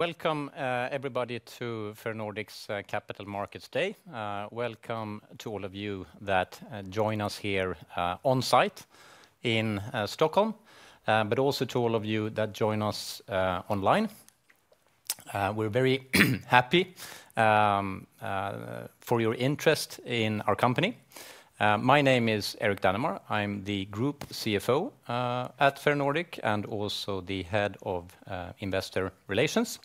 Welcome, everybody, to Ferronordic's Capital Markets Day. Welcome to all of you that join us here on site in Stockholm, but also to all of you that join us online. We're very happy for your interest in our company. My name is Erik Danemar. I'm the Group CFO at Ferronordic and also the Head of Investor Relations.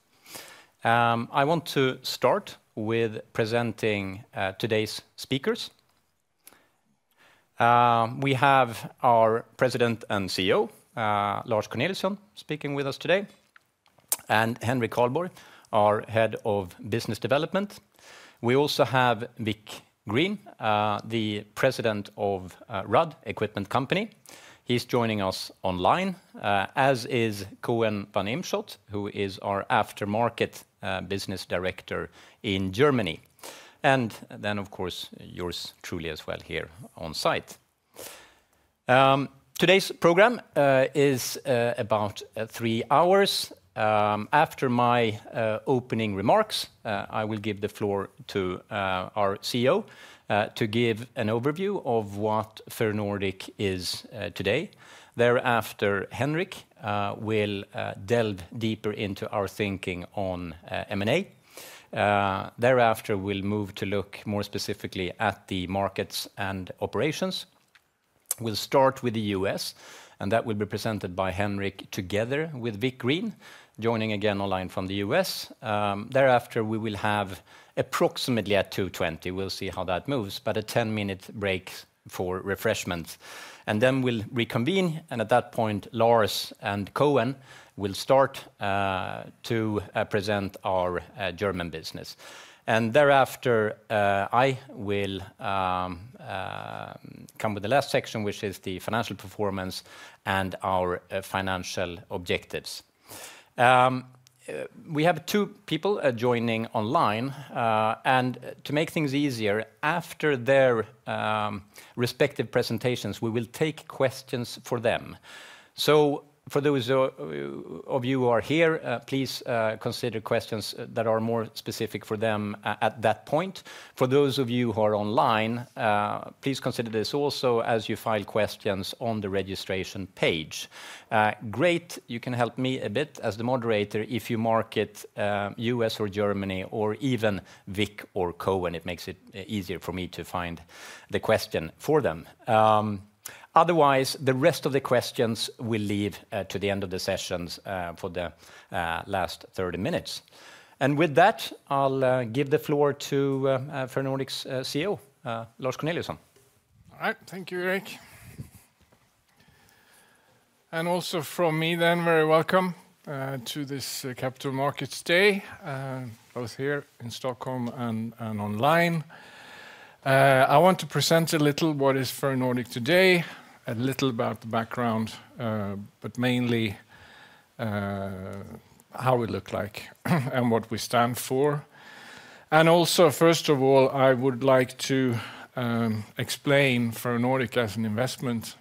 I want to start with presenting today's speakers. We have our President and CEO, Lars Corneliusson, speaking with us today, and Henrik Carlborg, our Head of Business Development. We also have Vic Green, the President of Rudd Equipment Company. He's joining us online, as is Koen van Eemschot, who is our Aftermarket Business Director in Germany. And then, of course, yours truly as well here on site. Today's program is about three hours. After my opening remarks, I will give the floor to our CEO to give an overview of what Ferronordic is today. Thereafter, Henrik will delve deeper into our thinking on M&A. Thereafter, we'll move to look more specifically at the markets and operations. We'll start with the US, and that will be presented by Henrik together with Vic Green, joining again online from the US. Thereafter, we will have approximately at 2:20 P.M., we'll see how that moves, but a 10-minute break for refreshments, and then we'll reconvene, and at that point, Lars and Koen will start to present our German business, and thereafter, I will come with the last section, which is the financial performance and our financial objectives. We have two people joining online, and to make things easier, after their respective presentations, we will take questions for them. For those of you who are here, please consider questions that are more specific for them at that point. For those of you who are online, please consider this also as you file questions on the registration page. Great, you can help me a bit as the moderator if you mark it US or Germany or even Vic or Koen. It makes it easier for me to find the question for them. Otherwise, the rest of the questions will leave to the end of the sessions for the last 30 minutes. And with that, I'll give the floor to Ferronordic's CEO, Lars Corneliusson. All right, thank you, Erik. And also from me then, very welcome to this Capital Markets Day, both here in Stockholm and online. I want to present a little what is Ferronordic today, a little about the background, but mainly how we look like and what we stand for. And also, first of all, I would like to explain Ferronordic as an investment.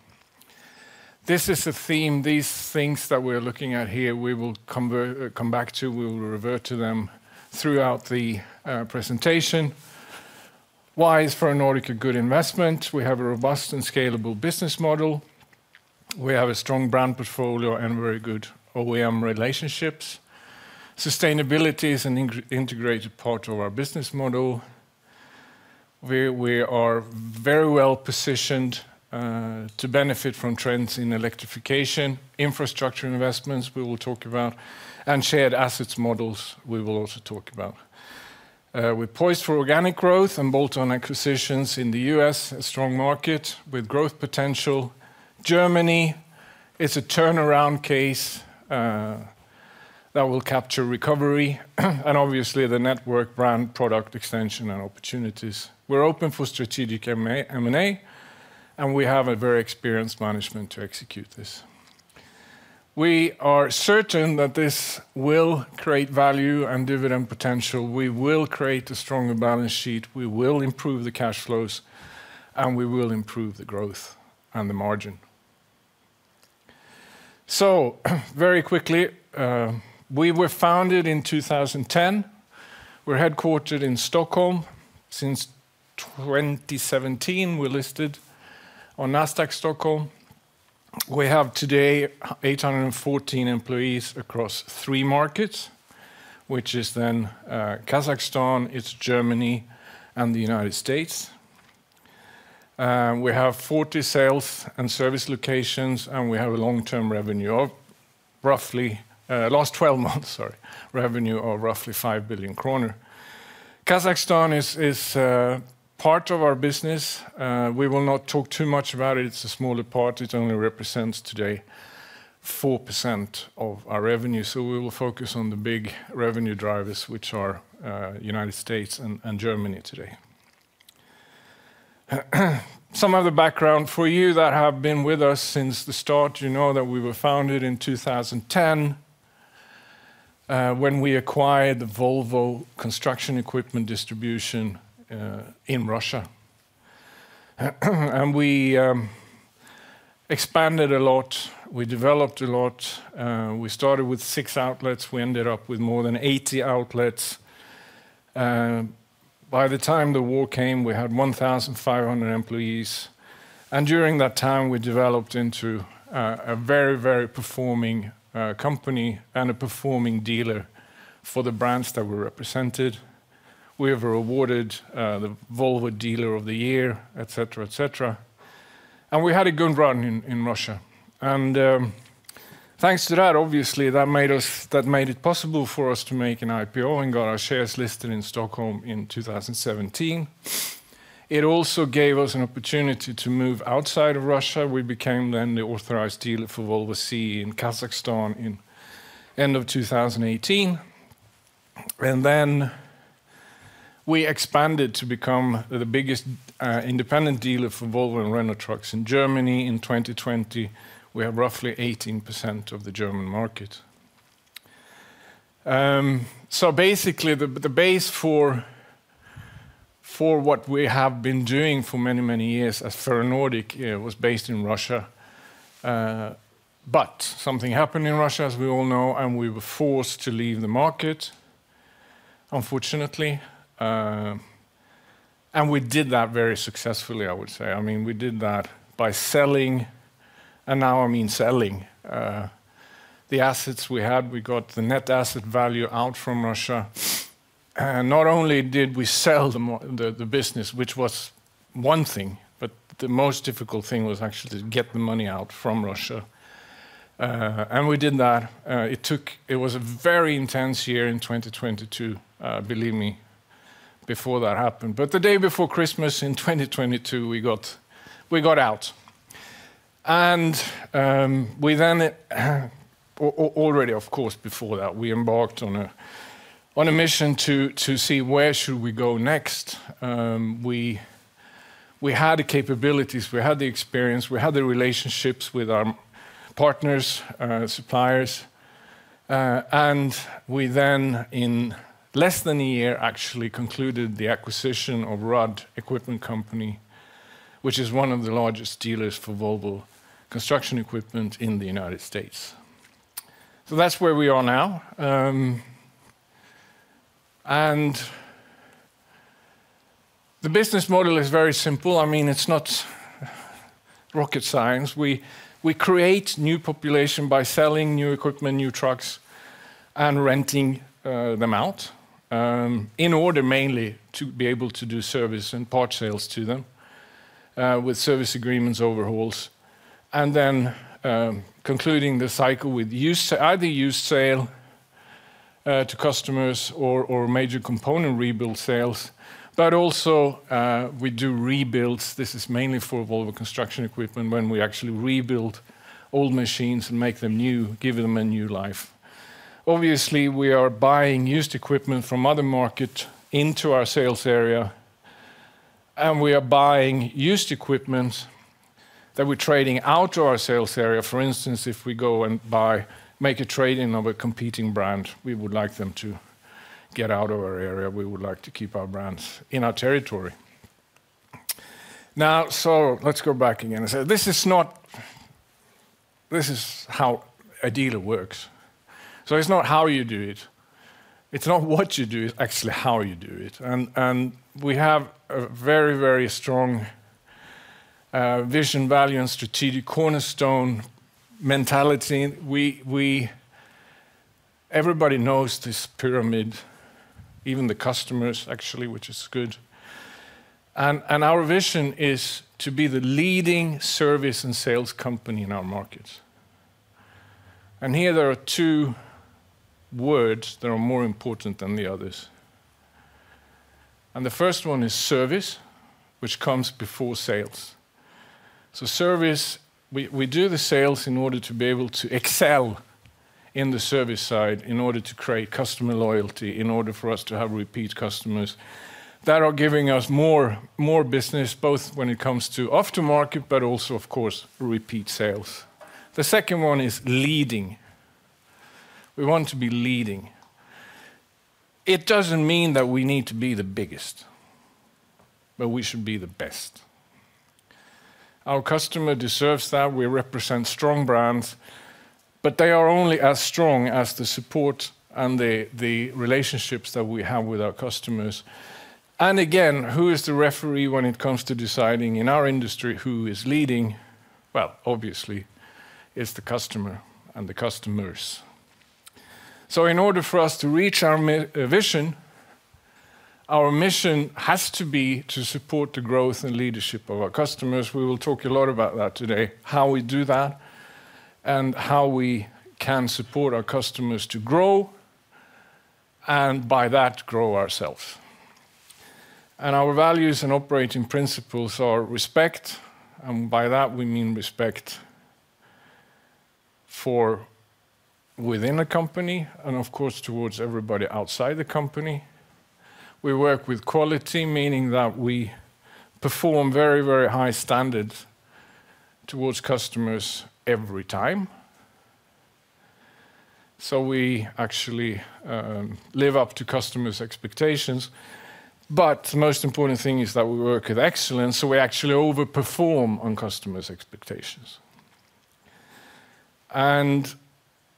This is a theme, these things that we're looking at here, we will come back to, we will revert to them throughout the presentation. Why is Ferronordic a good investment? We have a robust and scalable business model. We have a strong brand portfolio and very good OEM relationships. Sustainability is an integrated part of our business model. We are very well positioned to benefit from trends in electrification, infrastructure investments we will talk about, and shared assets models we will also talk about. We're poised for organic growth and bolt-on acquisitions in the U.S., a strong market with growth potential. Germany is a turnaround case that will capture recovery and obviously the network, brand, product extension and opportunities. We're open for strategic M&A, and we have a very experienced management to execute this. We are certain that this will create value and dividend potential. We will create a stronger balance sheet. We will improve the cash flows, and we will improve the growth and the margin. So very quickly, we were founded in 2010. We're headquartered in Stockholm. Since 2017, we're listed on Nasdaq Stockholm. We have today 814 employees across three markets, which is then Kazakhstan, it's Germany, and the United States. We have 40 sales and service locations, and we have a long-term revenue of roughly last 12 months, sorry, revenue of roughly 5 billion kronor. Kazakhstan is part of our business. We will not talk too much about it. It's a smaller part. It only represents today 4% of our revenue. So we will focus on the big revenue drivers, which are the United States and Germany today. Some of the background for you that have been with us since the start, you know that we were founded in 2010 when we acquired the Volvo Construction Equipment Distribution in Russia. And we expanded a lot. We developed a lot. We started with six outlets. We ended up with more than 80 outlets. By the time the war came, we had 1,500 employees. And during that time, we developed into a very, very performing company and a performing dealer for the brands that were represented. We were awarded the Volvo Dealer of the Year, et cetera, et cetera. And we had a good run in Russia. Thanks to that, obviously, that made it possible for us to make an IPO and got our shares listed in Stockholm in 2017. It also gave us an opportunity to move outside of Russia. We became then the authorized dealer for Volvo CE in Kazakhstan in the end of 2018. And then we expanded to become the biggest independent dealer for Volvo and Renault Trucks in Germany. In 2020, we have roughly 18% of the German market. So basically, the base for what we have been doing for many, many years as Ferronordic was based in Russia. But something happened in Russia, as we all know, and we were forced to leave the market, unfortunately. And we did that very successfully, I would say. I mean, we did that by selling, and now I mean selling the assets we had. We got the net asset value out from Russia. Not only did we sell the business, which was one thing, but the most difficult thing was actually to get the money out from Russia. We did that. It was a very intense year in 2022, believe me, before that happened. The day before Christmas in 2022, we got out. We then, already of course before that, embarked on a mission to see where we should go next. We had the capabilities, we had the experience, we had the relationships with our partners, suppliers. We then, in less than a year, actually concluded the acquisition of Rudd Equipment Company, which is one of the largest dealers for Volvo Construction Equipment in the United States. That's where we are now. The business model is very simple. I mean, it's not rocket science. We create new population by selling new equipment, new trucks, and renting them out in order mainly to be able to do service and part sales to them with service agreements, overhauls, and then concluding the cycle with either used sale to customers or major component rebuild sales. But also we do rebuilds. This is mainly for Volvo Construction Equipment when we actually rebuild old machines and make them new, give them a new life. Obviously, we are buying used equipment from other markets into our sales area, and we are buying used equipment that we're trading out to our sales area. For instance, if we go and make a trade in a competing brand, we would like them to get out of our area. We would like to keep our brands in our territory. Now, so let's go back again. This is how a dealer works. So it's not how you do it. It's not what you do. It's actually how you do it. And we have a very, very strong vision, value, and strategic cornerstone mentality. Everybody knows this pyramid, even the customers, actually, which is good. And our vision is to be the leading service and sales company in our markets. And here there are two words that are more important than the others. And the first one is service, which comes before sales. So service, we do the sales in order to be able to excel in the service side, in order to create customer loyalty, in order for us to have repeat customers that are giving us more business, both when it comes to aftermarket, but also, of course, repeat sales. The second one is leading. We want to be leading. It doesn't mean that we need to be the biggest, but we should be the best. Our customer deserves that. We represent strong brands, but they are only as strong as the support and the relationships that we have with our customers. And again, who is the referee when it comes to deciding in our industry who is leading? Well, obviously, it's the customer and the customers. So in order for us to reach our vision, our mission has to be to support the growth and leadership of our customers. We will talk a lot about that today, how we do that and how we can support our customers to grow and by that grow ourselves. And our values and operating principles are respect, and by that we mean respect within a company and, of course, towards everybody outside the company. We work with quality, meaning that we perform very, very high standards towards customers every time, so we actually live up to customers' expectations. But the most important thing is that we work with excellence, so we actually overperform on customers' expectations, and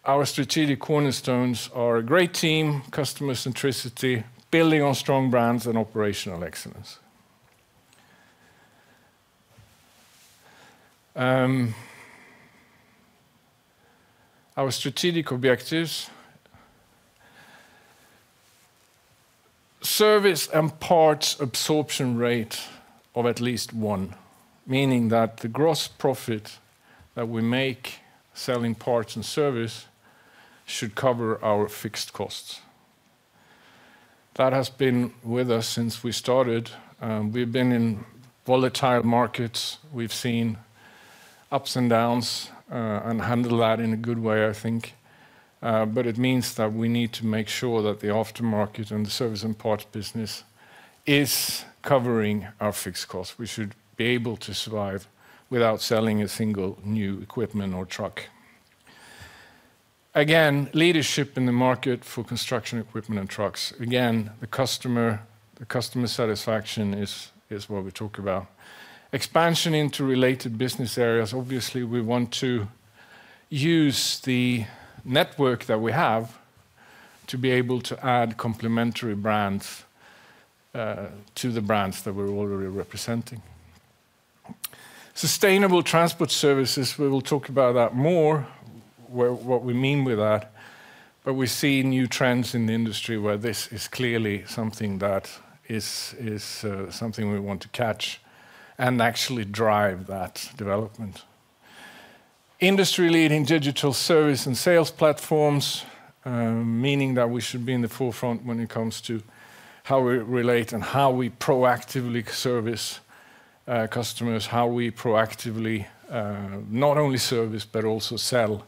our strategic cornerstones are a great team, customer centricity, building on strong brands, and operational excellence. Our strategic objectives: service and parts absorption rate of at least one, meaning that the gross profit that we make selling parts and service should cover our fixed costs. That has been with us since we started. We've been in volatile markets. We've seen ups and downs and handled that in a good way, I think, but it means that we need to make sure that the aftermarket and the service and parts business is covering our fixed costs. We should be able to survive without selling a single new equipment or truck. Again, leadership in the market for construction equipment and trucks. Again, the customer satisfaction is what we talk about. Expansion into related business areas. Obviously, we want to use the network that we have to be able to add complementary brands to the brands that we're already representing. Sustainable transport services, we will talk about that more, what we mean with that. But we see new trends in the industry where this is clearly something that is something we want to catch and actually drive that development. Industry-leading digital service and sales platforms, meaning that we should be in the forefront when it comes to how we relate and how we proactively service customers, how we proactively not only service, but also sell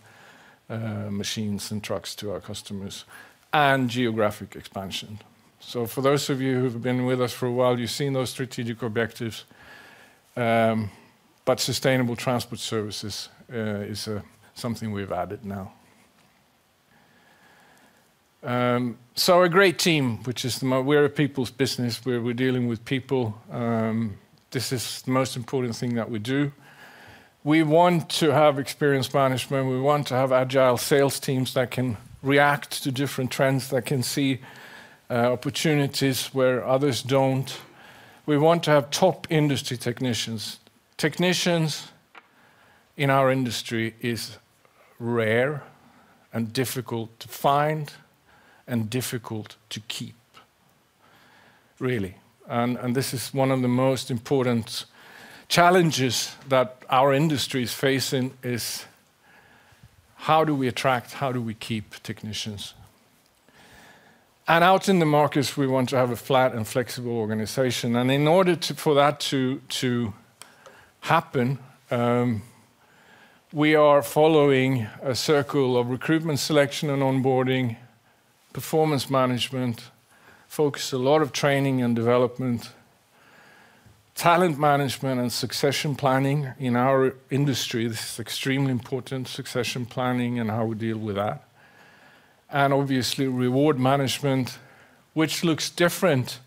machines and trucks to our customers, and geographic expansion. So for those of you who've been with us for a while, you've seen those strategic objectives. But sustainable transport services is something we've added now. So a great team, which is we're a people's business where we're dealing with people. This is the most important thing that we do. We want to have experienced management. We want to have agile sales teams that can react to different trends, that can see opportunities where others don't. We want to have top industry technicians. Technicians in our industry is rare and difficult to find and difficult to keep, really. And this is one of the most important challenges that our industry is facing is how do we attract, how do we keep technicians. And out in the markets, we want to have a flat and flexible organization. And in order for that to happen, we are following a circle of recruitment, selection, and onboarding, performance management, focus a lot of training and development, talent management, and succession planning in our industry. This is extremely important, succession planning and how we deal with that. And obviously, reward management, which looks different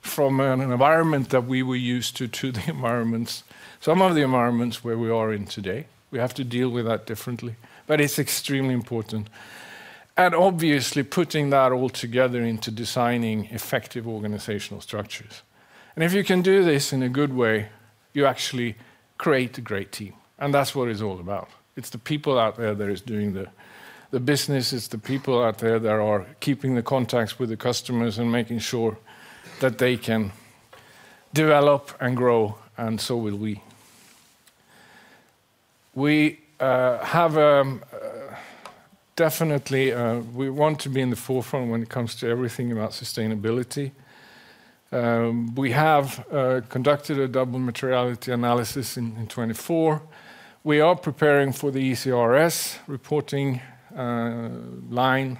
from an environment that we were used to, to the environments, some of the environments where we are in today. We have to deal with that differently, but it's extremely important. And obviously, putting that all together into designing effective organizational structures. And if you can do this in a good way, you actually create a great team. And that's what it's all about. It's the people out there that are doing the business. It's the people out there that are keeping the contacts with the customers and making sure that they can develop and grow, and so will we. We have definitely, we want to be in the forefront when it comes to everything about sustainability. We have conducted a double materiality analysis in 2024. We are preparing for the ESRS reporting line,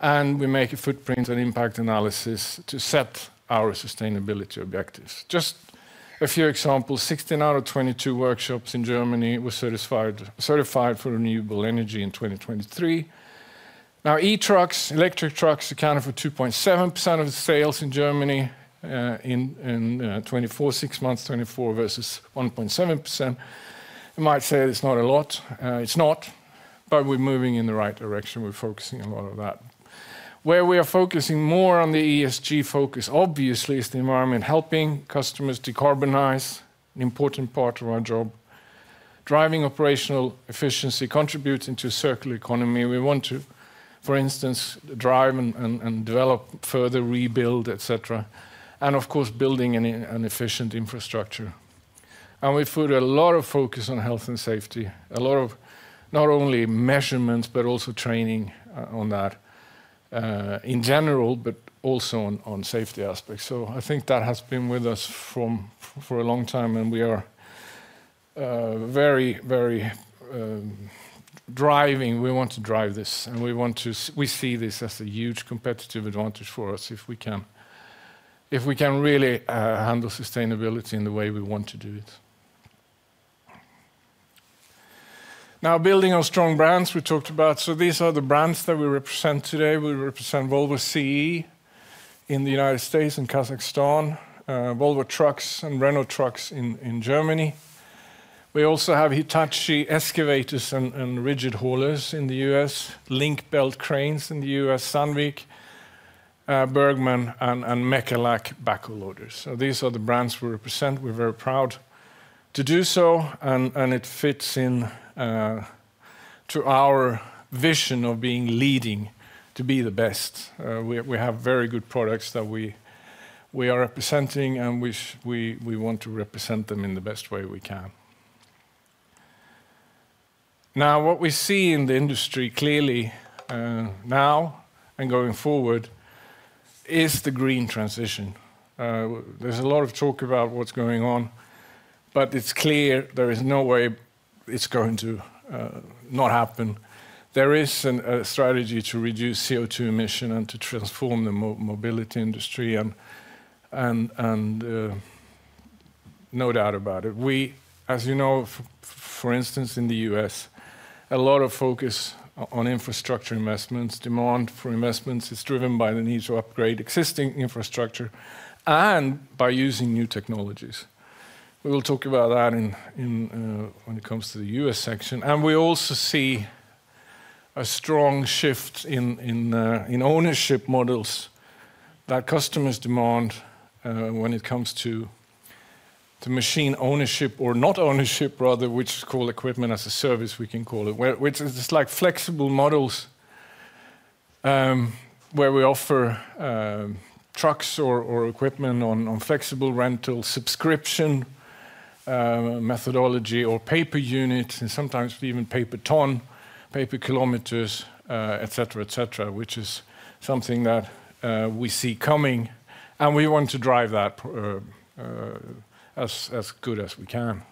and we make a footprint and impact analysis to set our sustainability objectives. Just a few examples, 16 out of 22 workshops in Germany were certified for renewable energy in 2023. Now, e-trucks, electric trucks accounted for 2.7% of the sales in Germany in 2024, six months, 2024 versus 1.7%. You might say it's not a lot. It's not, but we're moving in the right direction. We're focusing a lot on that. Where we are focusing more on the ESG focus, obviously, is the environment helping customers decarbonize, an important part of our job. Driving operational efficiency contributes into a circular economy. We want to, for instance, drive and develop further, rebuild, et cetera, and of course, building an efficient infrastructure, and we've put a lot of focus on health and safety, a lot of not only measurements, but also training on that in general, but also on safety aspects. So I think that has been with us for a long time, and we are very, very driving. We want to drive this, and we want to see this as a huge competitive advantage for us if we can really handle sustainability in the way we want to do it. Now, building on strong brands we talked about, so these are the brands that we represent today. We represent Volvo CE in the United States and Kazakhstan, Volvo trucks and Renault trucks in Germany. We also have Hitachi excavators and rigid haulers in the US, Link-Belt cranes in the US, Sandvik, Bergmann, and Mecalac backhoe loaders. So these are the brands we represent. We're very proud to do so, and it fits into our vision of being leading to be the best. We have very good products that we are representing, and we want to represent them in the best way we can. Now, what we see in the industry clearly now and going forward is the green transition. There's a lot of talk about what's going on, but it's clear there is no way it's going to not happen. There is a strategy to reduce CO2 emission and to transform the mobility industry, and no doubt about it. We, as you know, for instance, in the U.S., a lot of focus on infrastructure investments. Demand for investments is driven by the need to upgrade existing infrastructure and by using new technologies. We will talk about that when it comes to the U.S. section, and we also see a strong shift in ownership models that customers demand when it comes to machine ownership or not ownership, rather, which is called equipment as a service, we can call it, which is like flexible models where we offer trucks or equipment on flexible rental subscription methodology or pay-per-unit and sometimes even pay-per-ton, pay-per-kilometer, et cetera, et cetera, which is something that we see coming. We want to drive that as good as we can.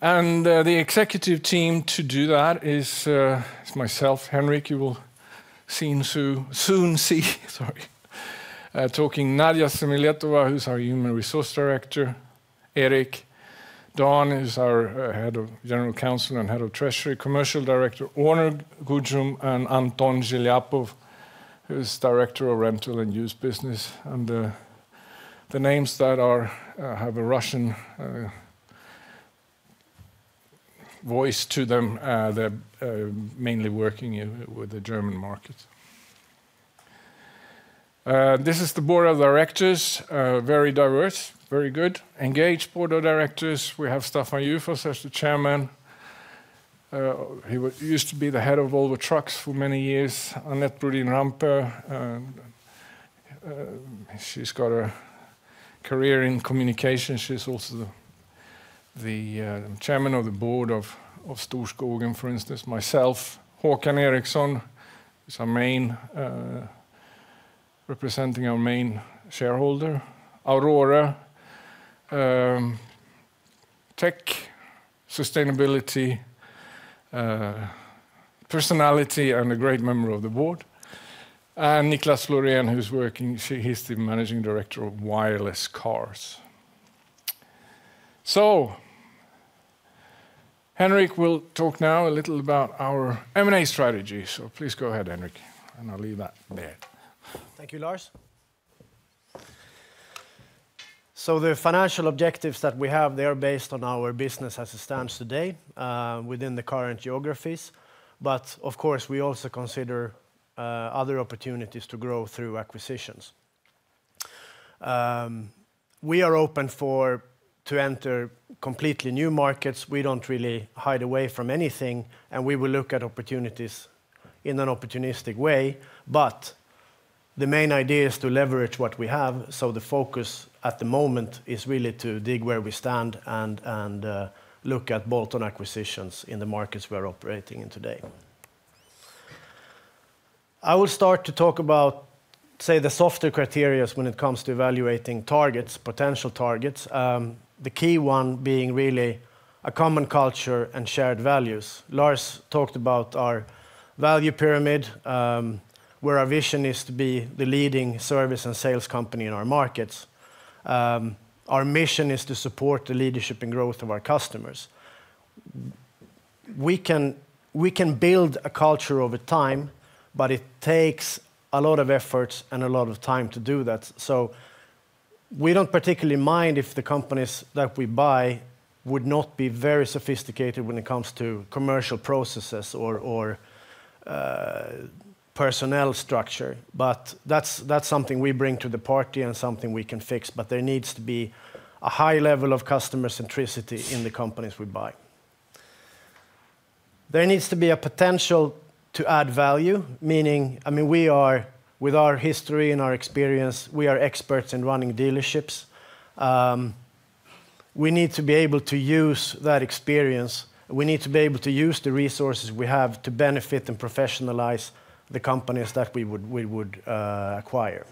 The executive team to do that is myself, Henrik, you will soon see, sorry, talking Nadia Semiletova, who's our human resource director, Erik Danemar is our head of general counsel and head of treasury, commercial director, Onur Gucum, and Anton Zhelyapov, who's director of rental and used business. The names that have a Russian voice to them, they're mainly working with the German market. This is the board of directors, very diverse, very good, engaged board of directors. We have Stefan Jufors as the chairman. He used to be the head of Volvo Trucks for many years. Annette Brodin Rampe. She's got a career in communication. She's also the chairman of the board of Storskogen, for instance, myself, Håkan Eriksson, representing our main shareholder, Aurora, tech, sustainability, personality, and a great member of the board. Niklas Florén, who's working, he's the managing director of WirelessCar. So Henrik will talk now a little about our M&A strategy. So please go ahead, Henrik, and I'll leave that there. Thank you, Lars. So the financial objectives that we have, they are based on our business as it stands today within the current geographies. But of course, we also consider other opportunities to grow through acquisitions. We are open to enter completely new markets. We don't really hide away from anything, and we will look at opportunities in an opportunistic way. But the main idea is to leverage what we have. So the focus at the moment is really to dig where we stand and look at bolt-on acquisitions in the markets we're operating in today. I will start to talk about, say, the soft criteria when it comes to evaluating targets, potential targets, the key one being really a common culture and shared values. Lars talked about our value pyramid, where our vision is to be the leading service and sales company in our markets. Our mission is to support the leadership and growth of our customers. We can build a culture over time, but it takes a lot of effort and a lot of time to do that. So we don't particularly mind if the companies that we buy would not be very sophisticated when it comes to commercial processes or personnel structure. But that's something we bring to the party and something we can fix. But there needs to be a high level of customer centricity in the companies we buy. There needs to be a potential to add value, meaning, I mean, we are, with our history and our experience, we are experts in running dealerships. We need to be able to use that experience. We need to be able to use the resources we have to benefit and professionalize the companies that we would acquire.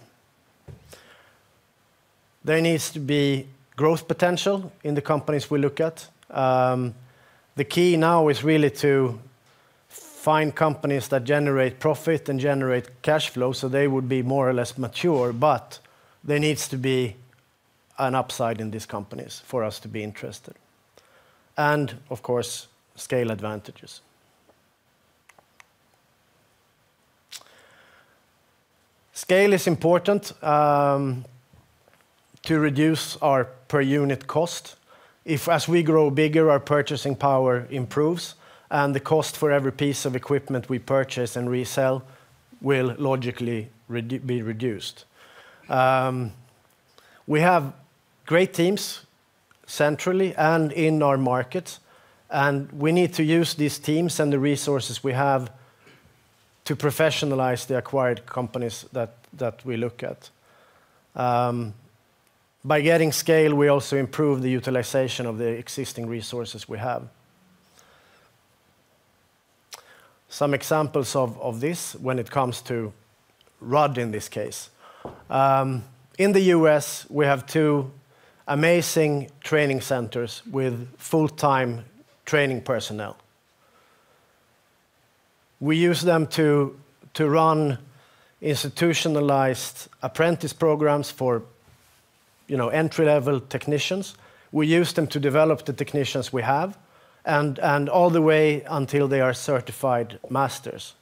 There needs to be growth potential in the companies we look at. The key now is really to find companies that generate profit and generate cash flow so they would be more or less mature. But there needs to be an upside in these companies for us to be interested. And of course, scale advantages. Scale is important to reduce our per unit cost. If, as we grow bigger, our purchasing power improves and the cost for every piece of equipment we purchase and resell will logically be reduced. We have great teams centrally and in our markets, and we need to use these teams and the resources we have to professionalize the acquired companies that we look at. By getting scale, we also improve the utilization of the existing resources we have. Some examples of this, when it comes to Rudd in this case. In the U.S., we have two amazing training centers with full-time training personnel. We use them to run institutionalized apprentice programs for entry-level technicians. We use them to develop the technicians we have and all the way until they are certified masters.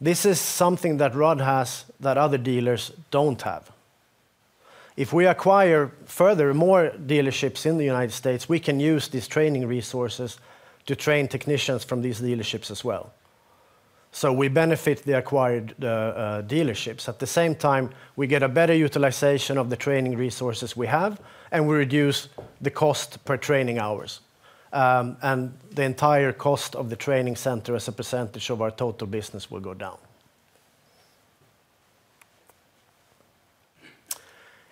This is something that Rudd has that other dealers don't have. If we acquire further more dealerships in the United States, we can use these training resources to train technicians from these dealerships as well. So we benefit the acquired dealerships. At the same time, we get a better utilization of the training resources we have, and we reduce the cost per training hours and the entire cost of the training center as a percentage of our total business will go down.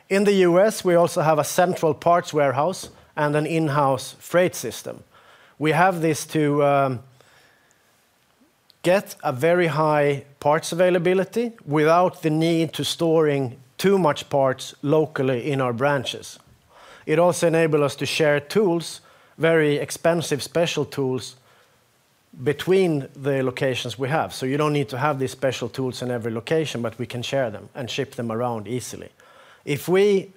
In the U.S., we also have a central parts warehouse and an in-house freight system. We have this to get a very high parts availability without the need to store too much parts locally in our branches. It also enables us to share tools, very expensive special tools between the locations we have. So you don't need to have these special tools in every location, but we can share them and ship them around easily. If we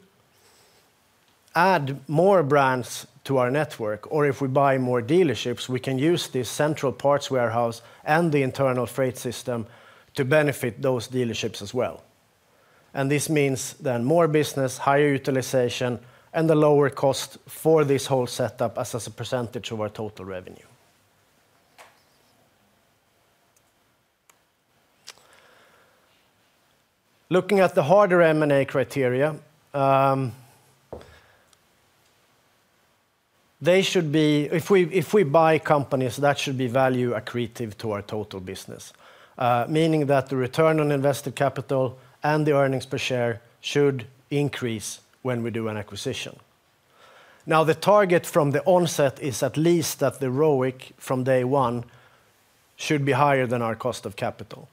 add more brands to our network or if we buy more dealerships, we can use this central parts warehouse and the internal freight system to benefit those dealerships as well. And this means then more business, higher utilization, and a lower cost for this whole setup as a percentage of our total revenue. Looking at the harder M&A criteria, they should be, if we buy companies, that should be value accretive to our total business, meaning that the return on invested capital and the earnings per share should increase when we do an acquisition. Now, the target from the onset is at least that the ROIC from day one should be higher than our cost of capital.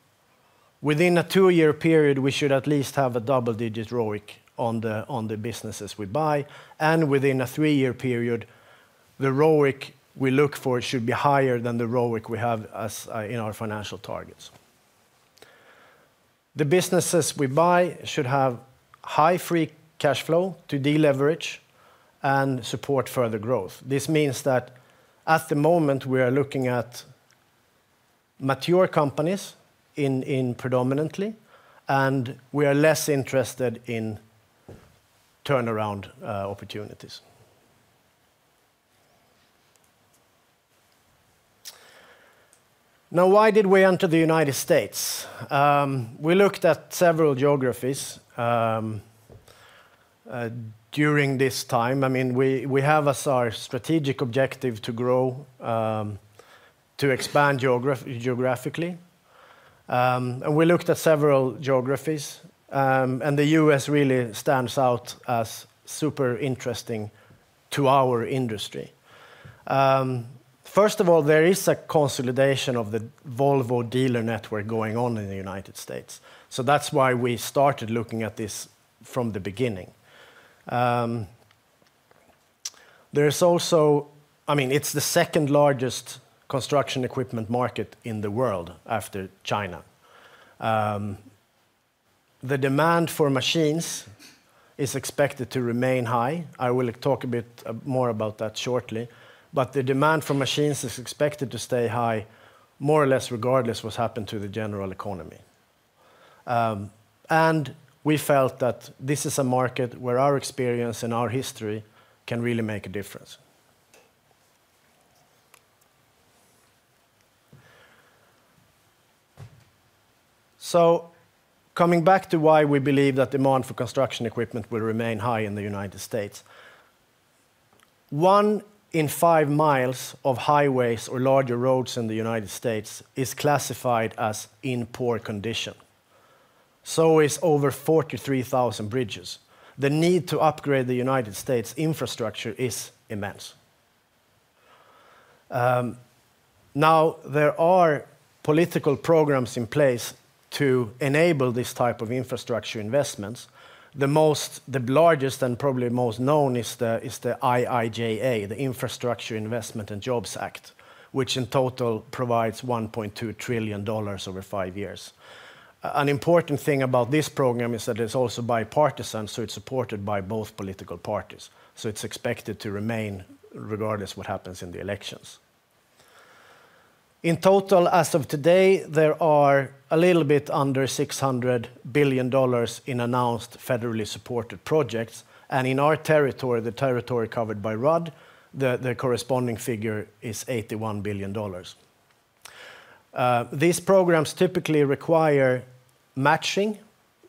Within a two-year period, we should at least have a double-digit ROIC on the businesses we buy. And within a three-year period, the ROIC we look for should be higher than the ROIC we have in our financial targets. The businesses we buy should have high free cash flow to deleverage and support further growth. This means that at the moment, we are looking at mature companies predominantly, and we are less interested in turnaround opportunities. Now, why did we enter the United States? We looked at several geographies during this time. I mean, we have as our strategic objective to grow, to expand geographically, and we looked at several geographies, and the U.S. really stands out as super interesting to our industry. First of all, there is a consolidation of the Volvo dealer network going on in the United States. So that's why we started looking at this from the beginning. There is also, I mean, it's the second largest construction equipment market in the world after China. The demand for machines is expected to remain high. I will talk a bit more about that shortly, but the demand for machines is expected to stay high, more or less regardless of what's happened to the general economy, and we felt that this is a market where our experience and our history can really make a difference. So coming back to why we believe that demand for construction equipment will remain high in the United States. One in five miles of highways or larger roads in the United States is classified as in poor condition. So is over 43,000 bridges. The need to upgrade the United States infrastructure is immense. Now, there are political programs in place to enable this type of infrastructure investments. The largest and probably most known is the IIJA, the Infrastructure Investment and Jobs Act, which in total provides $1.2 trillion over five years. An important thing about this program is that it's also bipartisan, so it's supported by both political parties. So it's expected to remain regardless of what happens in the elections. In total, as of today, there are a little bit under $600 billion in announced federally supported projects. In our territory, the territory covered by Rudd, the corresponding figure is $81 billion. These programs typically require matching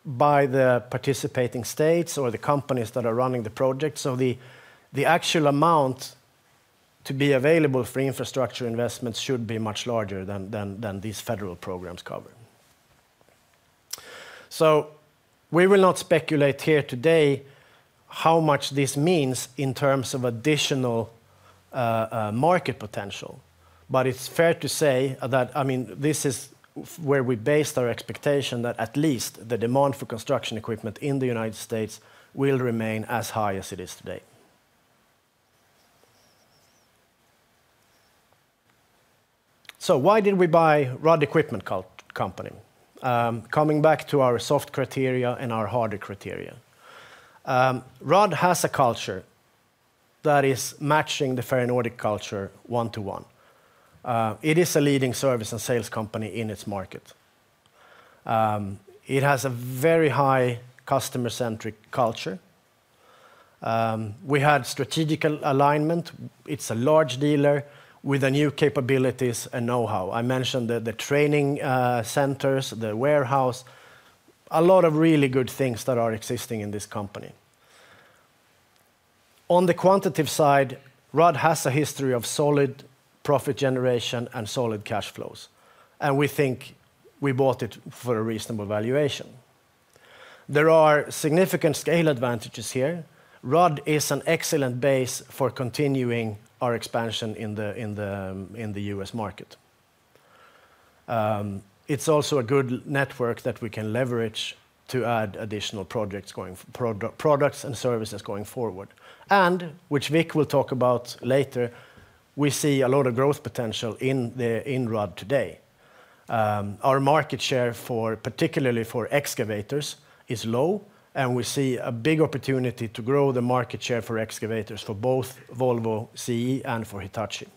by the participating states or the companies that are running the projects. The actual amount to be available for infrastructure investments should be much larger than these federal programs cover. We will not speculate here today how much this means in terms of additional market potential. But it's fair to say that, I mean, this is where we based our expectation that at least the demand for construction equipment in the United States will remain as high as it is today. Why did we buy Rudd Equipment Company? Coming back to our soft criteria and our harder criteria. Rudd has a culture that is matching the Ferronordic culture one to one. It is a leading service and sales company in its market. It has a very high customer-centric culture. We had strategic alignment. It's a large dealer with new capabilities and know-how. I mentioned the training centers, the warehouse, a lot of really good things that are existing in this company. On the quantitative side, Rudd has a history of solid profit generation and solid cash flows. And we think we bought it for a reasonable valuation. There are significant scale advantages here. Rudd is an excellent base for continuing our expansion in the U.S. market. It's also a good network that we can leverage to add additional products and services going forward. And which Vic will talk about later, we see a lot of growth potential in Rudd today. Our market share, particularly for excavators, is low. And we see a big opportunity to grow the market share for excavators for both Volvo CE and for Hitachi.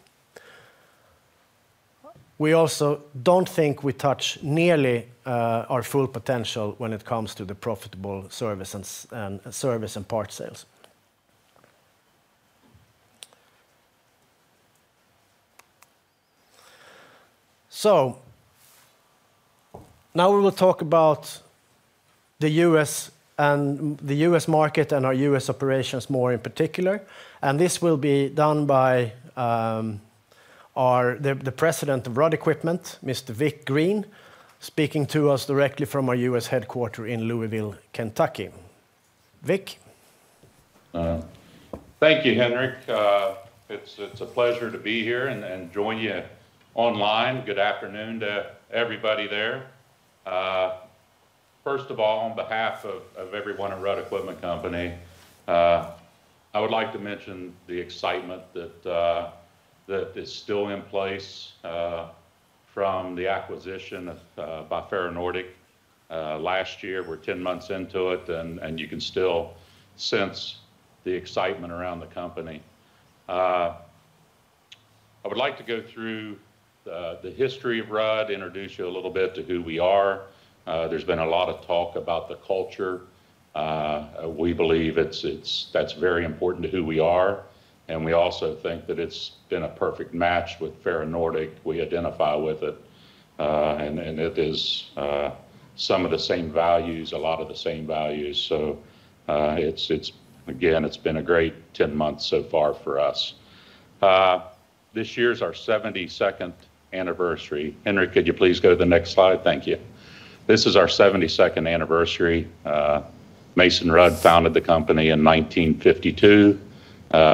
We also don't think we touch nearly our full potential when it comes to the profitable service and part sales. So now we will talk about the U.S. market and our U.S. operations more in particular. And this will be done by the President of Rudd Equipment, Mr. Vic Green, speaking to us directly from our U.S. headquarters in Louisville, Kentucky. Vic. Thank you, Henrik. It's a pleasure to be here and join you online. Good afternoon to everybody there. First of all, on behalf of everyone at Rudd Equipment Company, I would like to mention the excitement that is still in place from the acquisition by Ferronordic last year. We're 10 months into it, and you can still sense the excitement around the company. I would like to go through the history of Rudd, introduce you a little bit to who we are. There's been a lot of talk about the culture. We believe that's very important to who we are, and we also think that it's been a perfect match with Ferronordic. We identify with it, and it is some of the same values, a lot of the same values, so again, it's been a great 10 months so far for us. This year is our 72nd anniversary. Henrik, could you please go to the next slide? Thank you. This is our 72nd anniversary. Mason Rudd founded the company in 1952,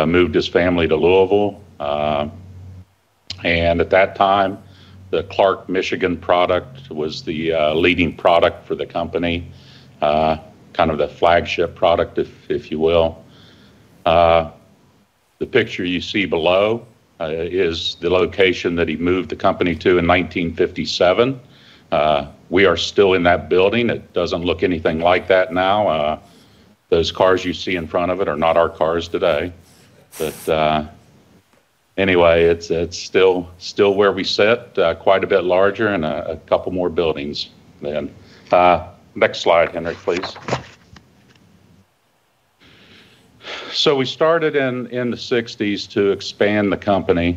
moved his family to Louisville, and at that time, the Clark Michigan product was the leading product for the company, kind of the flagship product, if you will. The picture you see below is the location that he moved the company to in 1957. We are still in that building. It doesn't look anything like that now. Those cars you see in front of it are not our cars today. But anyway, it's still where we sit, quite a bit larger and a couple more buildings than. Next slide, Henrik, please. We started in the 1960s to expand the company,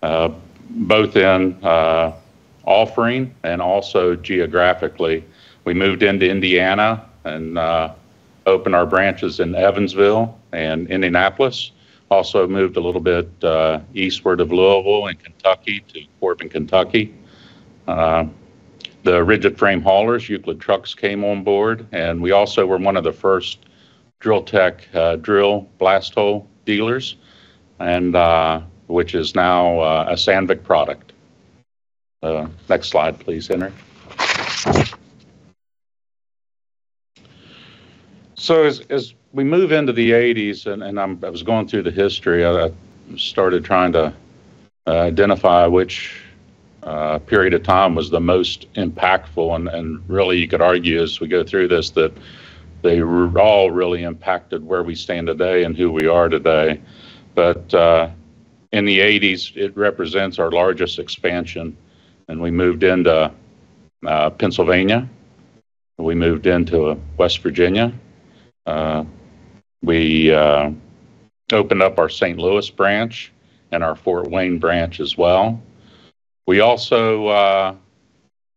both in offering and also geographically. We moved into Indiana and opened our branches in Evansville and Indianapolis. Also moved a little bit eastward of Louisville and Kentucky to Corbin, Kentucky. The rigid-frame haulers, Euclid trucks, came on board. We also were one of the first Driltech drill-blast-hole dealers, which is now a Sandvik product. Next slide, please, Henrik. As we move into the 1980s, I was going through the history. I started trying to identify which period of time was the most impactful. And really, you could argue as we go through this that they were all really impacted where we stand today and who we are today. But in the 1980s, it represents our largest expansion. We moved into Pennsylvania. We moved into West Virginia. We opened up our St. Louis branch and our Fort Wayne branch as well. We also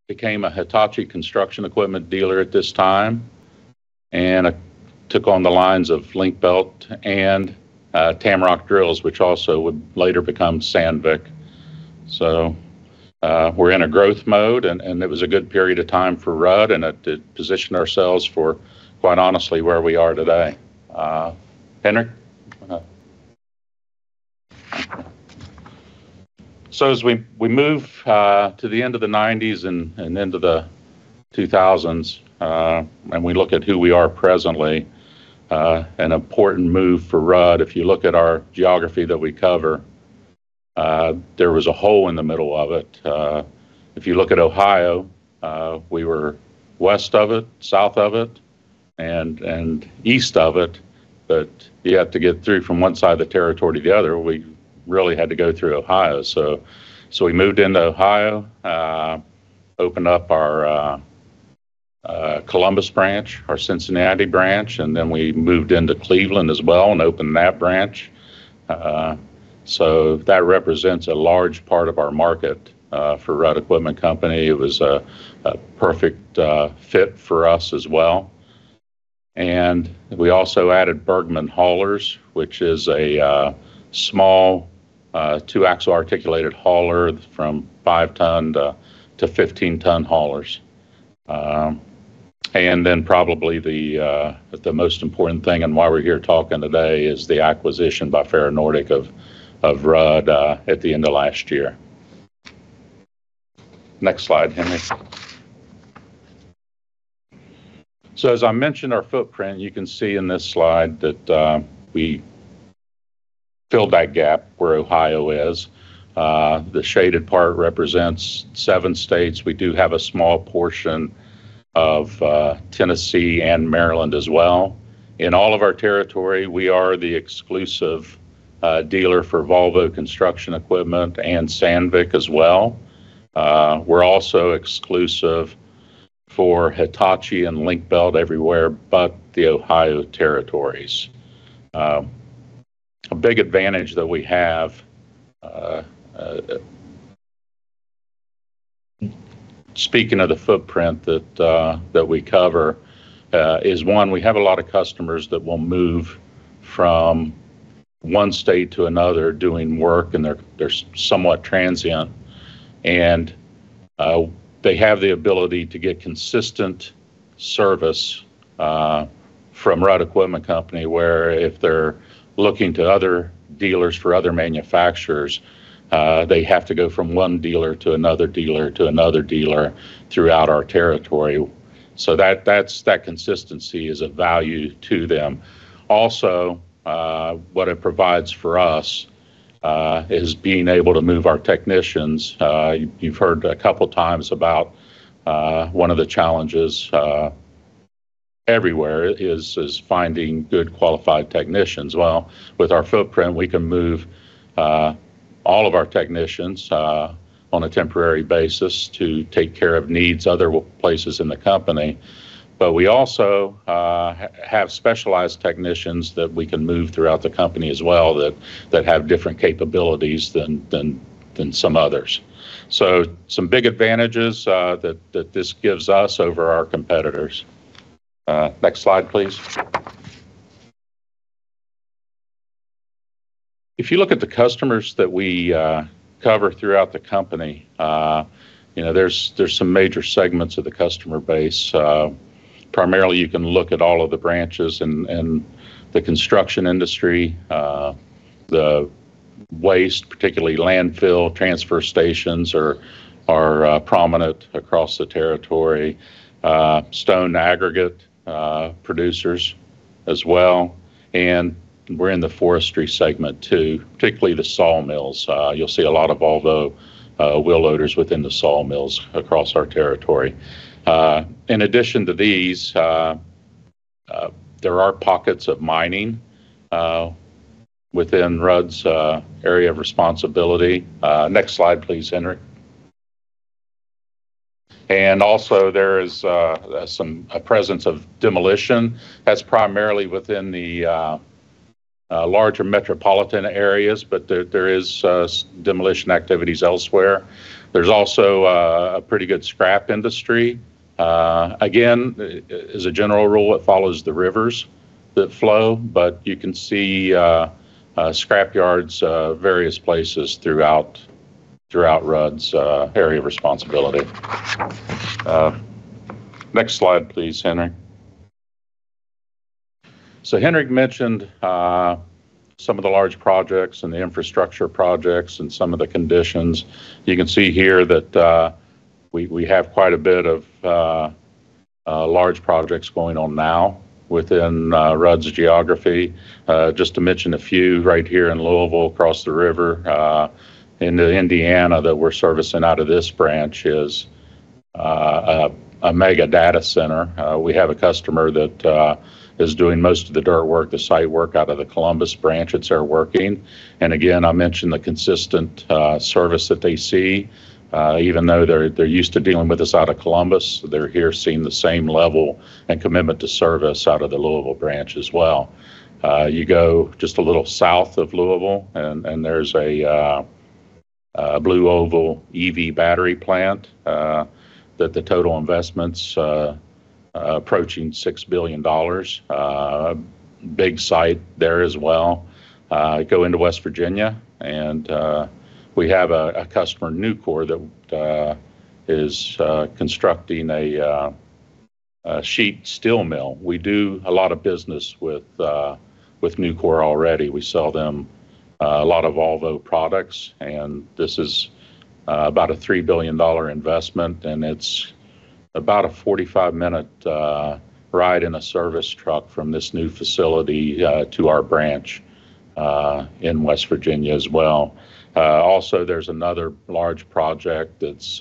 became a Hitachi Construction Equipment dealer at this time and took on the lines of Link-Belt and Tamrock Drills, which also would later become Sandvik. So we're in a growth mode, and it was a good period of time for Rudd, and it positioned ourselves for, quite honestly, where we are today. Henrik. As we move to the end of the 1990s and into the 2000s, and we look at who we are presently, an important move for Rudd, if you look at our geography that we cover, there was a hole in the middle of it. If you look at Ohio, we were west of it, south of it, and east of it. But you have to get through from one side of the territory to the other. We really had to go through Ohio. We moved into Ohio, opened up our Columbus branch, our Cincinnati branch, and then we moved into Cleveland as well and opened that branch. That represents a large part of our market for Rudd Equipment Company. It was a perfect fit for us as well. We also added Bergmann haulers, which is a small two-axle articulated hauler from 5-ton to 15-ton haulers. And then probably the most important thing and why we're here talking today is the acquisition by Ferronordic of Rudd at the end of last year. Next slide, Henrik. So as I mentioned our footprint, you can see in this slide that we filled that gap where Ohio is. The shaded part represents seven states. We do have a small portion of Tennessee and Maryland as well. In all of our territory, we are the exclusive dealer for Volvo Construction Equipment and Sandvik as well. We're also exclusive for Hitachi and Link-Belt everywhere, but the Ohio territories. A big advantage that we have, speaking of the footprint that we cover, is one, we have a lot of customers that will move from one state to another doing work, and they're somewhat transient. They have the ability to get consistent service from Rudd Equipment Company, where if they're looking to other dealers for other manufacturers, they have to go from one dealer to another dealer to another dealer throughout our territory. That consistency is a value to them. Also, what it provides for us is being able to move our technicians. You've heard a couple of times about one of the challenges everywhere is finding good qualified technicians. With our footprint, we can move all of our technicians on a temporary basis to take care of needs other places in the company. But we also have specialized technicians that we can move throughout the company as well that have different capabilities than some others. Some big advantages that this gives us over our competitors. Next slide, please. If you look at the customers that we cover throughout the company, there's some major segments of the customer base. Primarily, you can look at all of the branches in the construction industry. The waste, particularly landfill transfer stations, are prominent across the territory. Stone aggregate producers as well, and we're in the forestry segment too, particularly the sawmills. You'll see a lot of Volvo wheel loaders within the sawmills across our territory. In addition to these, there are pockets of mining within Rudd's area of responsibility. Next slide, please, Henrik, and also, there is a presence of demolition. That's primarily within the larger metropolitan areas, but there are demolition activities elsewhere. There's also a pretty good scrap industry. Again, as a general rule, it follows the rivers that flow, but you can see scrap yards various places throughout Rudd's area of responsibility. Next slide, please, Henrik. So Henrik mentioned some of the large projects and the infrastructure projects and some of the conditions. You can see here that we have quite a bit of large projects going on now within Rudd's geography. Just to mention a few right here in Louisville, across the river, in Indiana that we're servicing out of this branch is a mega data center. We have a customer that is doing most of the dirt work, the site work out of the Columbus branch that's there working. And again, I mentioned the consistent service that they see. Even though they're used to dealing with us out of Columbus, they're here seeing the same level and commitment to service out of the Louisville branch as well. You go just a little south of Louisville, and there's a Blue Oval EV battery plant that the total investments approaching $6 billion. Big site there as well. Go into West Virginia, and we have a customer, Nucor, that is constructing a sheet steel mill. We do a lot of business with Nucor already. We sell them a lot of Volvo products, and this is about a $3 billion investment, and it's about a 45-minute ride in a service truck from this new facility to our branch in West Virginia as well. Also, there's another large project that's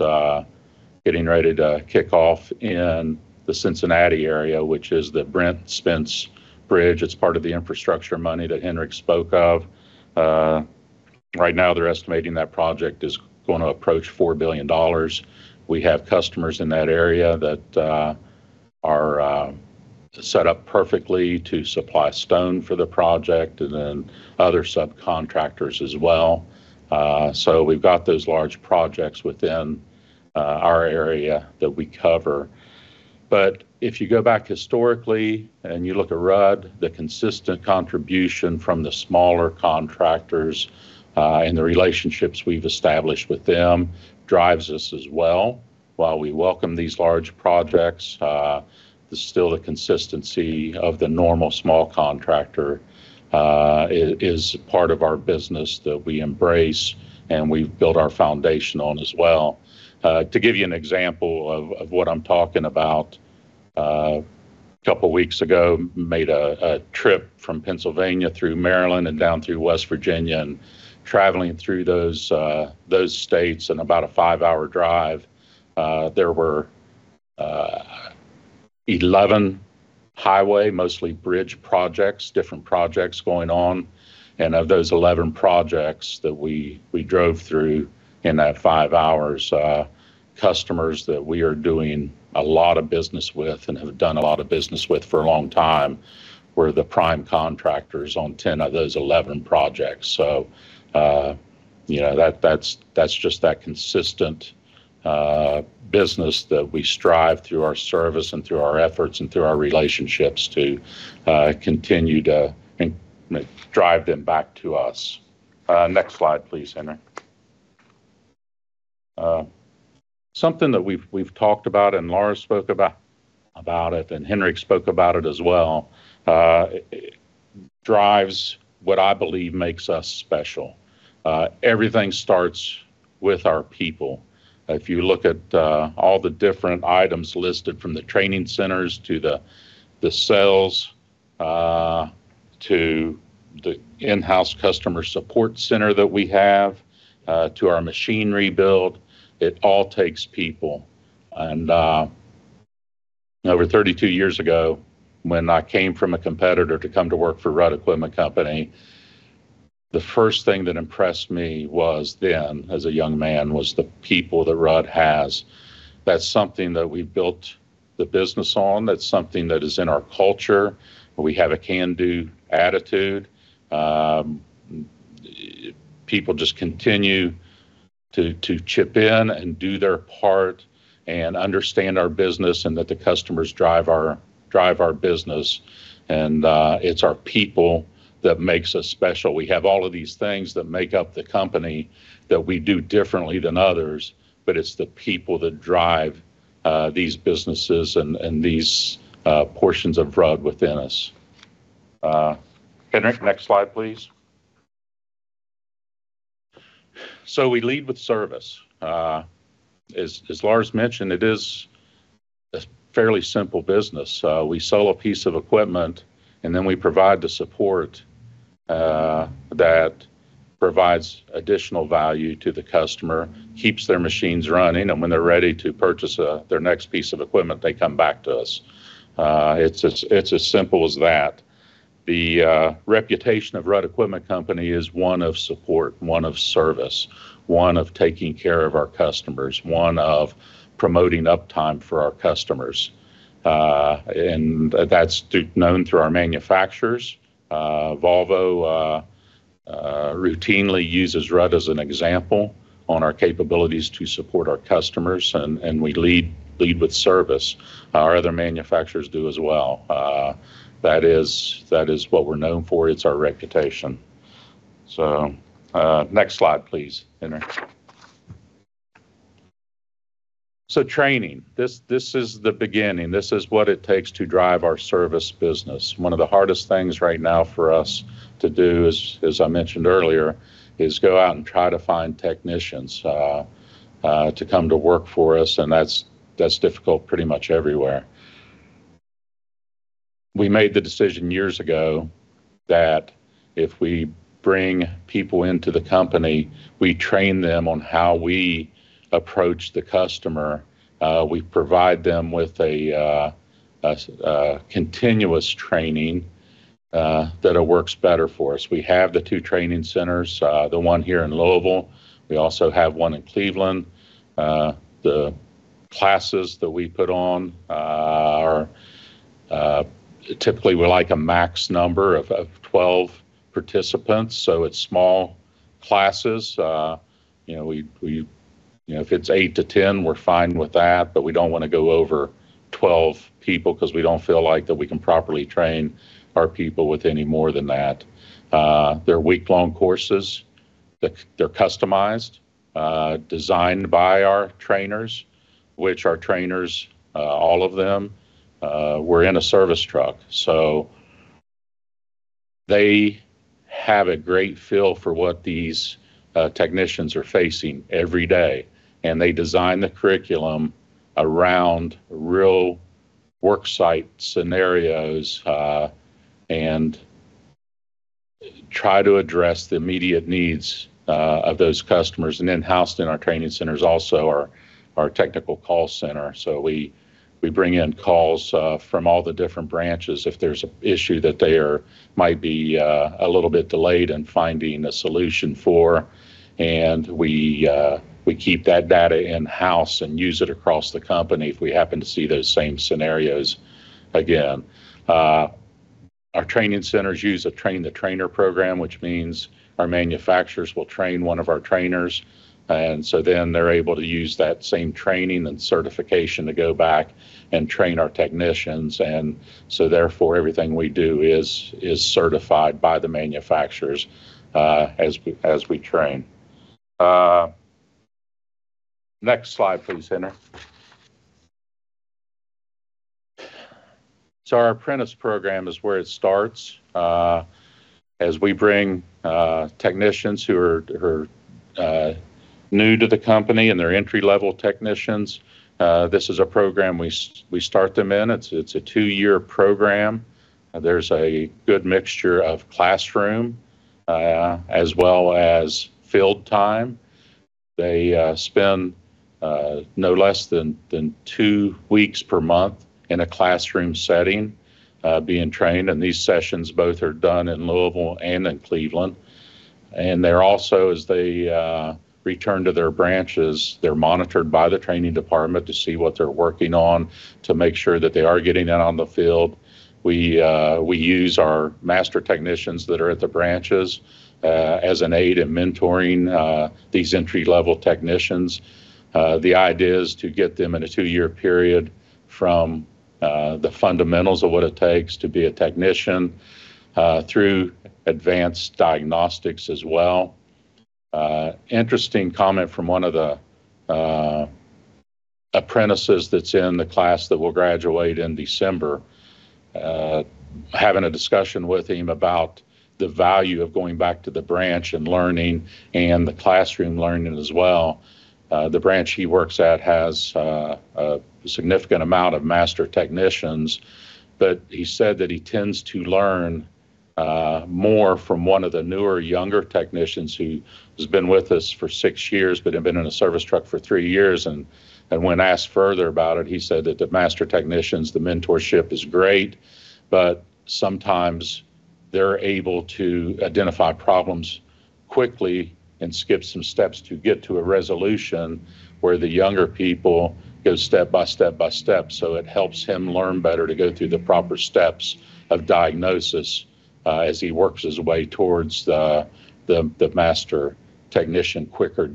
getting ready to kick off in the Cincinnati area, which is the Brent Spence Bridge. It's part of the infrastructure money that Henrik spoke of. Right now, they're estimating that project is going to approach $4 billion. We have customers in that area that are set up perfectly to supply stone for the project and then other subcontractors as well, so we've got those large projects within our area that we cover. But if you go back historically and you look at Rudd, the consistent contribution from the smaller contractors and the relationships we've established with them drives us as well. While we welcome these large projects, still the consistency of the normal small contractor is part of our business that we embrace and we've built our foundation on as well. To give you an example of what I'm talking about, a couple of weeks ago, made a trip from Pennsylvania through Maryland and down through West Virginia, and traveling through those states and about a five-hour drive, there were 11 highway, mostly bridge projects, different projects going on. Of those 11 projects that we drove through in that 5 hours, customers that we are doing a lot of business with and have done a lot of business with for a long time were the prime contractors on 10 of those 11 projects. So that's just that consistent business that we strive through our service and through our efforts and through our relationships to continue to drive them back to us. Next slide, please, Henrik. Something that we've talked about and Lars spoke about it, and Henrik spoke about it as well, drives what I believe makes us special. Everything starts with our people. If you look at all the different items listed from the training centers to the sales to the in-house customer support center that we have to our machine rebuild, it all takes people. Over 32 years ago, when I came from a competitor to come to work for Rudd Equipment Company, the first thing that impressed me was then, as a young man, was the people that Rudd has. That's something that we've built the business on. That's something that is in our culture. We have a can-do attitude. People just continue to chip in and do their part and understand our business and that the customers drive our business. And it's our people that makes us special. We have all of these things that make up the company that we do differently than others, but it's the people that drive these businesses and these portions of Rudd within us. Henrik, next slide, please. So we lead with service. As Lar's mentioned, it is a fairly simple business. We sell a piece of equipment, and then we provide the support that provides additional value to the customer, keeps their machines running, and when they're ready to purchase their next piece of equipment, they come back to us. It's as simple as that. The reputation of Rudd Equipment Company is one of support, one of service, one of taking care of our customers, one of promoting uptime for our customers. And that's known through our manufacturers. Volvo routinely uses Rudd as an example on our capabilities to support our customers, and we lead with service. Our other manufacturers do as well. That is what we're known for. It's our reputation. So next slide, please, Henrik. So training. This is the beginning. This is what it takes to drive our service business. One of the hardest things right now for us to do, as I mentioned earlier, is go out and try to find technicians to come to work for us, and that's difficult pretty much everywhere. We made the decision years ago that if we bring people into the company, we train them on how we approach the customer. We provide them with a continuous training that works better for us. We have the two training centers, the one here in Louisville. We also have one in Cleveland. The classes that we put on are typically. We like a max number of 12 participants, so it's small classes. If it's 8 to 10, we're fine with that, but we don't want to go over 12 people because we don't feel like that we can properly train our people with any more than that. They're week-long courses. They're customized, designed by our trainers, which our trainers, all of them, were in a service truck. So they have a great feel for what these technicians are facing every day, and they design the curriculum around real worksite scenarios and try to address the immediate needs of those customers. And then housed in our training centers also are our technical call center. So we bring in calls from all the different branches if there's an issue that they might be a little bit delayed in finding a solution for, and we keep that data in-house and use it across the company if we happen to see those same scenarios again. Our training centers use a train-the-trainer program, which means our manufacturers will train one of our trainers. And so then they're able to use that same training and certification to go back and train our technicians. Therefore, everything we do is certified by the manufacturers as we train. Next slide, please, Henrik. Our apprentice program is where it starts. As we bring technicians who are new to the company and they're entry-level technicians, this is a program we start them in. It's a two-year program. There's a good mixture of classroom as well as field time. They spend no less than two weeks per month in a classroom setting being trained. These sessions both are done in Louisville and in Cleveland. They're also, as they return to their branches, they're monitored by the training department to see what they're working on to make sure that they are getting out on the field. We use our master technicians that are at the branches as an aid in mentoring these entry-level technicians. The idea is to get them in a two-year period from the fundamentals of what it takes to be a technician through advanced diagnostics as well. Interesting comment from one of the apprentices that's in the class that will graduate in December, having a discussion with him about the value of going back to the branch and learning and the classroom learning as well. The branch he works at has a significant amount of Master technicians, but he said that he tends to learn more from one of the newer, younger technicians who has been with us for six years but had been in a service truck for three years. When asked further about it, he said that the master technicians, the mentorship is great, but sometimes they're able to identify problems quickly and skip some steps to get to a resolution where the younger people go step by step by step. So it helps him learn better to go through the proper steps of diagnosis as he works his way towards the master technician quicker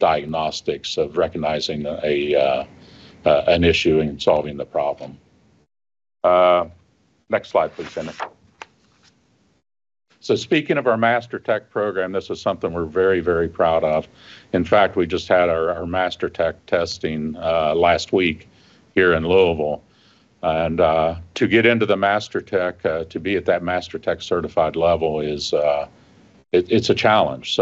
diagnostics of recognizing an issue and solving the problem. Next slide, please, Henrik. So speaking of our master tech program, this is something we're very, very proud of. In fact, we just had our master tech testing last week here in Louisville. And to get into the master tech, to be at that master tech certified level, it's a challenge.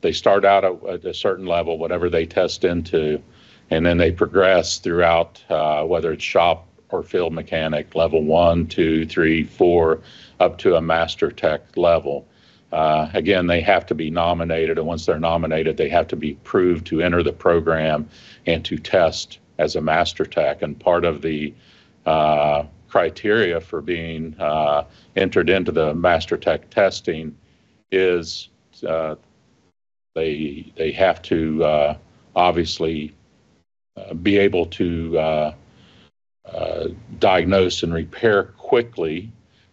They start out at a certain level, whatever they test into, and then they progress throughout, whether it's shop or field mechanic, level one, two, three, four, up to a master tech level. Again, they have to be nominated, and once they're nominated, they have to be approved to enter the program and to test as a master tech. Part of the criteria for being entered into the master tech testing is they have to obviously be able to diagnose and repair quickly,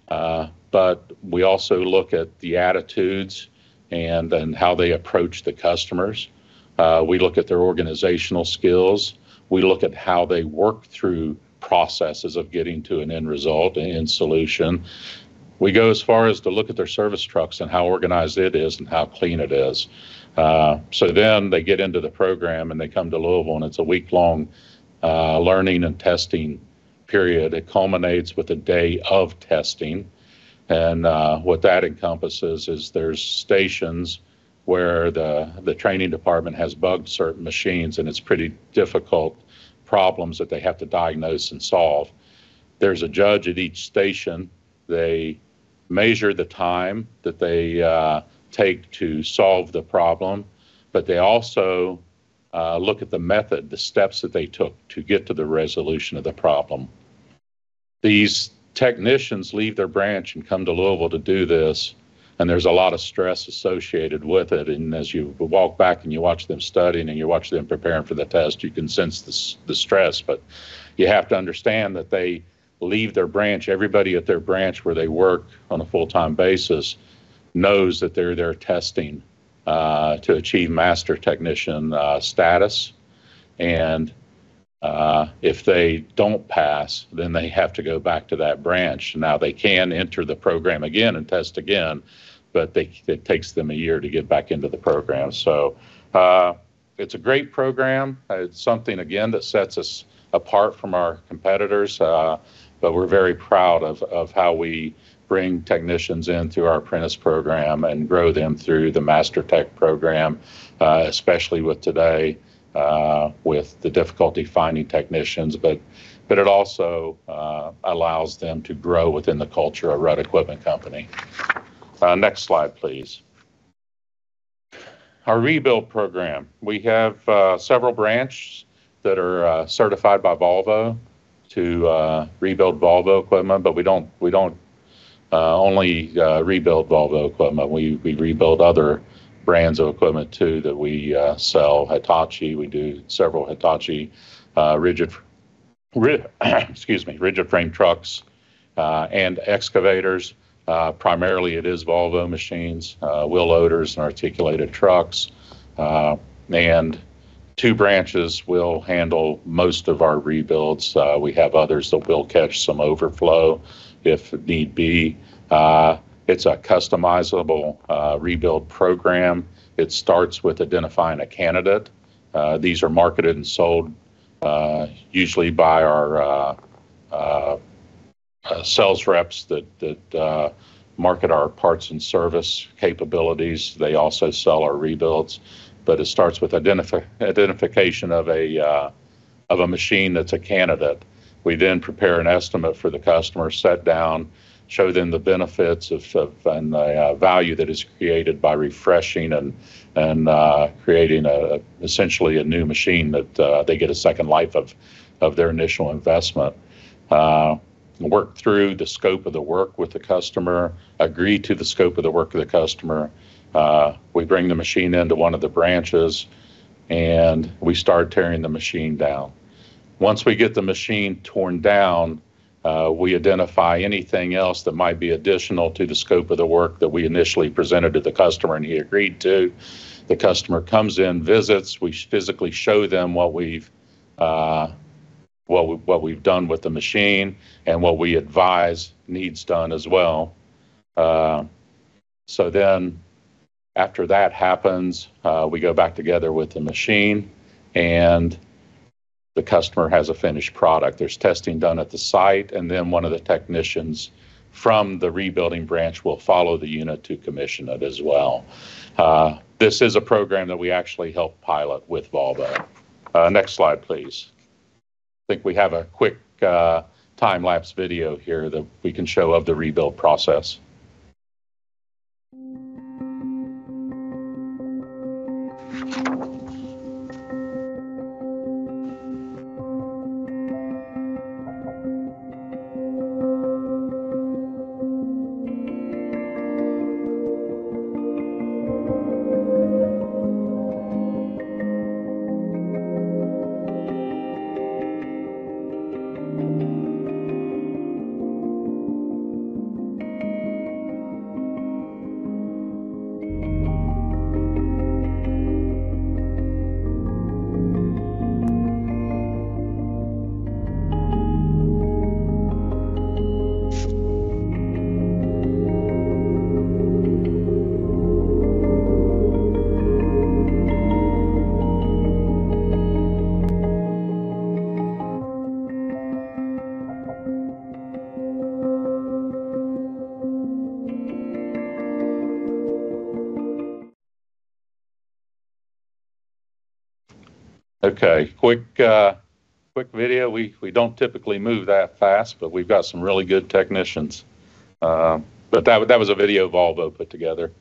but we also look at the attitudes and then how they approach the customers. We look at their organizational skills. We look at how they work through processes of getting to an end result, an end solution. We go as far as to look at their service trucks and how organized it is and how clean it is. So then they get into the program and they come to Louisville, and it's a week-long learning and testing period. It culminates with a day of testing, and what that encompasses is there's stations where the training department has bugged certain machines, and it's pretty difficult problems that they have to diagnose and solve. There's a judge at each station. They measure the time that they take to solve the problem, but they also look at the method, the steps that they took to get to the resolution of the problem. These technicians leave their branch and come to Louisville to do this, and there's a lot of stress associated with it, and as you walk back and you watch them studying and you watch them preparing for the test, you can sense the stress, but you have to understand that they leave their branch. Everybody at their branch where they work on a full-time basis knows that they're there testing to achieve master technician status, and if they don't pass, then they have to go back to that branch. Now, they can enter the program again and test again, but it takes them a year to get back into the program, so it's a great program. It's something, again, that sets us apart from our competitors, but we're very proud of how we bring technicians into our apprentice program and grow them through the master tech program, especially with today with the difficulty finding technicians, but it also allows them to grow within the culture of Rudd Equipment Company. Next slide, please. Our rebuild program. We have several branches that are certified by Volvo to rebuild Volvo equipment, but we don't only rebuild Volvo equipment. We rebuild other brands of equipment too that we sell. Hitachi. We do several Hitachi rigid frame trucks and excavators. Primarily, it is Volvo machines, wheel loaders, and articulated trucks, and two branches will handle most of our rebuilds. We have others that will catch some overflow if need be. It's a customizable rebuild program. It starts with identifying a candidate. These are marketed and sold usually by our sales reps that market our parts and service capabilities. They also sell our rebuilds, but it starts with identification of a machine that's a candidate. We then prepare an estimate for the customer, sit down, show them the benefits and the value that is created by refreshing and creating essentially a new machine that they get a second life of their initial investment, work through the scope of the work with the customer. Agree to the scope of the work with the customer. We bring the machine into one of the branches, and we start tearing the machine down. Once we get the machine torn down, we identify anything else that might be additional to the scope of the work that we initially presented to the customer, and he agreed to. The customer comes in, visits. We physically show them what we've done with the machine and what we advise needs done as well, so then after that happens, we go back together with the machine, and the customer has a finished product. There's testing done at the site, and then one of the technicians from the rebuilding branch will follow the unit to commission it as well. This is a program that we actually help pilot with Volvo. Next slide, please. I think we have a quick time-lapse video here that we can show of the rebuild process. Okay. Quick video. We don't typically move that fast, but we've got some really good technicians. But that was a video Volvo put together.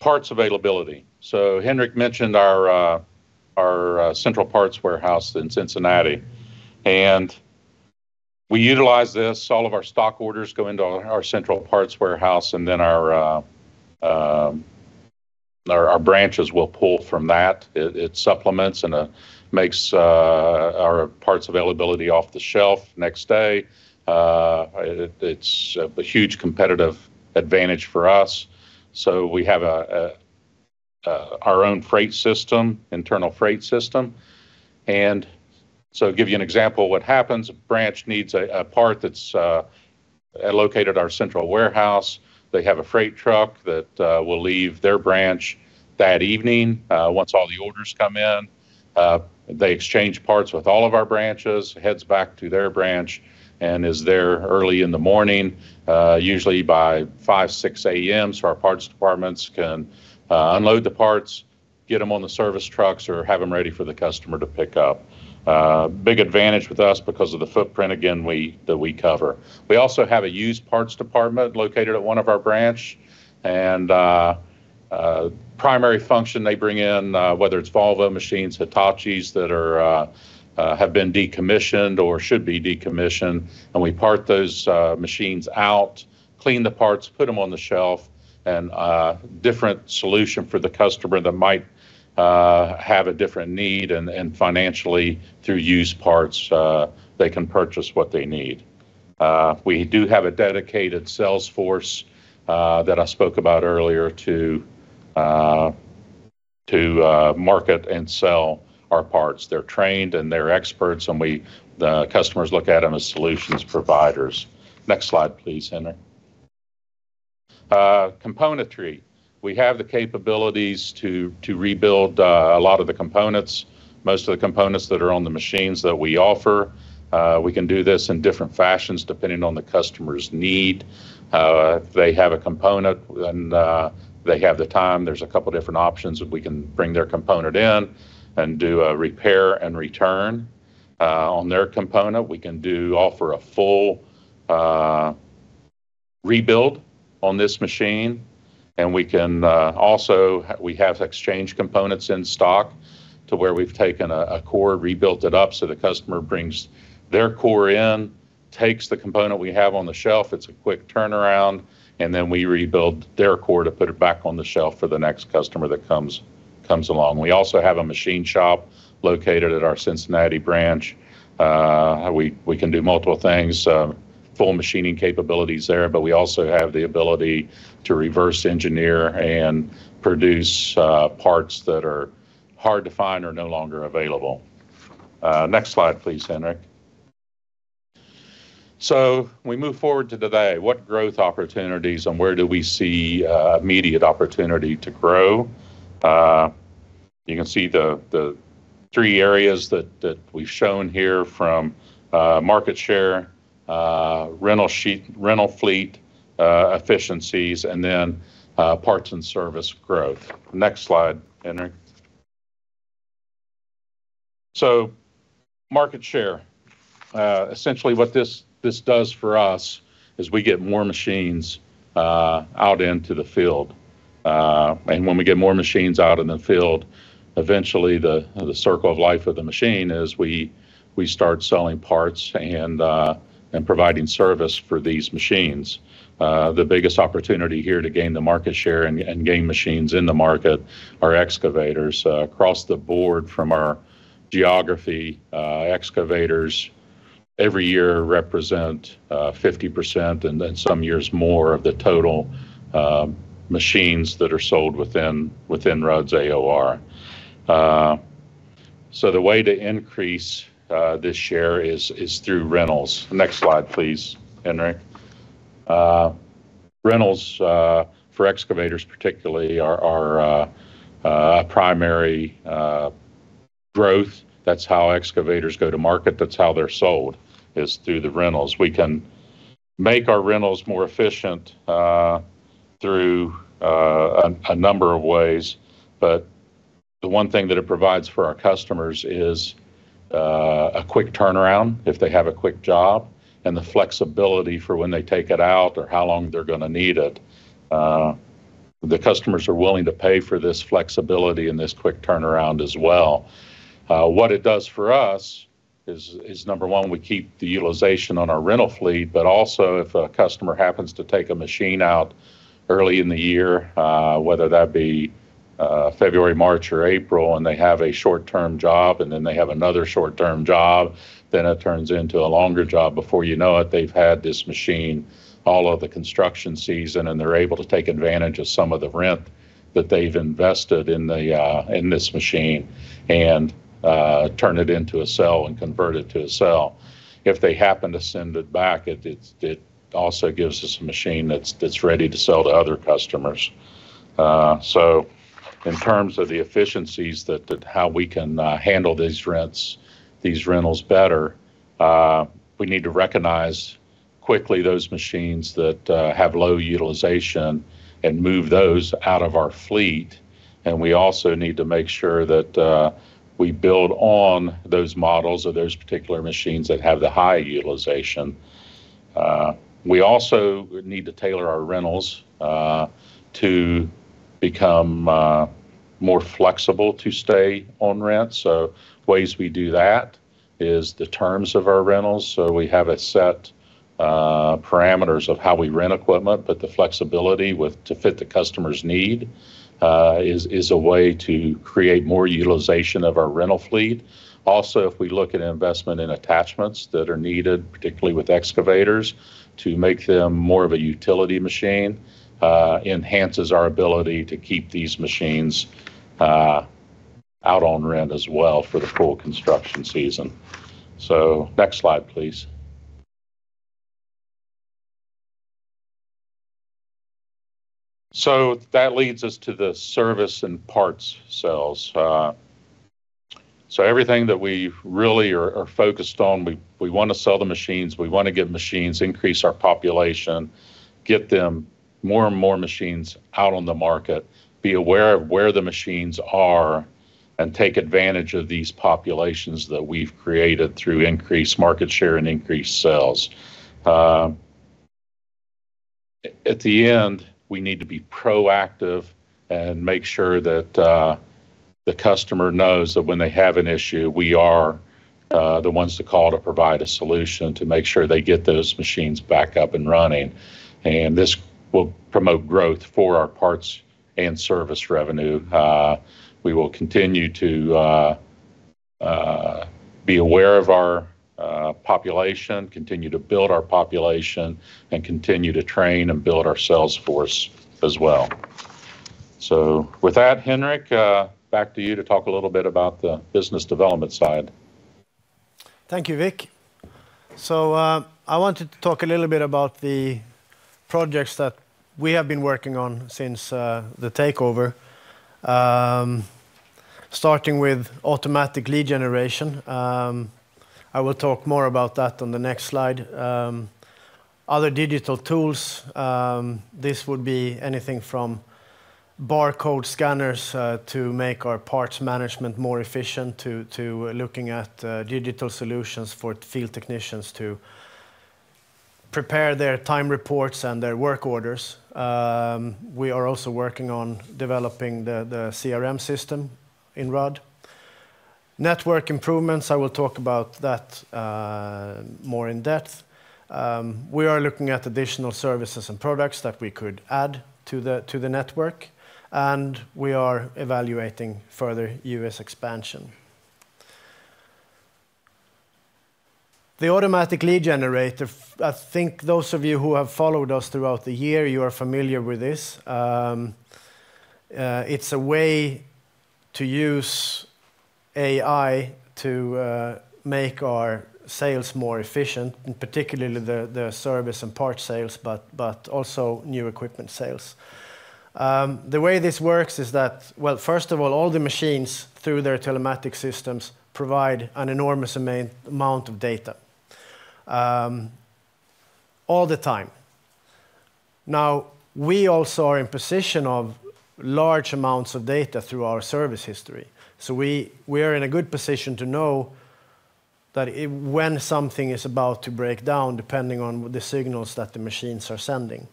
Parts availability. So Henrik mentioned our central parts warehouse in Cincinnati, and we utilize this. All of our stock orders go into our central parts warehouse, and then our branches will pull from that. It supplements and makes our parts availability off the shelf next day. It's a huge competitive advantage for us. So we have our own freight system, internal freight system. And so I'll give you an example of what happens. A branch needs a part that's located at our central warehouse. They have a freight truck that will leave their branch that evening once all the orders come in. They exchange parts with all of our branches, heads back to their branch, and is there early in the morning, usually by 5:00 A.M., 6:00 A.M., so our parts departments can unload the parts, get them on the service trucks, or have them ready for the customer to pick up. Big advantage with us because of the footprint, again, that we cover. We also have a used parts department located at one of our branches, and primary function they bring in, whether it's Volvo machines, Hitachis that have been decommissioned or should be decommissioned, and we part those machines out, clean the parts, put them on the shelf, and different solution for the customer that might have a different need, and financially, through used parts, they can purchase what they need. We do have a dedicated sales force that I spoke about earlier to market and sell our parts. They're trained and they're experts, and the customers look at them as solutions providers. Next slide, please, Henrik. Componentry. We have the capabilities to rebuild a lot of the components, most of the components that are on the machines that we offer. We can do this in different fashions depending on the customer's need. If they have a component and they have the time, there's a couple of different options that we can bring their component in and do a repair and return on their component. We can offer a full rebuild on this machine. And also, we have exchange components in stock to where we've taken a core, rebuilt it up so the customer brings their core in, takes the component we have on the shelf. It's a quick turnaround, and then we rebuild their core to put it back on the shelf for the next customer that comes along. We also have a machine shop located at our Cincinnati branch. We can do multiple things, full machining capabilities there, but we also have the ability to reverse engineer and produce parts that are hard to find or no longer available. Next slide, please, Henrik. So we move forward to today. What growth opportunities and where do we see immediate opportunity to grow? You can see the three areas that we've shown here from market share, rental fleet efficiencies, and then parts and service growth. Next slide, Henrik. So market share. Essentially, what this does for us is we get more machines out into the field. When we get more machines out in the field, eventually, the circle of life of the machine is we start selling parts and providing service for these machines. The biggest opportunity here to gain the market share and gain machines in the market are excavators. Across the board from our geography, excavators every year represent 50% and some years more of the total machines that are sold within Rudd's AOR. The way to increase this share is through rentals. Next slide, please, Henrik. Rentals for excavators, particularly, are a primary growth. That's how excavators go to market. That's how they're sold, is through the rentals. We can make our rentals more efficient through a number of ways, but the one thing that it provides for our customers is a quick turnaround if they have a quick job and the flexibility for when they take it out or how long they're going to need it. The customers are willing to pay for this flexibility and this quick turnaround as well. What it does for us is, number one, we keep the utilization on our rental fleet, but also if a customer happens to take a machine out early in the year, whether that be February, March, or April, and they have a short-term job and then they have another short-term job, then it turns into a longer job. Before you know it, they've had this machine all of the construction season, and they're able to take advantage of some of the rent that they've invested in this machine and turn it into a sale and convert it to a sale. If they happen to send it back, it also gives us a machine that's ready to sell to other customers. So in terms of the efficiencies that how we can handle these rentals better, we need to recognize quickly those machines that have low utilization and move those out of our fleet. And we also need to make sure that we build on those models or those particular machines that have the high utilization. We also need to tailor our rentals to become more flexible to stay on rent. So ways we do that is the terms of our rentals. We have a set parameters of how we rent equipment, but the flexibility to fit the customer's need is a way to create more utilization of our rental fleet. Also, if we look at investment in attachments that are needed, particularly with excavators, to make them more of a utility machine, it enhances our ability to keep these machines out on rent as well for the full construction season. Next slide, please. That leads us to the service and parts sales. Everything that we really are focused on, we want to sell the machines. We want to get machines, increase our population, get them more and more machines out on the market, be aware of where the machines are, and take advantage of these populations that we've created through increased market share and increased sales. At the end, we need to be proactive and make sure that the customer knows that when they have an issue, we are the ones to call to provide a solution to make sure they get those machines back up and running, and this will promote growth for our parts and service revenue. We will continue to be aware of our population, continue to build our population, and continue to train and build our sales force as well, so with that, Henrik, back to you to talk a little bit about the business development side. Thank you, Vic, so I wanted to talk a little bit about the projects that we have been working on since the takeover, starting with automatic lead generation. I will talk more about that on the next slide. Other digital tools, this would be anything from barcode scanners to make our parts management more efficient to looking at digital solutions for field technicians to prepare their time reports and their work orders. We are also working on developing the CRM system in Rudd. Network improvements, I will talk about that more in depth. We are looking at additional services and products that we could add to the network, and we are evaluating further U.S. expansion. The automatic lead generator, I think those of you who have followed us throughout the year, you are familiar with this. It's a way to use AI to make our sales more efficient, particularly the service and parts sales, but also new equipment sales. The way this works is that, well, first of all, all the machines through their telematics systems provide an enormous amount of data all the time. Now, we also are in position of large amounts of data through our service history. So we are in a good position to know that when something is about to break down, depending on the signals that the machines are sending.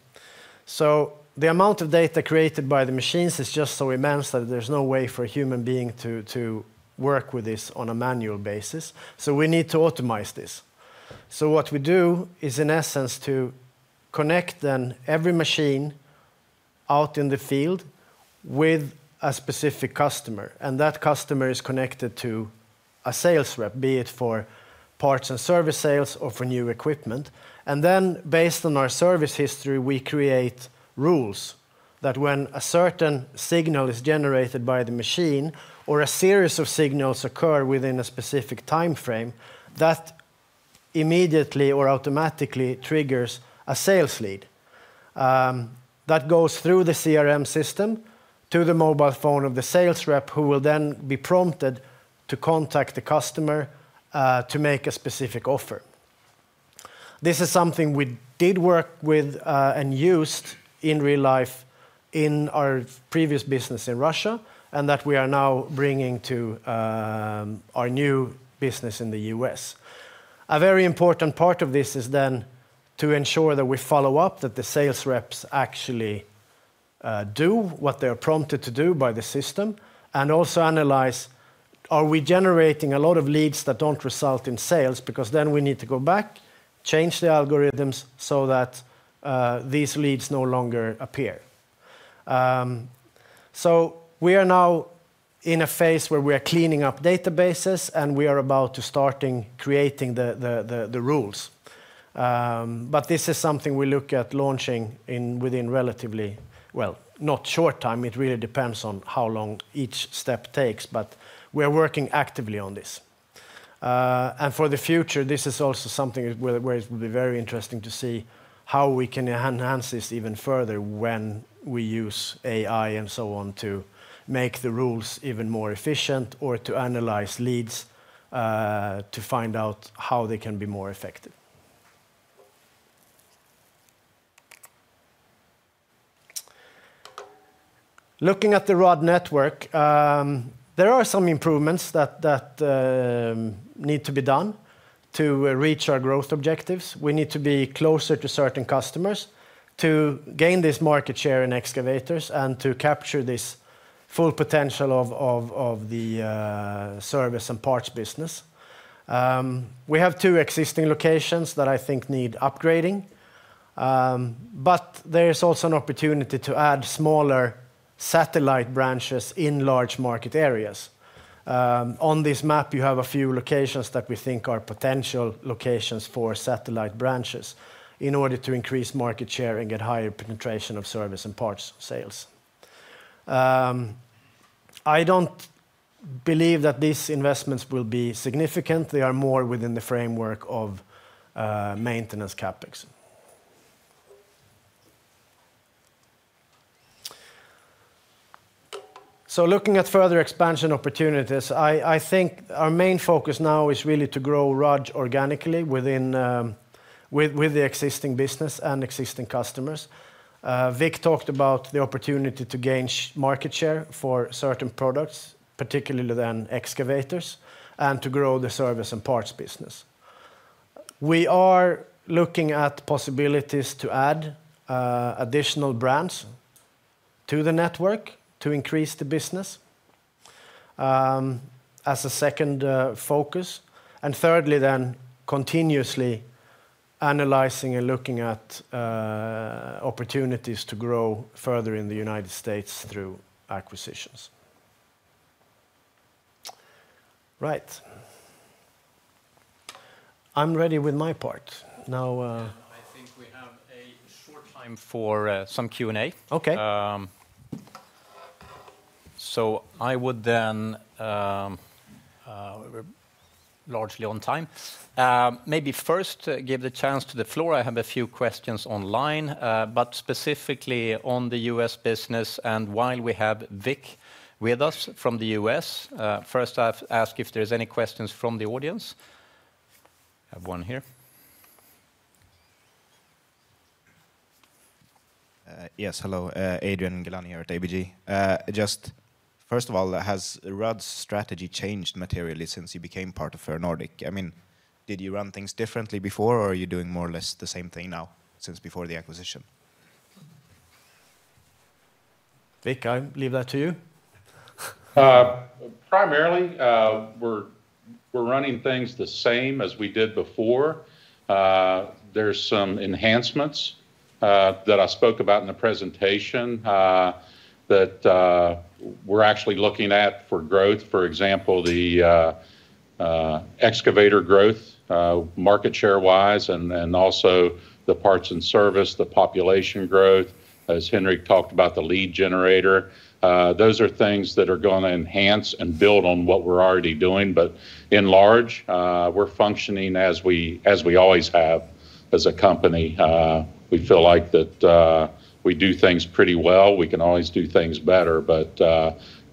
So the amount of data created by the machines is just so immense that there's no way for a human being to work with this on a manual basis. So we need to optimize this. So what we do is, in essence, to connect then every machine out in the field with a specific customer. And that customer is connected to a sales rep, be it for parts and service sales or for new equipment. And then, based on our service history, we create rules that when a certain signal is generated by the machine or a series of signals occur within a specific time frame, that immediately or automatically triggers a sales lead. That goes through the CRM system to the mobile phone of the sales rep, who will then be prompted to contact the customer to make a specific offer. This is something we did work with and used in real life in our previous business in Russia, and that we are now bringing to our new business in the US. A very important part of this is then to ensure that we follow up, that the sales reps actually do what they are prompted to do by the system, and also analyze, are we generating a lot of leads that don't result in sales? Because then we need to go back, change the algorithms so that these leads no longer appear, so we are now in a phase where we are cleaning up databases, and we are about to start creating the rules, but this is something we look at launching within relatively, well, not short time. It really depends on how long each step takes, but we are working actively on this, and for the future, this is also something where it will be very interesting to see how we can enhance this even further when we use AI and so on to make the rules even more efficient or to analyze leads to find out how they can be more effective. Looking at the Rudd network, there are some improvements that need to be done to reach our growth objectives. We need to be closer to certain customers to gain this market share in excavators and to capture this full potential of the service and parts business. We have two existing locations that I think need upgrading, but there is also an opportunity to add smaller satellite branches in large market areas. On this map, you have a few locations that we think are potential locations for satellite branches in order to increase market share and get higher penetration of service and parts sales. I don't believe that these investments will be significant. They are more within the framework of maintenance CapEx. So looking at further expansion opportunities, I think our main focus now is really to grow Rudd organically with the existing business and existing customers. Vic talked about the opportunity to gain market share for certain products, particularly then excavators, and to grow the service and parts business. We are looking at possibilities to add additional brands to the network to increase the business as a second focus. And thirdly, then continuously analyzing and looking at opportunities to grow further in the United States through acquisitions. Right. I'm ready with my part. Now. I think we have a short time for some Q&A. Okay. So I would then we're largely on time. Maybe first give the chance to the floor. I have a few questions online, but specifically on the US business. And while we have Vic with us from the US, first I'll ask if there's any questions from the audience. I have one here. Yes. Hello. Adrian Gilani here at ABG. Just first of all, has Rudd's strategy changed materially since you became part of Ferronordic? I mean, did you run things differently before, or are you doing more or less the same thing now since before the acquisition? Vic, I leave that to you. Primarily, we're running things the same as we did before. There's some enhancements that I spoke about in the presentation that we're actually looking at for growth. For example, the excavator growth market share-wise and also the parts and service, the population growth, as Henrik talked about, the lead generator. Those are things that are going to enhance and build on what we're already doing. But in large, we're functioning as we always have as a company. We feel like that we do things pretty well. We can always do things better, but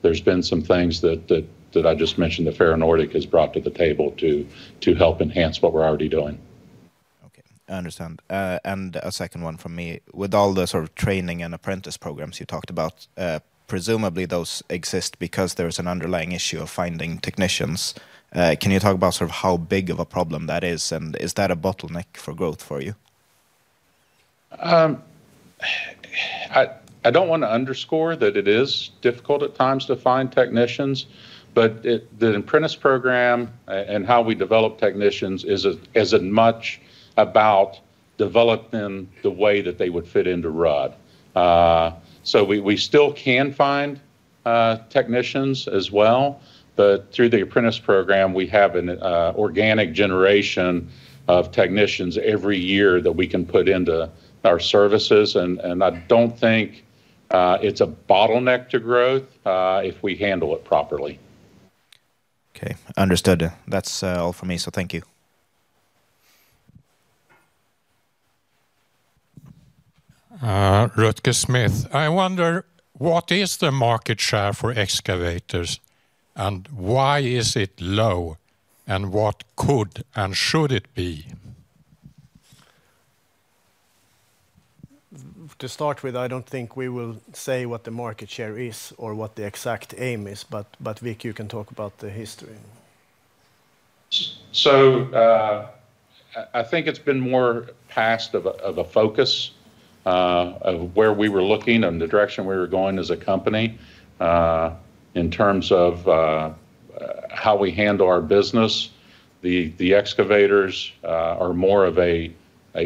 there's been some things that I just mentioned that Ferronordic has brought to the table to help enhance what we're already doing. Okay. I understand. And a second one from me. With all the sort of training and apprentice programs you talked about, presumably those exist because there is an underlying issue of finding technicians. Can you talk about sort of how big of a problem that is, and is that a bottleneck for growth for you? I don't want to underscore that it is difficult at times to find technicians, but the apprentice program and how we develop technicians is as much about developing the way that they would fit into Rudd. So we still can find technicians as well, but through the apprentice program, we have an organic generation of technicians every year that we can put into our services. And I don't think it's a bottleneck to growth if we handle it properly. Okay. Understood. That's all for me, so thank you. Rutger Smith, I wonder what is the market share for excavators and why is it low and what could and should it be? To start with, I don't think we will say what the market share is or what the exact aim is, but Vic, you can talk about the history. So I think it's been more past of a focus of where we were looking and the direction we were going as a company in terms of how we handle our business. The excavators are more of a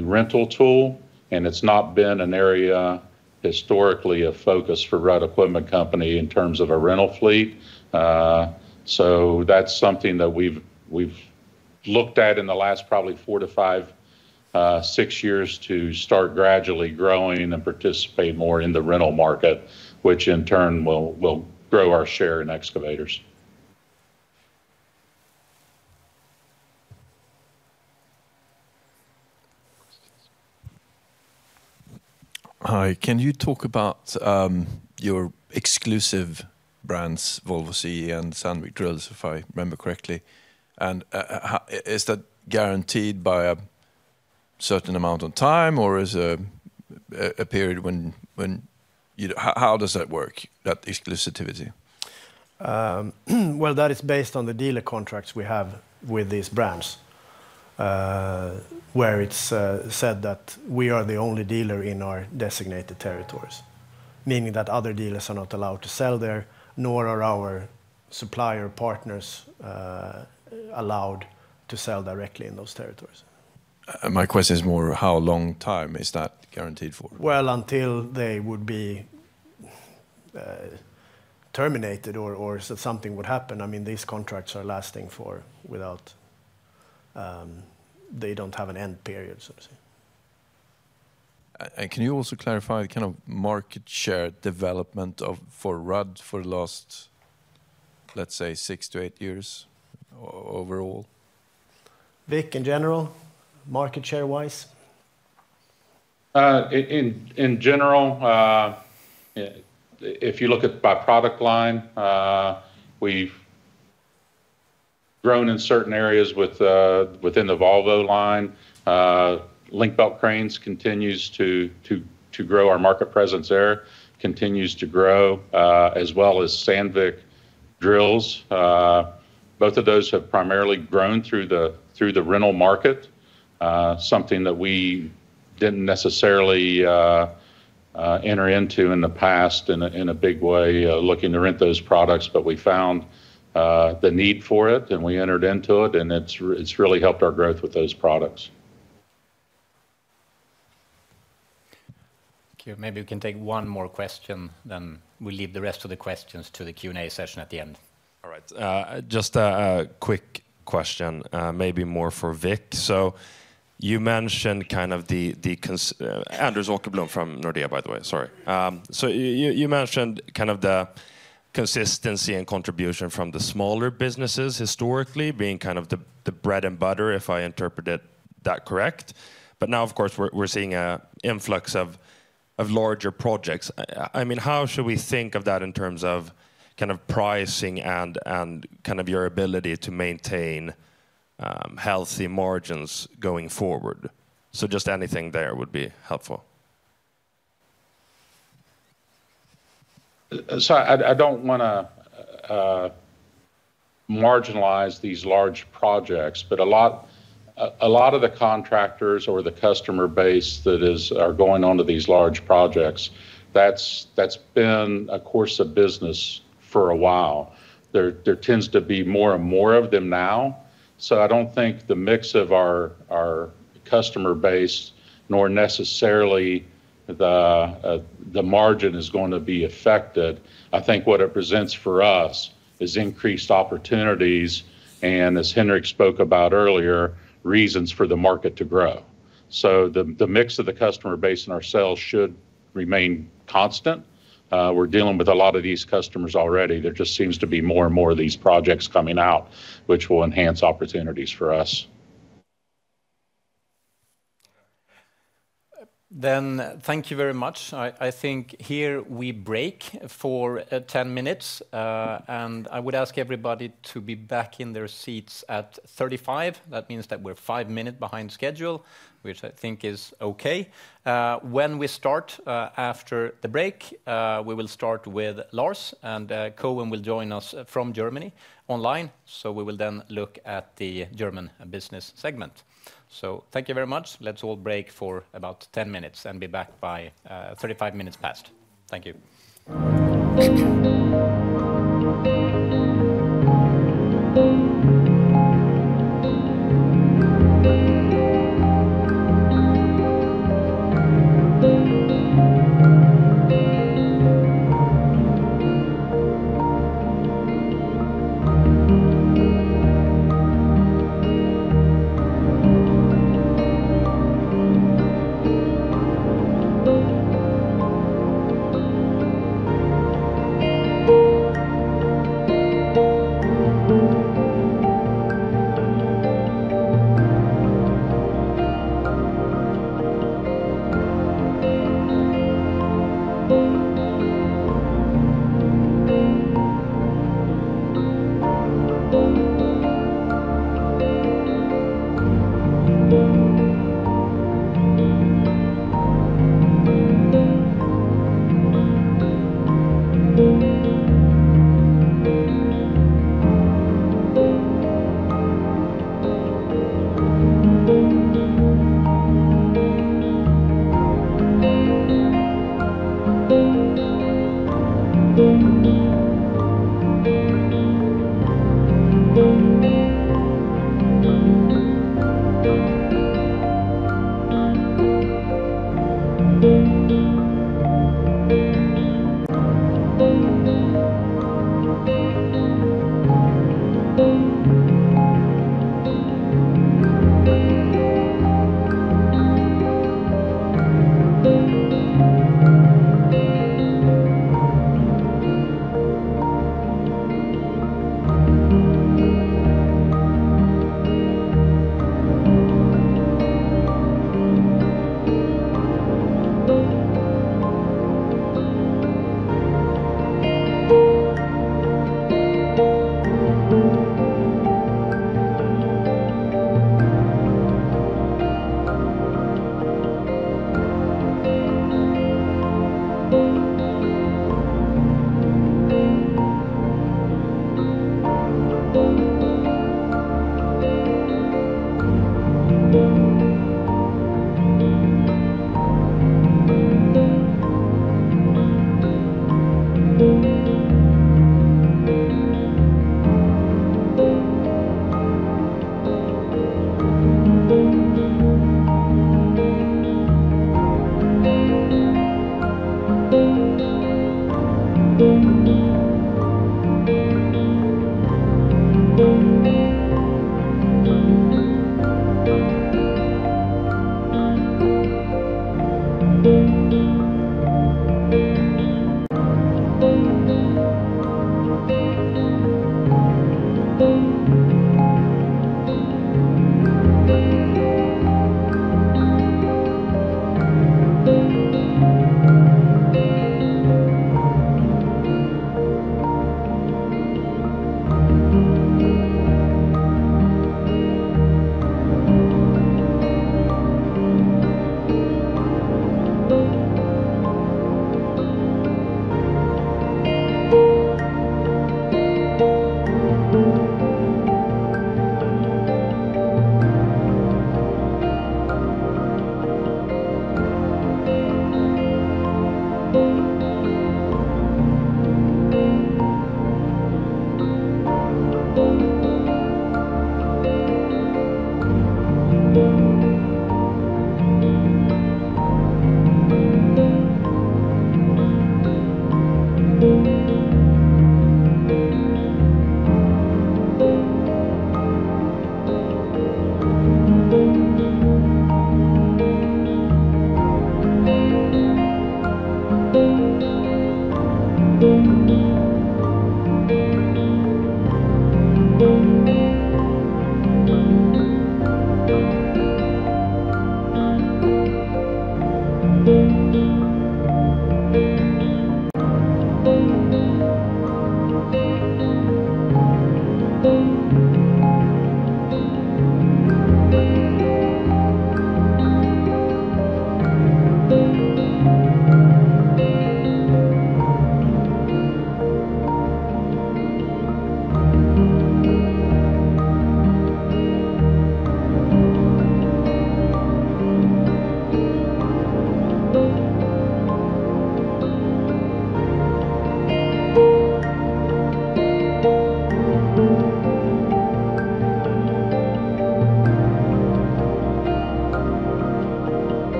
rental tool, and it's not been an area historically of focus for Rudd Equipment Company in terms of a rental fleet. So that's something that we've looked at in the last probably four to five, six years to start gradually growing and participate more in the rental market, which in turn will grow our share in excavators. Hi. Can you talk about your exclusive brands, Volvo CE and Sandvik Drills, if I remember correctly? And is that guaranteed by a certain amount of time, or is there a period? When how does that work, that exclusivity? Well, that is based on the dealer contracts we have with these brands where it's said that we are the only dealer in our designated territories, meaning that other dealers are not allowed to sell there, nor are our supplier partners allowed to sell directly in those territories. My question is more, how long time is that guaranteed for? Well, until they would be terminated or something would happen. I mean, these contracts are lasting for without they don't have an end period, so to say. And can you also clarify the kind of market share development for Rudd for the last, let's say, six to eight years overall? Vic, in general, market share-wise? In general, if you look at by product line, we've grown in certain areas within the Volvo line. Link-Belt Cranes continues to grow our market presence there, continues to grow, as well as Sandvik Drills. Both of those have primarily grown through the rental market, something that we didn't necessarily enter into in the past in a big way, looking to rent those products, but we found the need for it, and we entered into it, and it's really helped our growth with those products. Thank you. Maybe we can take one more question, then we'll leave the rest of the questions to the Q&A session at the end. All right. Just a quick question, maybe more for Vic. So you mentioned kind of the Anders Åkerblom from Nordea, by the way. Sorry So you mentioned kind of the consistency and contribution from the smaller businesses historically being kind of the bread and butter, if I interpreted that correct. But now, of course, we're seeing an influx of larger projects. I mean, how should we think of that in terms of kind of pricing and kind of your ability to maintain healthy margins going forward? So just anything there would be helpful. So I don't want to marginalize these large projects, but a lot of the contractors or the customer base that are going on to these large projects, that's been a course of business for a while. There tends to be more and more of them now. So I don't think the mix of our customer base, nor necessarily the margin, is going to be affected. I think what it presents for us is increased opportunities and, as Henrik spoke about earlier, reasons for the market to grow. So the mix of the customer base and ourselves should remain constant. We're dealing with a lot of these customers already. There just seems to be more and more of these projects coming out, which will enhance opportunities for us. Then thank you very much. I think here we break for 10 minutes, and I would ask everybody to be back in their seats at 35. That means that we're five minutes behind schedule, which I think is okay. When we start after the break, we will start with Lars, and Koen will join us from Germany online, so we will then look at the German business segment. So thank you very much. Let's all break for about 10 minutes and be back by 35 minutes past. Thank you.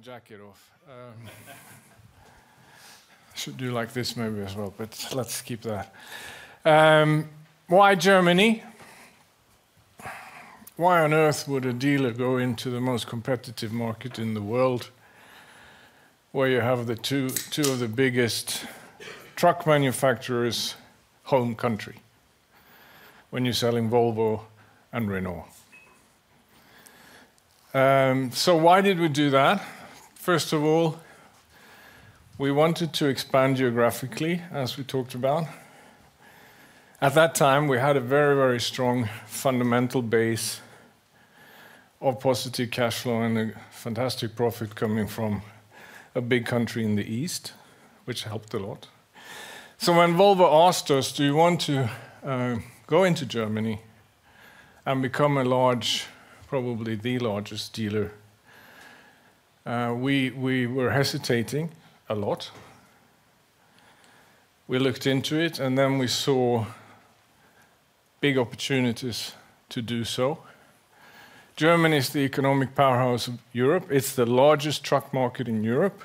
Germany, so I took my jacket off. I should do like this maybe as well, but let's keep that. Why Germany? Why on earth would a dealer go into the most competitive market in the world, where you have two of the biggest truck manufacturers' home country, when you're selling Volvo and Renault? So why did we do that? First of all, we wanted to expand geographically, as we talked about. At that time, we had a very, very strong fundamental base of positive cash flow and a fantastic profit coming from a big country in the East, which helped a lot. So when Volvo asked us, "Do you want to go into Germany and become a large, probably the largest dealer?" we were hesitating a lot. We looked into it, and then we saw big opportunities to do so. Germany is the economic powerhouse of Europe. It's the largest truck market in Europe.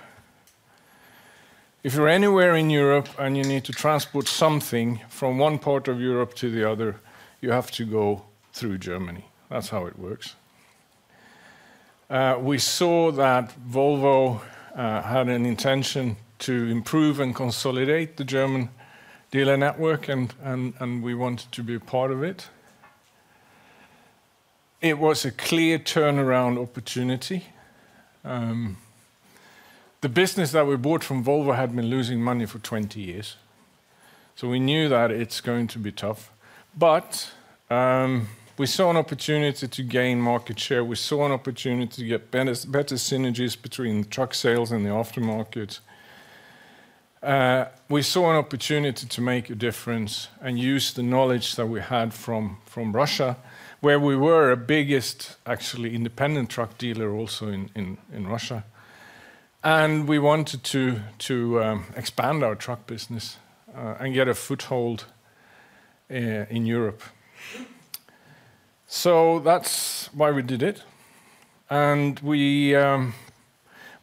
If you're anywhere in Europe and you need to transport something from one part of Europe to the other, you have to go through Germany. That's how it works. We saw that Volvo had an intention to improve and consolidate the German dealer network, and we wanted to be a part of it. It was a clear turnaround opportunity. The business that we bought from Volvo had been losing money for 20 years, so we knew that it's going to be tough. But we saw an opportunity to gain market share. We saw an opportunity to get better synergies between truck sales and the aftermarket. We saw an opportunity to make a difference and use the knowledge that we had from Russia, where we were a biggest, actually, independent truck dealer also in Russia. And we wanted to expand our truck business and get a foothold in Europe. So that's why we did it. And we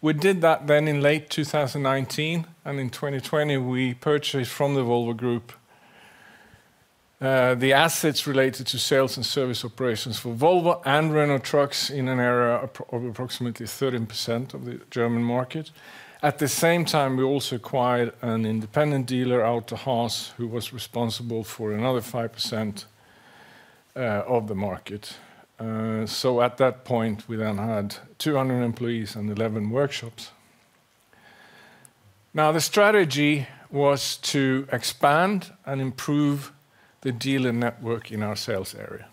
did that then in late 2019. And in 2020, we purchased from the Volvo Group the assets related to sales and service operations for Volvo and Renault trucks in an area of approximately 13% of the German market. At the same time, we also acquired an independent dealer Auto-Haas, who was responsible for another 5% of the market. So at that point, we then had 200 employees and 11 workshops. Now, the strategy was to expand and improve the dealer network in our sales area,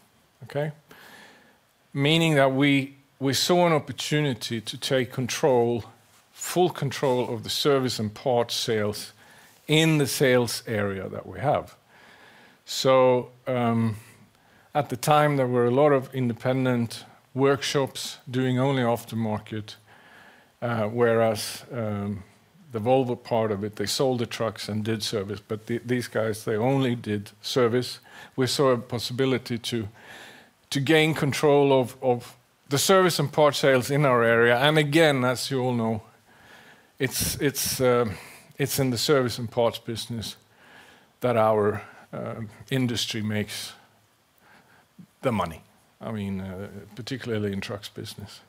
meaning that we saw an opportunity to take full control of the service and parts sales in the sales area that we have. So at the time, there were a lot of independent workshops doing only aftermarket, whereas the Volvo part of it, they sold the trucks and did service. But these guys, they only did service. We saw a possibility to gain control of the service and parts sales in our area. And again, as you all know, it's in the service and parts business that our industry makes the money, I mean, particularly in trucks business.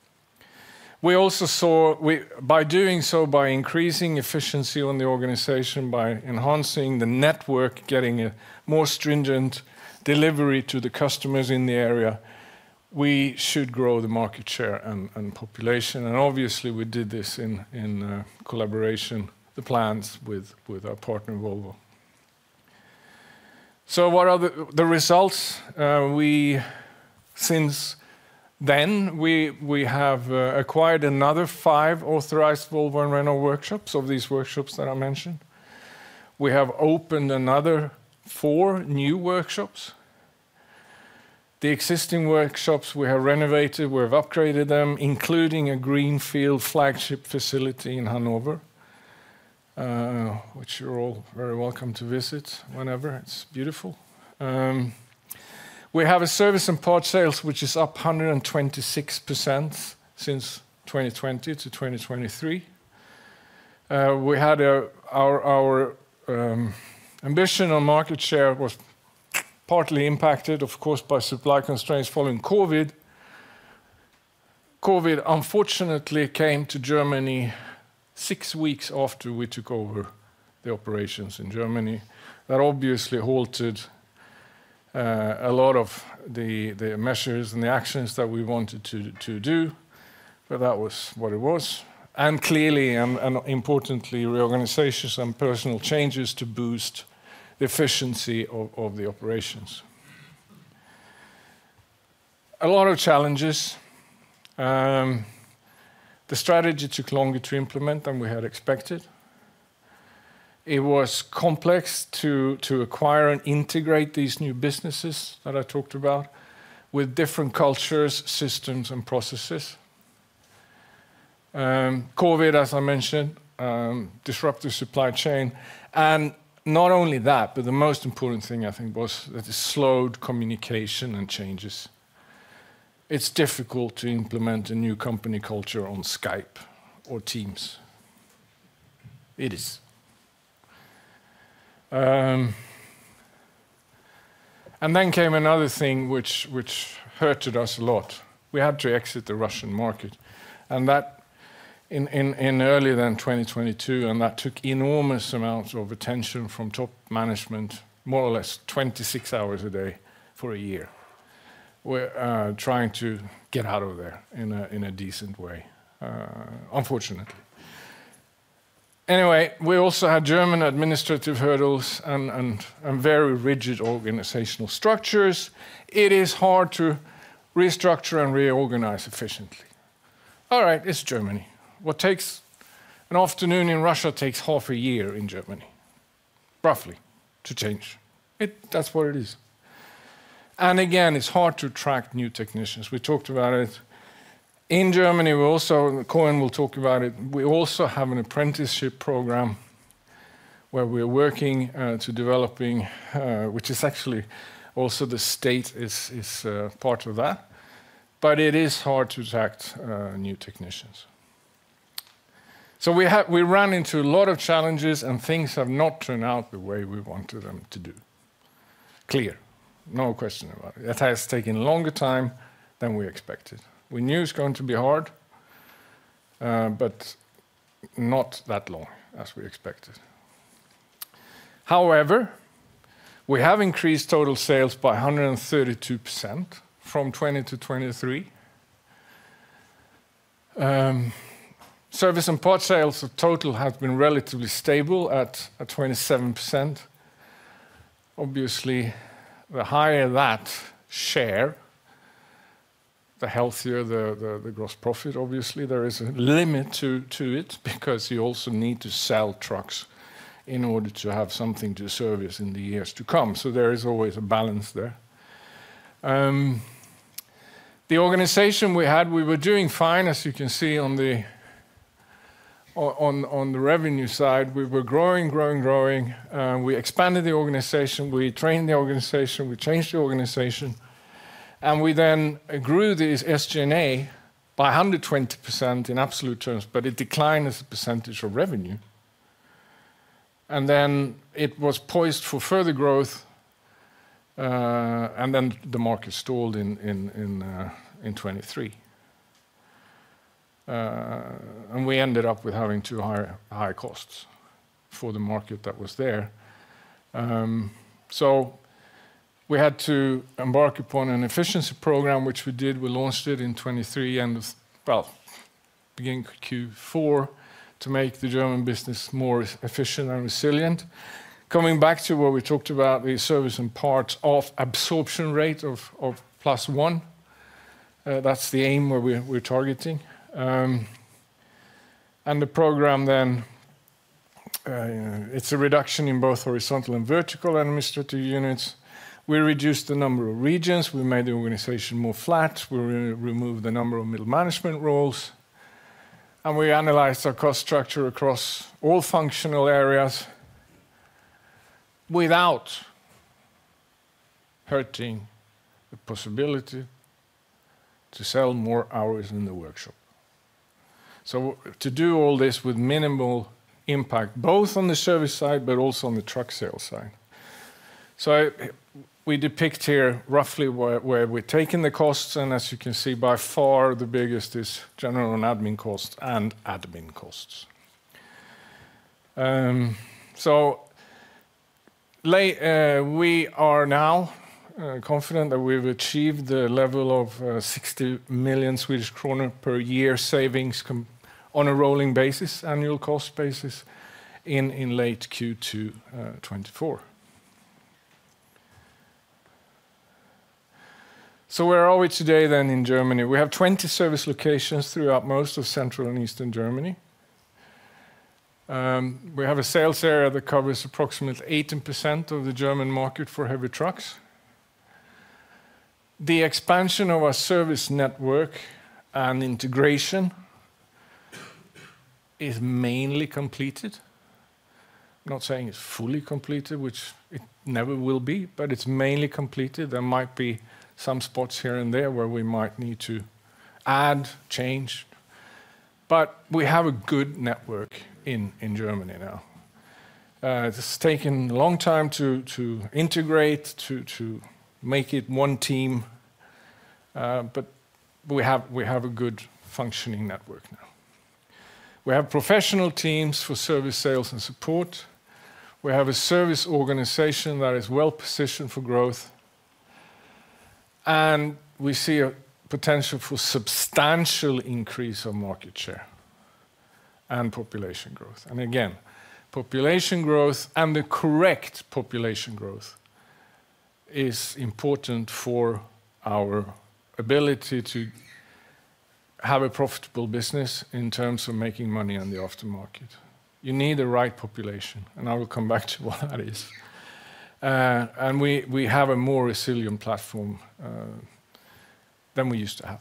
We also saw, by doing so, by increasing efficiency on the organization, by enhancing the network, getting a more stringent delivery to the customers in the area, we should grow the market share and population. And obviously, we did this in collaboration, the plans with our partner, Volvo. So what are the results? Since then, we have acquired another five authorized Volvo and Renault workshops of these workshops that I mentioned. We have opened another four new workshops. The existing workshops, we have renovated. We have upgraded them, including a greenfield flagship facility in Hannover, which you're all very welcome to visit whenever. It's beautiful. We have a service and parts sales, which is up 126% since 2020 to 2023. We had our ambition on market share was partly impacted, of course, by supply constraints following COVID. COVID, unfortunately, came to Germany six weeks after we took over the operations in Germany. That obviously halted a lot of the measures and the actions that we wanted to do, but that was what it was. And clearly, and importantly, reorganizations and personal changes to boost the efficiency of the operations. A lot of challenges. The strategy took longer to implement than we had expected. It was complex to acquire and integrate these new businesses that I talked about with different cultures, systems, and processes. COVID, as I mentioned, disrupted the supply chain, and not only that, but the most important thing, I think, was that it slowed communication and changes. It's difficult to implement a new company culture on Skype or Teams. It is, and then came another thing which hurt us a lot. We had to exit the Russian market, and that in early 2022, and that took enormous amounts of attention from top management, more or less 26 hours a day for a year. We're trying to get out of there in a decent way, unfortunately. Anyway, we also had German administrative hurdles and very rigid organizational structures. It is hard to restructure and reorganize efficiently. All right, it's Germany. What takes an afternoon in Russia takes half a year in Germany, roughly, to change. That's what it is. And again, it's hard to attract new technicians. We talked about it. In Germany, we also, and Koen will talk about it, we also have an apprenticeship program where we're working to developing, which is actually also the state is part of that. But it is hard to attract new technicians. So we ran into a lot of challenges, and things have not turned out the way we wanted them to do. Clear, no question about it. It has taken longer time than we expected. We knew it's going to be hard, but not that long as we expected. However, we have increased total sales by 132% from 2020 to 2023. Service and parts sales total have been relatively stable at 27%. Obviously, the higher that share, the healthier the gross profit, obviously. There is a limit to it because you also need to sell trucks in order to have something to service in the years to come, so there is always a balance there. The organization we had, we were doing fine, as you can see on the revenue side. We were growing, growing, growing. We expanded the organization. We trained the organization. We changed the organization and we then grew this SG&A by 120% in absolute terms, but it declined as a percentage of revenue and then it was poised for further growth, and then the market stalled in 2023 and we ended up with having too high costs for the market that was there, so we had to embark upon an efficiency program, which we did. We launched it in 2023 and, well, beginning Q4 to make the German business more efficient and resilient. Coming back to what we talked about, the service and parts absorption rate of +1%. That's the aim where we're targeting. And the program then, it's a reduction in both horizontal and vertical administrative units. We reduced the number of regions. We made the organization more flat. We removed the number of middle management roles. And we analyzed our cost structure across all functional areas without hurting the possibility to sell more hours in the workshop. So to do all this with minimal impact, both on the service side but also on the truck sales side. So we depict here roughly where we're taking the costs. And as you can see, by far, the biggest is general and admin costs and admin costs. We are now confident that we've achieved the level of 60 million Swedish kronor per year savings on a rolling basis, annual cost basis, in late Q2 2024. So where are we today then in Germany? We have 20 service locations throughout most of central and eastern Germany. We have a sales area that covers approximately 18% of the German market for heavy trucks. The expansion of our service network and integration is mainly completed. I'm not saying it's fully completed, which it never will be, but it's mainly completed. There might be some spots here and there where we might need to add, change. But we have a good network in Germany now. It's taken a long time to integrate, to make it one team, but we have a good functioning network now. We have professional teams for service sales and support. We have a service organization that is well positioned for growth, and we see a potential for substantial increase of market share and population growth, and again, population growth and the correct population growth is important for our ability to have a profitable business in terms of making money on the aftermarket. You need the right population, and I will come back to what that is, and we have a more resilient platform than we used to have,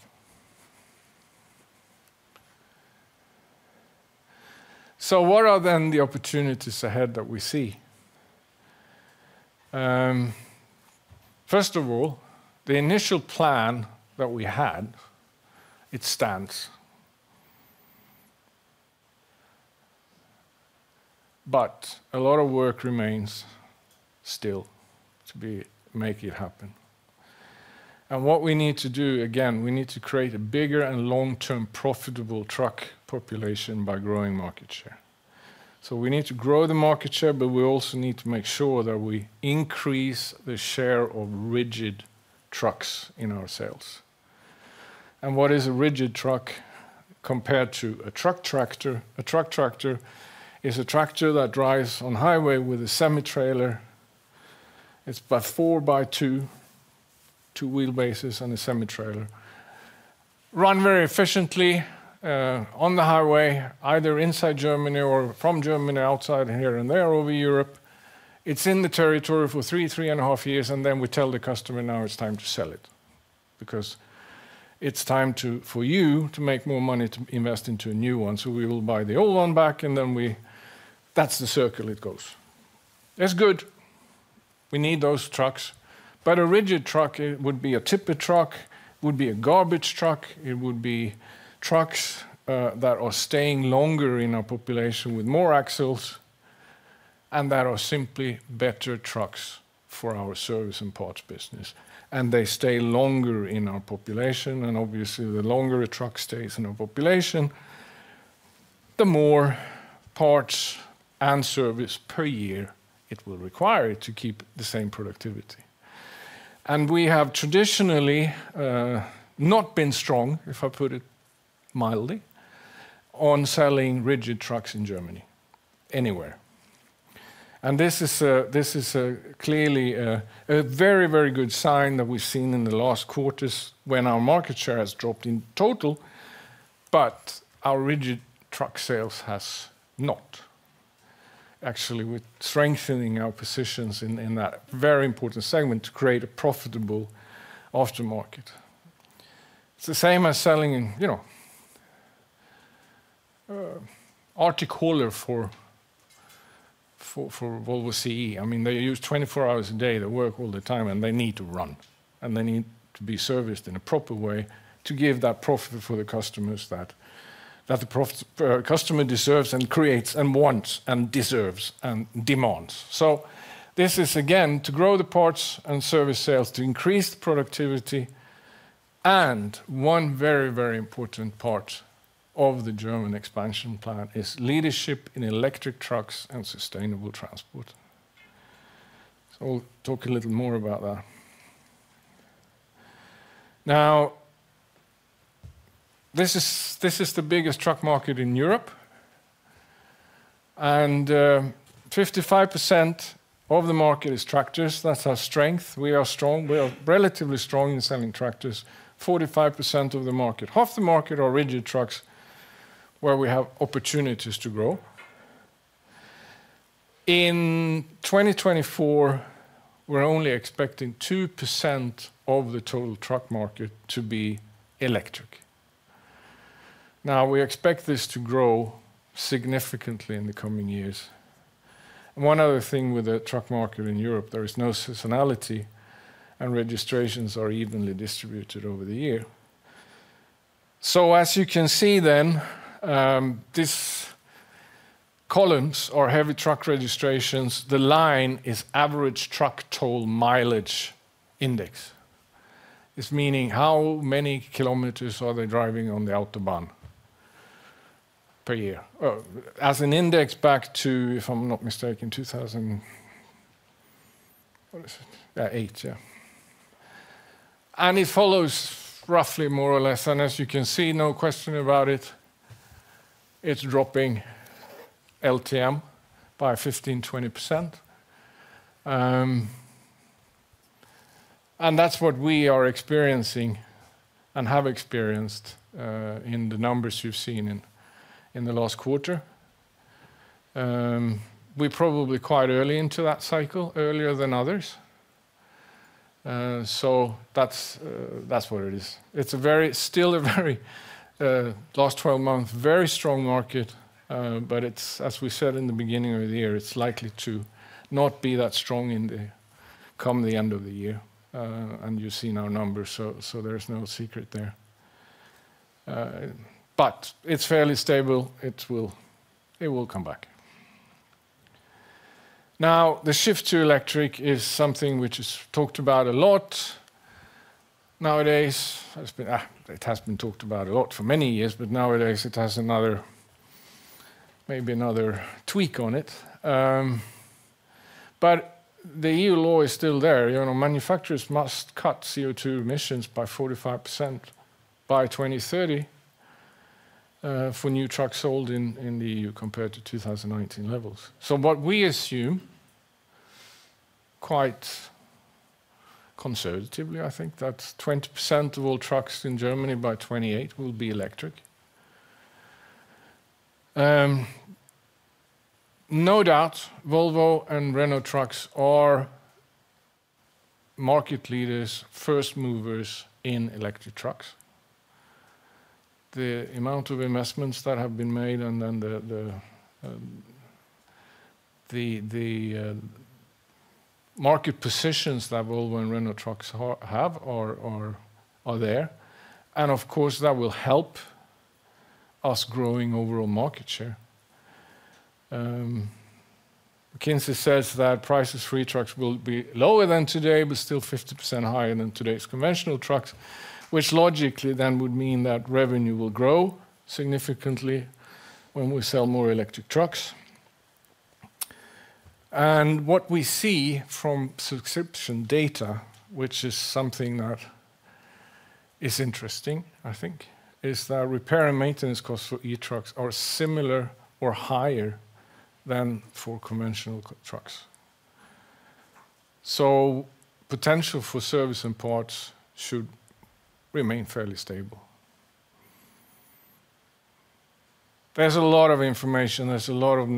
so what are then the opportunities ahead that we see? First of all, the initial plan that we had, it stands, but a lot of work remains still to make it happen, and what we need to do, again, we need to create a bigger and long-term profitable truck population by growing market share. So we need to grow the market share, but we also need to make sure that we increase the share of rigid trucks in our sales. And what is a rigid truck compared to a truck tractor? A truck tractor is a tractor that drives on highway with a semi-trailer. It's by four by two, two wheelbases and a semi-trailer. Run very efficiently on the highway, either inside Germany or from Germany or outside here and there over Europe. It's in the territory for three, three and a half years, and then we tell the customer, "Now it's time to sell it because it's time for you to make more money to invest into a new one." So we will buy the old one back, and then that's the circle it goes. That's good. We need those trucks. But a rigid truck would be a tipper truck, would be a garbage truck. It would be trucks that are staying longer in our population with more axles, and that are simply better trucks for our service and parts business. And they stay longer in our population. And obviously, the longer a truck stays in our population, the more parts and service per year it will require to keep the same productivity. And we have traditionally not been strong, if I put it mildly, on selling rigid trucks in Germany anywhere. And this is clearly a very, very good sign that we've seen in the last quarters when our market share has dropped in total, but our rigid truck sales has not. Actually, we're strengthening our positions in that very important segment to create a profitable aftermarket. It's the same as selling an articulated hauler for Volvo CE. I mean, they use 24 hours a day. They work all the time, and they need to run and they need to be serviced in a proper way to give that profit for the customers that the customer deserves and creates and wants and deserves and demands. So this is, again, to grow the parts and service sales, to increase productivity. One very, very important part of the German expansion plan is leadership in electric trucks and sustainable transport. We'll talk a little more about that. Now, this is the biggest truck market in Europe, and 55% of the market is tractors. That's our strength. We are strong. We are relatively strong in selling tractors. 45% of the market, half the market, are rigid trucks where we have opportunities to grow. In 2024, we're only expecting 2% of the total truck market to be electric. Now, we expect this to grow significantly in the coming years. One other thing with the truck market in Europe, there is no seasonality, and registrations are evenly distributed over the year. So as you can see then, these columns are heavy truck registrations. The line is average truck toll mileage index. It's meaning how many kilometers are they driving on the Autobahn per year as an index back to, if I'm not mistaken, 2008. What is it? Yeah, eight, yeah. And it follows roughly more or less. And as you can see, no question about it, it's dropping LTM by 15%-20%. And that's what we are experiencing and have experienced in the numbers you've seen in the last quarter. We're probably quite early into that cycle, earlier than others. So that's what it is. It's still a very last 12 months, very strong market, but as we said in the beginning of the year, it's likely to not be that strong in the coming end of the year. And you see now numbers, so there's no secret there. But it's fairly stable. It will come back. Now, the shift to electric is something which is talked about a lot nowadays. It has been talked about a lot for many years, but nowadays it has another, maybe another tweak on it. But the EU law is still there. Manufacturers must cut CO2 emissions by 45% by 2030 for new trucks sold in the EU compared to 2019 levels. So what we assume, quite conservatively, I think that 20% of all trucks in Germany by 2028 will be electric. No doubt, Volvo and Renault trucks are market leaders, first movers in electric trucks. The amount of investments that have been made and then the market positions that Volvo and Renault Trucks have are there. And of course, that will help us growing overall market share. McKinsey says that prices for e-trucks will be lower than today, but still 50% higher than today's conventional trucks, which logically then would mean that revenue will grow significantly when we sell more electric trucks. And what we see from subscription data, which is something that is interesting, I think, is that repair and maintenance costs for e-trucks are similar or higher than for conventional trucks. So potential for service and parts should remain fairly stable. There's a lot of information. There's a lot of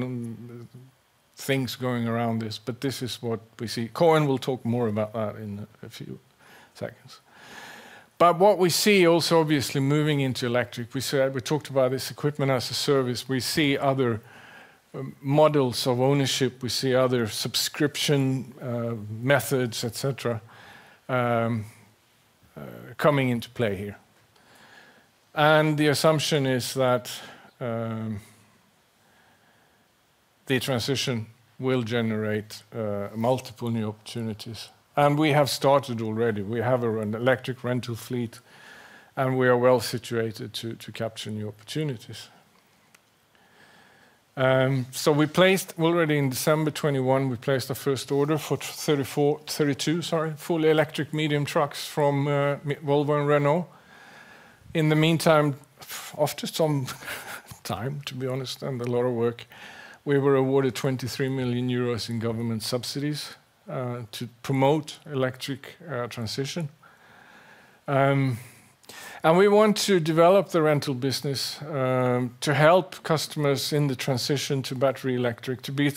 things going around this, but this is what we see. Koen will talk more about that in a few seconds. But what we see also, obviously, moving into electric, we talked about this equipment as a service. We see other models of ownership. We see other subscription methods, et cetera, coming into play here. And the assumption is that the transition will generate multiple new opportunities. And we have started already. We have an electric rental fleet, and we are well situated to capture new opportunities. So we placed already in December 2021, we placed the first order for 32, sorry, fully electric medium trucks from Volvo and Renault. In the meantime, after some time, to be honest, and a lot of work, we were awarded 23 million euros in government subsidies to promote electric transition. And we want to develop the rental business to help customers in the transition to battery electric to be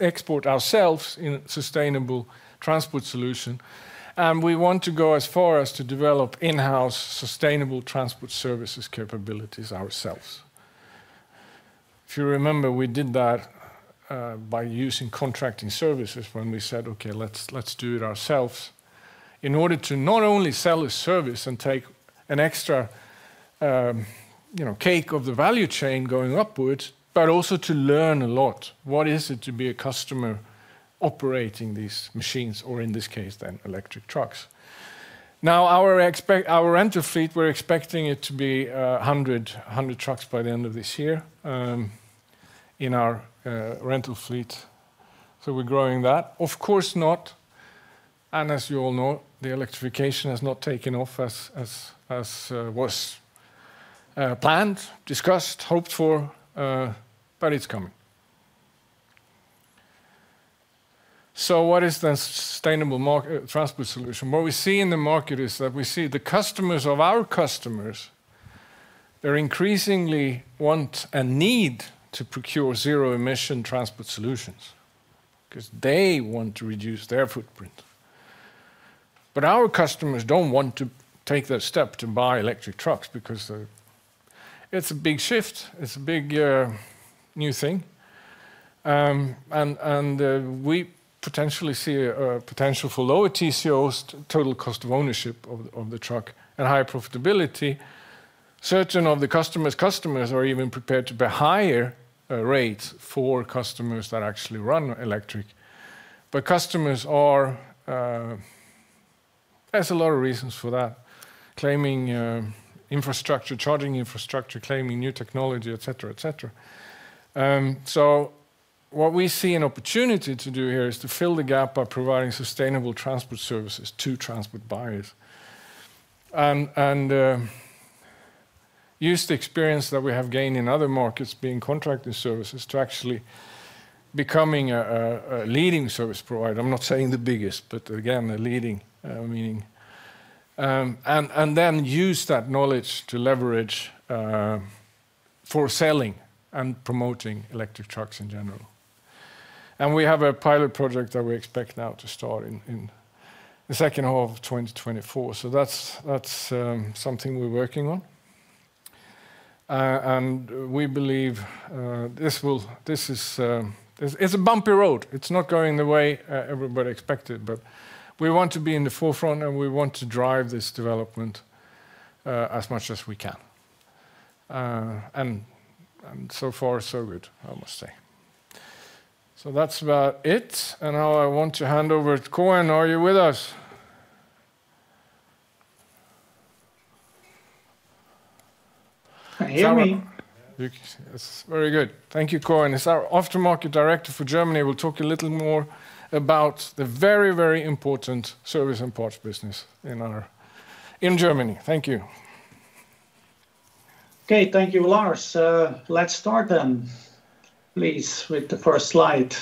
experts ourselves in sustainable transport solution. We want to go as far as to develop in-house sustainable transport services capabilities ourselves. If you remember, we did that by using contracting services when we said, "Okay, let's do it ourselves," in order to not only sell a service and take an extra cut of the value chain going upwards, but also to learn a lot. What is it to be a customer operating these machines, or in this case, the electric trucks? Now, our rental fleet, we're expecting it to be 100 trucks by the end of this year in our rental fleet. So we're growing that. Of course, not. And as you all know, the electrification has not taken off as was planned, discussed, hoped for, but it's coming. So what is the sustainable transport solution? What we see in the market is that we see the customers of our customers, they're increasingly want and need to procure zero-emission transport solutions because they want to reduce their footprint. But our customers don't want to take that step to buy electric trucks because it's a big shift. It's a big new thing. And we potentially see a potential for lower TCOs, total cost of ownership of the truck, and higher profitability. Certain of the customers' customers are even prepared to pay higher rates for customers that actually run electric. But customers, there's a lot of reasons for that, claiming infrastructure, charging infrastructure, claiming new technology, et cetera, et cetera. So what we see an opportunity to do here is to fill the gap by providing sustainable transport services to transport buyers and use the experience that we have gained in other markets being contracting services to actually becoming a leading service provider. I'm not saying the biggest, but again, a leading meaning. And then use that knowledge to leverage for selling and promoting electric trucks in general. And we have a pilot project that we expect now to start in the second half of 2024. So that's something we're working on. And we believe this is a bumpy road. It's not going the way everybody expected, but we want to be in the forefront, and we want to drive this development as much as we can. And so far, so good, I must say. So that's about it. And now I want to hand over to Koen. Are you with us? Hey, Hear me. That's very good. Thank you, Koen. As our Aftermarket Director for Germany, we'll talk a little more about the very, very important service and parts business in Germany. Thank you. Okay, thank you, Lars. Let's start then, please, with the first slide.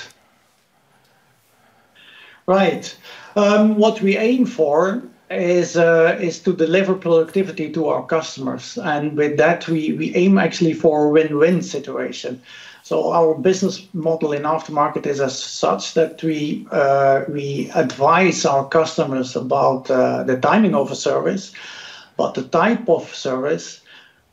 Right. What we aim for is to deliver productivity to our customers, and with that, we aim actually for a win-win situation, so our business model in aftermarket is as such that we advise our customers about the timing of a service, but the type of service.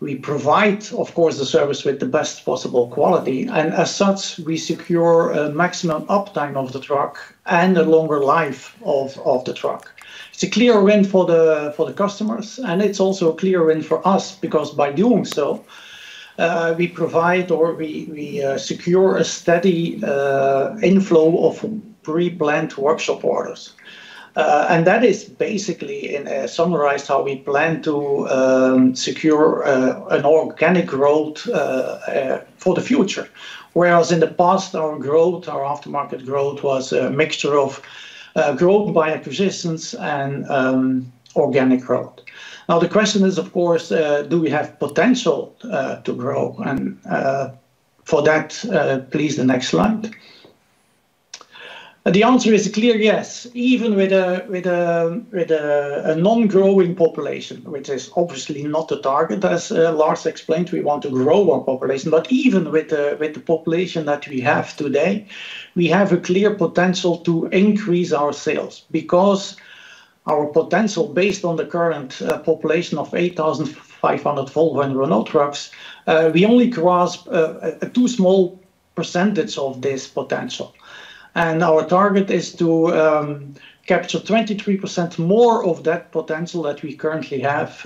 We provide, of course, the service with the best possible quality, and as such, we secure a maximum uptime of the truck and a longer life of the truck. It's a clear win for the customers, and it's also a clear win for us because by doing so, we provide or we secure a steady inflow of pre-planned workshop orders, and that is basically summarized how we plan to secure an organic growth for the future. Whereas in the past, our growth, our aftermarket growth was a mixture of growth by acquisitions and organic growth. Now, the question is, of course, do we have potential to grow? And for that, please, the next slide. The answer is a clear yes, even with a non-growing population, which is obviously not the target, as Lars explained. We want to grow our population, but even with the population that we have today, we have a clear potential to increase our sales because our potential, based on the current population of 8,500 Volvo and Renault trucks, we only grasp a too small percentage of this potential. And our target is to capture 23% more of that potential that we currently have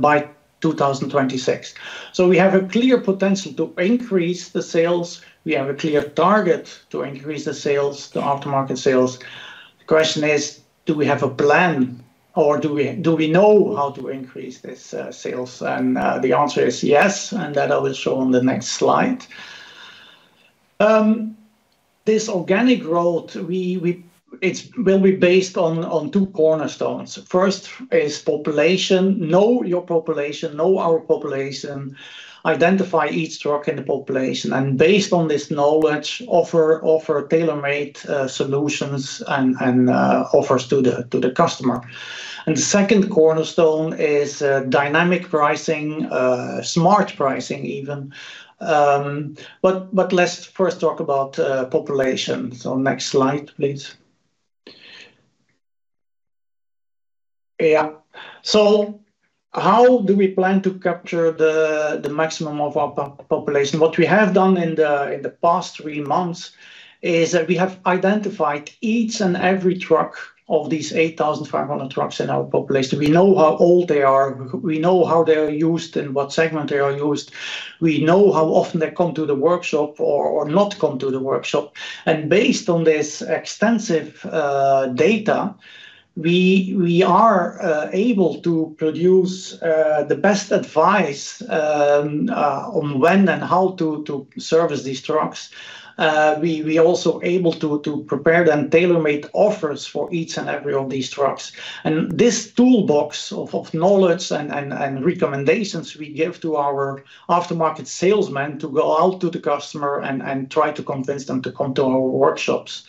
by 2026. So we have a clear potential to increase the sales. We have a clear target to increase the sales, the aftermarket sales. The question is, do we have a plan, or do we know how to increase this sales? And the answer is yes, and that I will show on the next slide. This organic growth, it will be based on two cornerstones. First is population. Know your population, know our population, identify each truck in the population, and based on this knowledge, offer tailor-made solutions and offers to the customer. And the second cornerstone is dynamic pricing, smart pricing even. But let's first talk about population. So next slide, please. Yeah. So how do we plan to capture the maximum of our population? What we have done in the past three months is that we have identified each and every truck of these 8,500 trucks in our population. We know how old they are. We know how they are used and what segment they are used. We know how often they come to the workshop or not come to the workshop. And based on this extensive data, we are able to produce the best advice on when and how to service these trucks. We are also able to prepare, then tailor-made offers for each and every one of these trucks. And this toolbox of knowledge and recommendations we give to our aftermarket salesmen to go out to the customer and try to convince them to come to our workshops.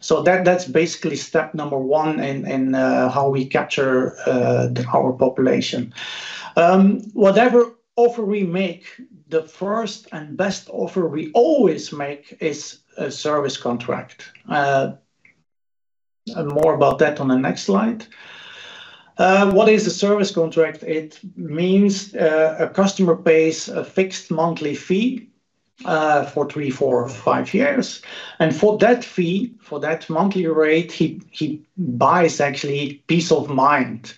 So that's basically step number one in how we capture our population. Whatever offer we make, the first and best offer we always make is a service contract. More about that on the next slide. What is a service contract? It means a customer pays a fixed monthly fee for three, four, or five years. For that fee, for that monthly rate, he buys actually peace of mind.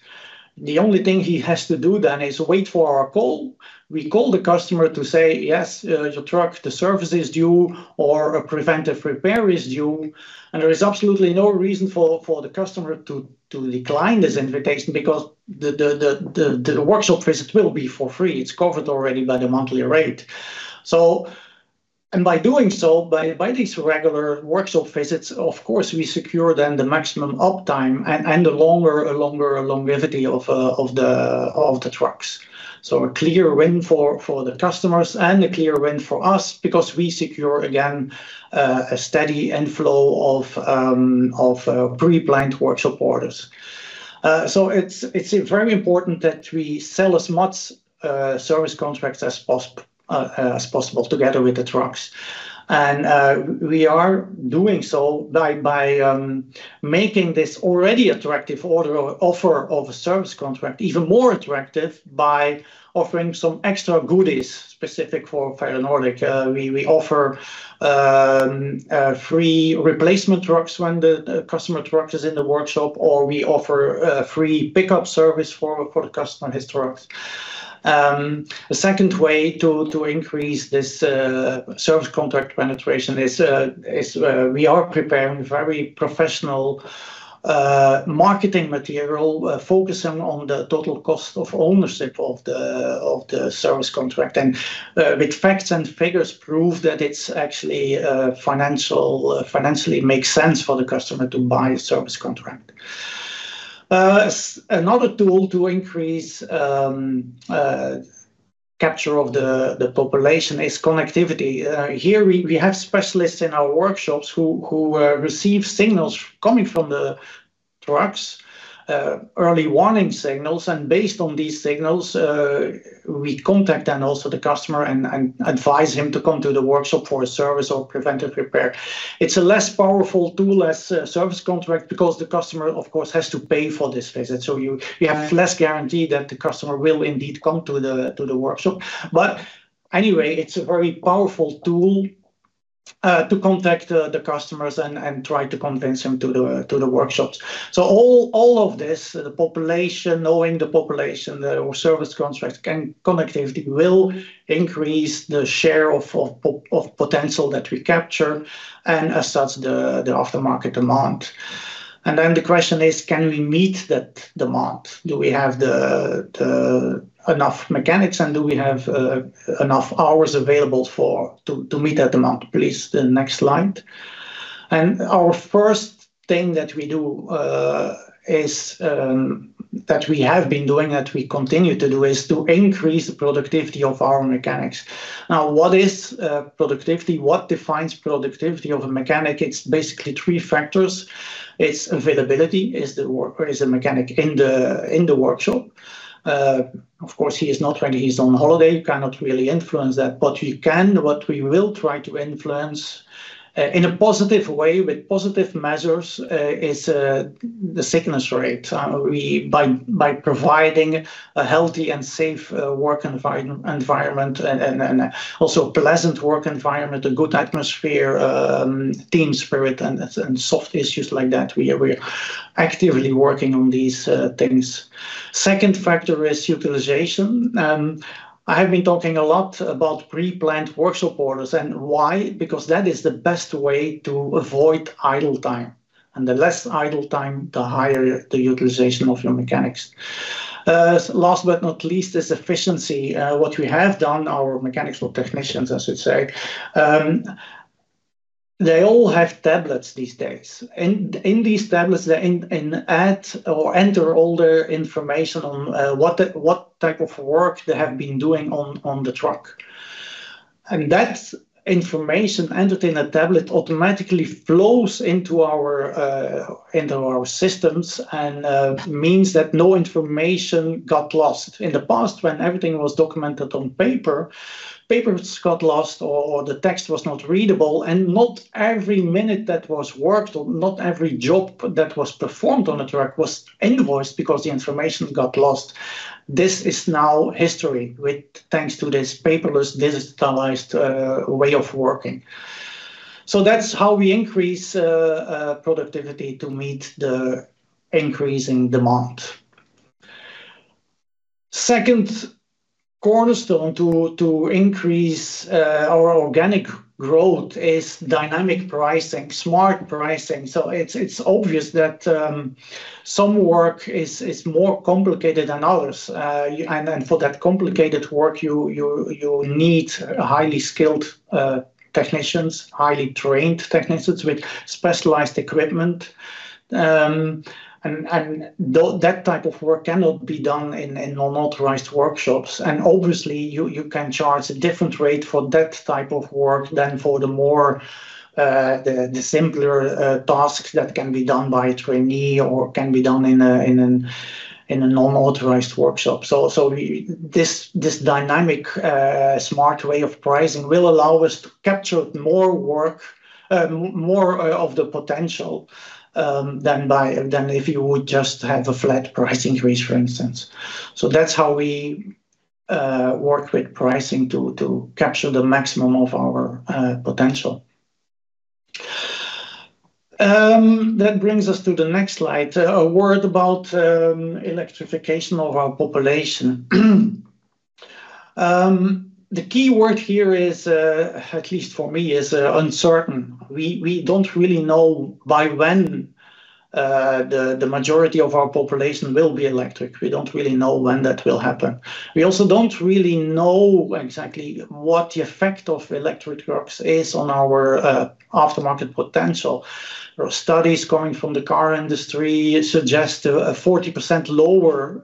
The only thing he has to do then is wait for our call. We call the customer to say, "Yes, your truck, the service is due," or, "A preventive repair is due." There is absolutely no reason for the customer to decline this invitation because the workshop visit will be for free. It's covered already by the monthly rate. By doing so, by these regular workshop visits, of course, we secure then the maximum uptime and a longer longevity of the trucks. A clear win for the customers and a clear win for us because we secure, again, a steady inflow of pre-planned workshop orders. It's very important that we sell as much service contracts as possible together with the trucks. We are doing so by making this already attractive offer of a service contract even more attractive by offering some extra goodies specific for Ferronordic. We offer free replacement trucks when the customer truck is in the workshop, or we offer free pickup service for the customer's vehicles. The second way to increase this service contract penetration is we are preparing very professional marketing material focusing on the total cost of ownership of the service contract and with facts and figures prove that it's actually financially makes sense for the customer to buy a service contract. Another tool to increase capture of the population is connectivity. Here, we have specialists in our workshops who receive signals coming from the trucks, early warning signals, and based on these signals, we contact then also the customer and advise him to come to the workshop for a service or preventive repair. It's a less powerful tool as a service contract because the customer, of course, has to pay for this visit. So you have less guarantee that the customer will indeed come to the workshop. But anyway, it's a very powerful tool to contact the customers and try to convince them to the workshops. So all of this, the population, knowing the population, the service contract, and connectivity will increase the share of potential that we capture and as such, the aftermarket demand, and then the question is, can we meet that demand? Do we have enough mechanics, and do we have enough hours available to meet that demand? Please, the next slide, and our first thing that we do is that we have been doing, that we continue to do, is to increase the productivity of our mechanics. Now, what is productivity? What defines productivity of a mechanic? It's basically three factors. It's availability. Is the mechanic in the workshop? Of course, he is not when he's on holiday. You cannot really influence that, but you can. What we will try to influence in a positive way, with positive measures, is the sickness rate. By providing a healthy and safe work environment and also a pleasant work environment, a good atmosphere, team spirit, and soft issues like that, we are actively working on these things. Second factor is utilization. I have been talking a lot about pre-planned workshop orders and why? Because that is the best way to avoid idle time, and the less idle time, the higher the utilization of your mechanics. Last but not least is efficiency. What we have done, our mechanics or technicians, as we say, they all have tablets these days. In these tablets, they can add or enter all their information on what type of work they have been doing on the truck, and that information entered in a tablet automatically flows into our systems and means that no information got lost. In the past, when everything was documented on paper, papers got lost or the text was not readable, and not every minute that was worked or not every job that was performed on a truck was invoiced because the information got lost. This is now history thanks to this paperless, digitalized way of working, so that's how we increase productivity to meet the increasing demand. Second cornerstone to increase our organic growth is dynamic pricing, smart pricing, so it's obvious that some work is more complicated than others, and for that complicated work, you need highly skilled technicians, highly trained technicians with specialized equipment. That type of work cannot be done in unauthorized workshops. Obviously, you can charge a different rate for that type of work than for the simpler tasks that can be done by a trainee or can be done in a non-authorized workshop. This dynamic, smart way of pricing will allow us to capture more work, more of the potential than if you would just have a flat price increase, for instance. That's how we work with pricing to capture the maximum of our potential. That brings us to the next slide. A word about electrification of our population. The key word here is, at least for me, is uncertain. We don't really know by when the majority of our population will be electric. We don't really know when that will happen. We also don't really know exactly what the effect of electric trucks is on our aftermarket potential. Studies coming from the car industry suggest a 40% lower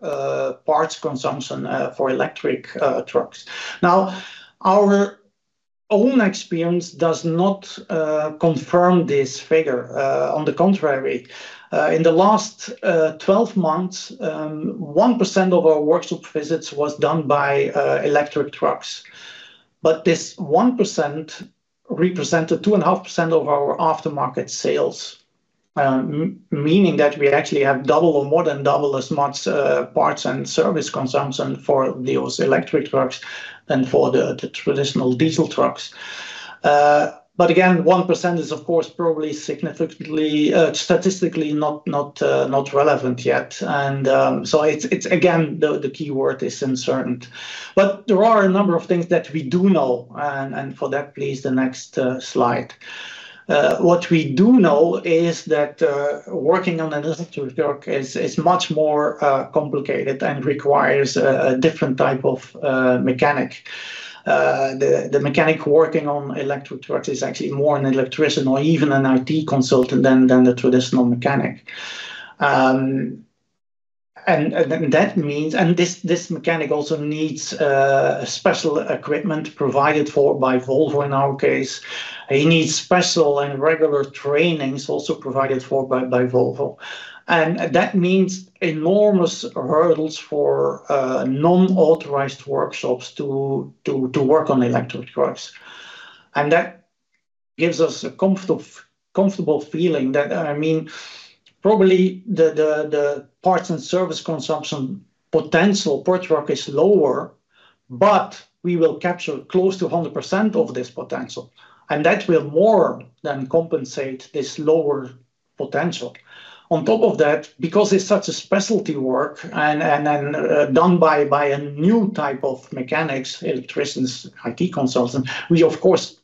parts consumption for electric trucks. Now, our own experience does not confirm this figure. On the contrary, in the last 12 months, 1% of our workshop visits was done by electric trucks. But this 1% represented 2.5% of our aftermarket sales, meaning that we actually have double or more than double as much parts and service consumption for those electric trucks than for the traditional diesel trucks. But again, 1% is, of course, probably statistically not relevant yet. And so it's, again, the key word is uncertain. But there are a number of things that we do know. And for that, please, the next slide. What we do know is that working on an electric truck is much more complicated and requires a different type of mechanic. The mechanic working on electric trucks is actually more an electrician or even an IT consultant than the traditional mechanic. And that means, and this mechanic also needs special equipment provided by Volvo in our case. He needs special and regular trainings also provided for by Volvo. And that means enormous hurdles for non-authorized workshops to work on electric trucks. And that gives us a comfortable feeling that, I mean, probably the parts and service consumption potential per truck is lower, but we will capture close to 100% of this potential. And that will more than compensate this lower potential. On top of that, because it's such a specialty work and done by a new type of mechanics, electricians, IT consultants, we, of course,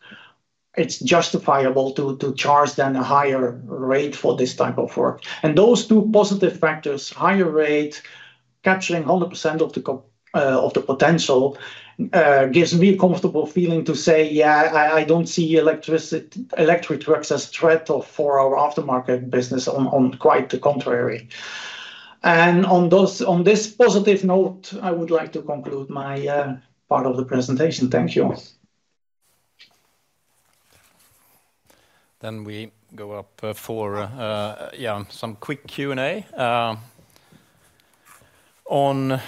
it's justifiable to charge then a higher rate for this type of work. And those two positive factors, higher rate, capturing 100% of the potential, gives me a comfortable feeling to say, "Yeah, I don't see electric trucks as a threat for our aftermarket business," on quite the contrary. And on this positive note, I would like to conclude my part of the presentation. Thank you. Then we go up for, yeah, some quick Q&A. On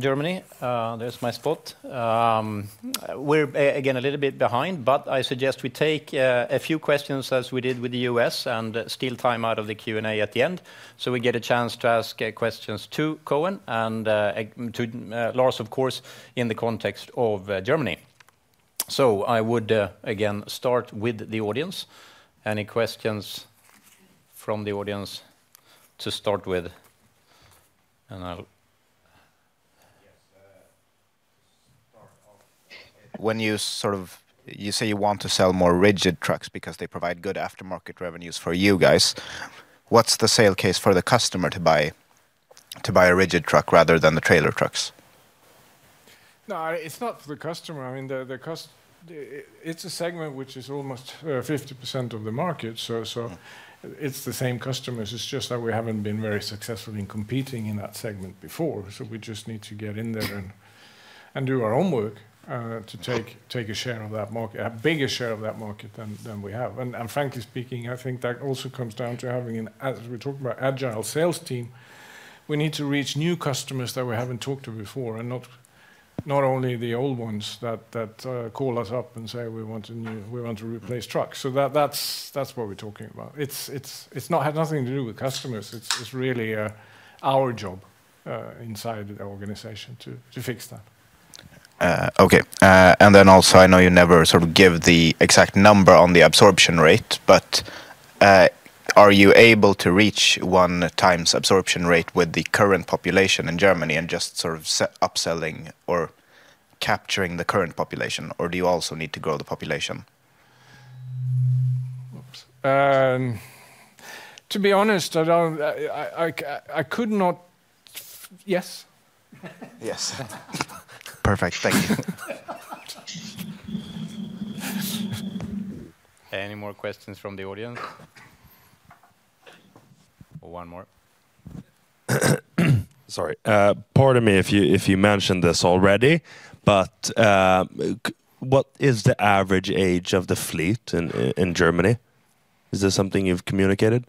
Germany, there's my spot. We're again a little bit behind, but I suggest we take a few questions as we did with the U.S. and steal time out of the Q&A at the end. So we get a chance to ask questions to Koen and to Lars, of course, in the context of Germany. So I would again start with the audience. Any questions from the audience to start with? When you sort of, you say you want to sell more rigid trucks because they provide good aftermarket revenues for you guys, what's the value case for the customer to buy a rigid truck rather than the trailer trucks? No, it's not for the customer. I mean, it's a segment which is almost 50% of the market. So it's the same customers. It's just that we haven't been very successful in competing in that segment before. So we just need to get in there and do our own work to take a share of that market, a bigger share of that market than we have. Frankly speaking, I think that also comes down to having, as we talk about, an agile sales team. We need to reach new customers that we haven't talked to before and not only the old ones that call us up and say, "We want to replace trucks." That's what we're talking about. It has nothing to do with customers. It's really our job inside the organization to fix that. Okay. Then also, I know you never sort of give the exact number on the absorption rate, but are you able to reach one-time absorption rate with the current population in Germany and just sort of upselling or capturing the current population, or do you also need to grow the population? To be honest, I could not. Yes? Yes. Perfect. Thank you. Any more questions from the audience? Or one more? Sorry. Pardon me if you mentioned this already, but what is the average age of the fleet in Germany? Is this something you've communicated?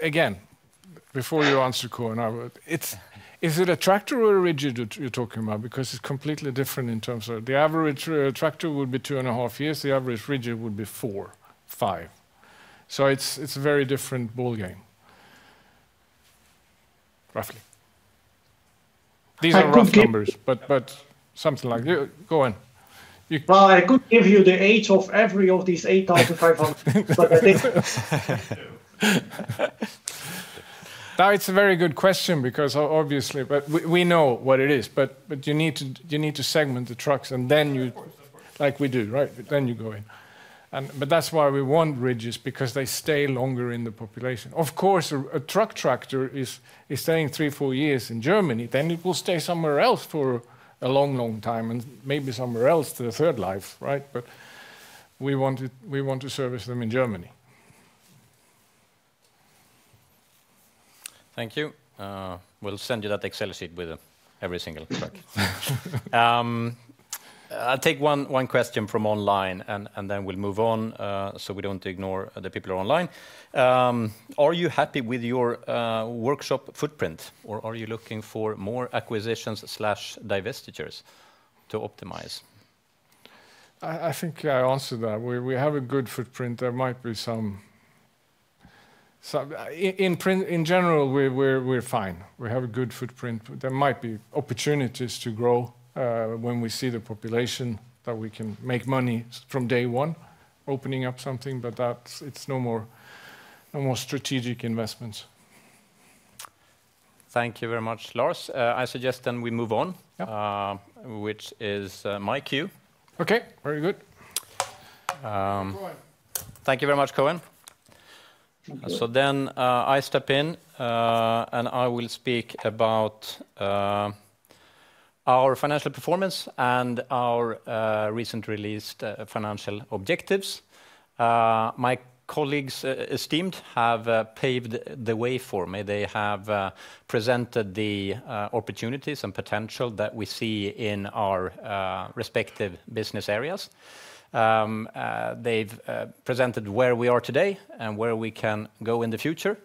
Again, before you answer Koen, is it a tractor or a rigid you're talking about? Because it's completely different in terms of the average tractor would be two and a half years. The average rigid would be four, five. So it's a very different ballgame, roughly. These are rough numbers, but something like that. Go on. Well, I could give you the age of every of these 8,500. Now, it's a very good question because obviously, but we know what it is. But you need to segment the trucks and then you, like we do, right? Then you go in. But that's why we want rigids because they stay longer in the population. Of course, a truck tractor is staying three, four years in Germany, then it will stay somewhere else for a long, long time and maybe somewhere else to the third life, right? But we want to service them in Germany. Thank you. We'll send you that Excel sheet with every single truck. I'll take one question from online and then we'll move on so we don't ignore the people who are online. Are you happy with your workshop footprint or are you looking for more acquisitions/divestitures to optimize? I think I answered that. We have a good footprint. There might be some. In general, we're fine. We have a good footprint. There might be opportunities to grow when we see the population that we can make money from day one, opening up something, but it's no more strategic investments. Thank you very much, Lars. I suggest then we move on, which is my cue. Okay. Very good. Thank you very much, Koen. So then I step in and I will speak about our financial performance and our recently released financial objectives. My colleagues esteemed have paved the way for me. They have presented the opportunities and potential that we see in our respective business areas. They've presented where we are today and where we can go in the future.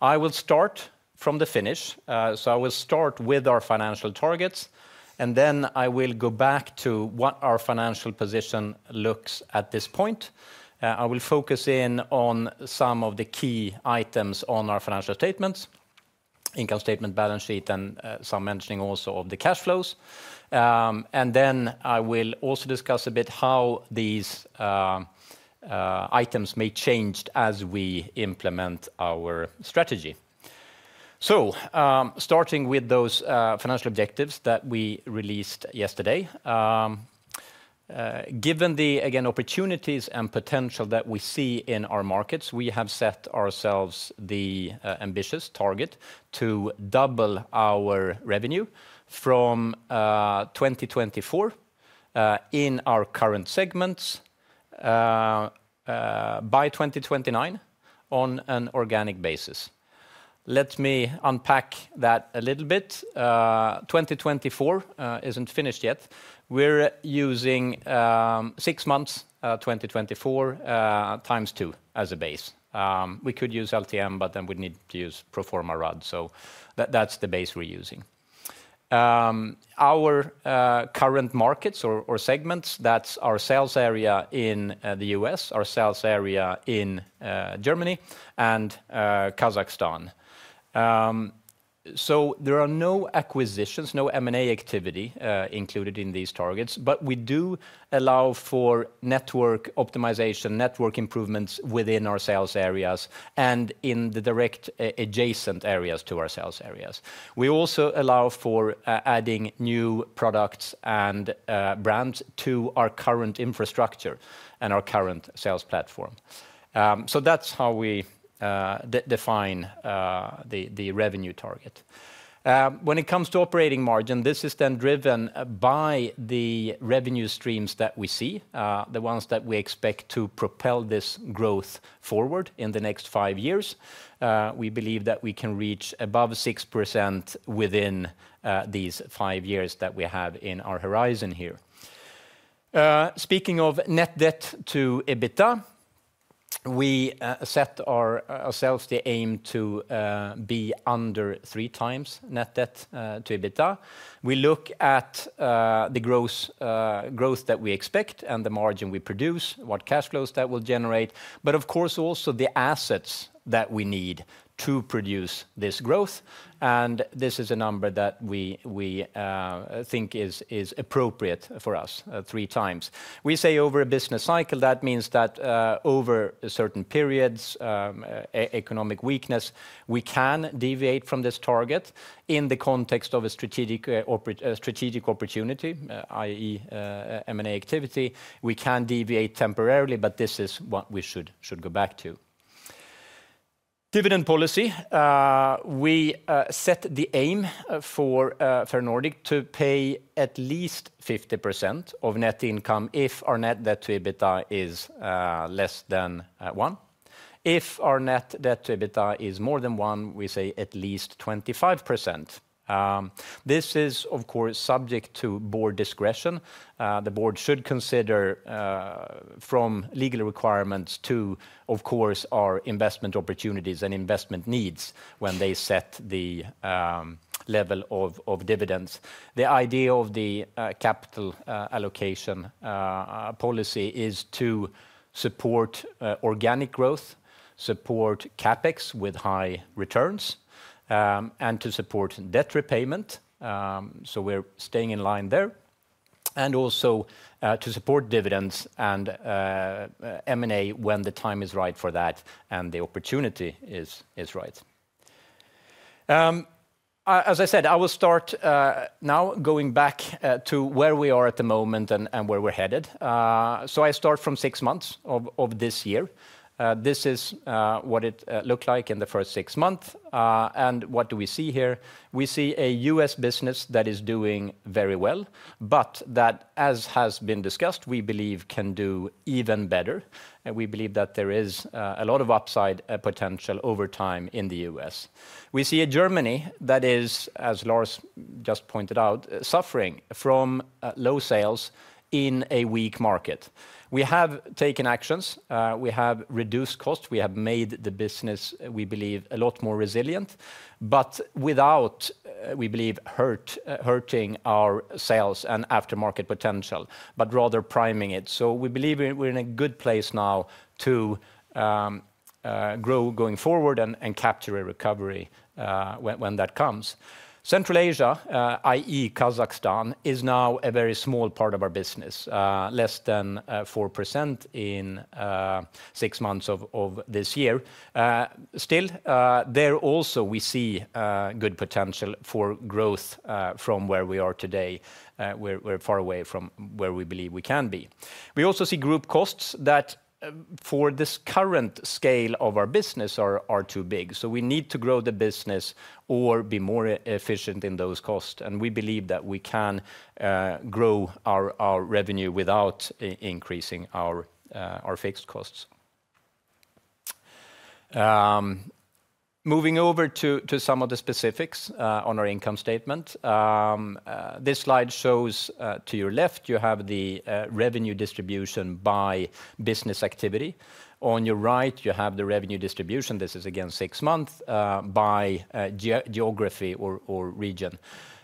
I will start from the finish. So I will start with our financial targets and then I will go back to what our financial position looks at this point. I will focus in on some of the key items on our financial statements, income statement, balance sheet, and some mentioning also of the cash flows. And then I will also discuss a bit how these items may change as we implement our strategy. So starting with those financial objectives that we released yesterday, given the, again, opportunities and potential that we see in our markets, we have set ourselves the ambitious target to double our revenue from 2024 in our current segments by 2029 on an organic basis. Let me unpack that a little bit. 2024 isn't finished yet. We're using six months, 2024 times two as a base. We could use LTM, but then we'd need to use Proforma RAD. So that's the base we're using. Our current markets or segments, that's our sales area in the U.S., our sales area in Germany, and Kazakhstan. So there are no acquisitions, no M&A activity included in these targets, but we do allow for network optimization, network improvements within our sales areas and in the direct adjacent areas to our sales areas. We also allow for adding new products and brands to our current infrastructure and our current sales platform, so that's how we define the revenue target. When it comes to operating margin, this is then driven by the revenue streams that we see, the ones that we expect to propel this growth forward in the next five years. We believe that we can reach above 6% within these five years that we have in our horizon here. Speaking of net debt to EBITDA, we set ourselves the aim to be under three times net debt to EBITDA. We look at the growth that we expect and the margin we produce, what cash flows that will generate, but of course also the assets that we need to produce this growth, and this is a number that we think is appropriate for us, three times. We say over a business cycle, that means that over certain periods, economic weakness, we can deviate from this target in the context of a strategic opportunity, i.e., M&A activity. We can deviate temporarily, but this is what we should go back to. Dividend policy, we set the aim for Ferronordic to pay at least 50% of net income if our net debt to EBITDA is less than one. If our net debt to EBITDA is more than one, we say at least 25%. This is, of course, subject to board discretion. The board should consider from legal requirements to, of course, our investment opportunities and investment needs when they set the level of dividends. The idea of the capital allocation policy is to support organic growth, support CapEx with high returns, and to support debt repayment, so we're staying in line there. Also to support dividends and M&A when the time is right for that and the opportunity is right. As I said, I will start now going back to where we are at the moment and where we're headed. I start from six months of this year. This is what it looked like in the first six months. What do we see here? We see a U.S. business that is doing very well, but that, as has been discussed, we believe can do even better. We believe that there is a lot of upside potential over time in the U.S. We see a Germany that is, as Lars just pointed out, suffering from low sales in a weak market. We have taken actions. We have reduced costs. We have made the business, we believe, a lot more resilient, but without, we believe, hurting our sales and aftermarket potential, but rather priming it. So we believe we're in a good place now to grow going forward and capture a recovery when that comes. Central Asia, i.e., Kazakhstan, is now a very small part of our business, less than 4% in six months of this year. Still, there also we see good potential for growth from where we are today. We're far away from where we believe we can be. We also see group costs that for this current scale of our business are too big. So we need to grow the business or be more efficient in those costs. And we believe that we can grow our revenue without increasing our fixed costs. Moving over to some of the specifics on our income statement. This slide shows to your left, you have the revenue distribution by business activity. On your right, you have the revenue distribution. This is again six months by geography or region.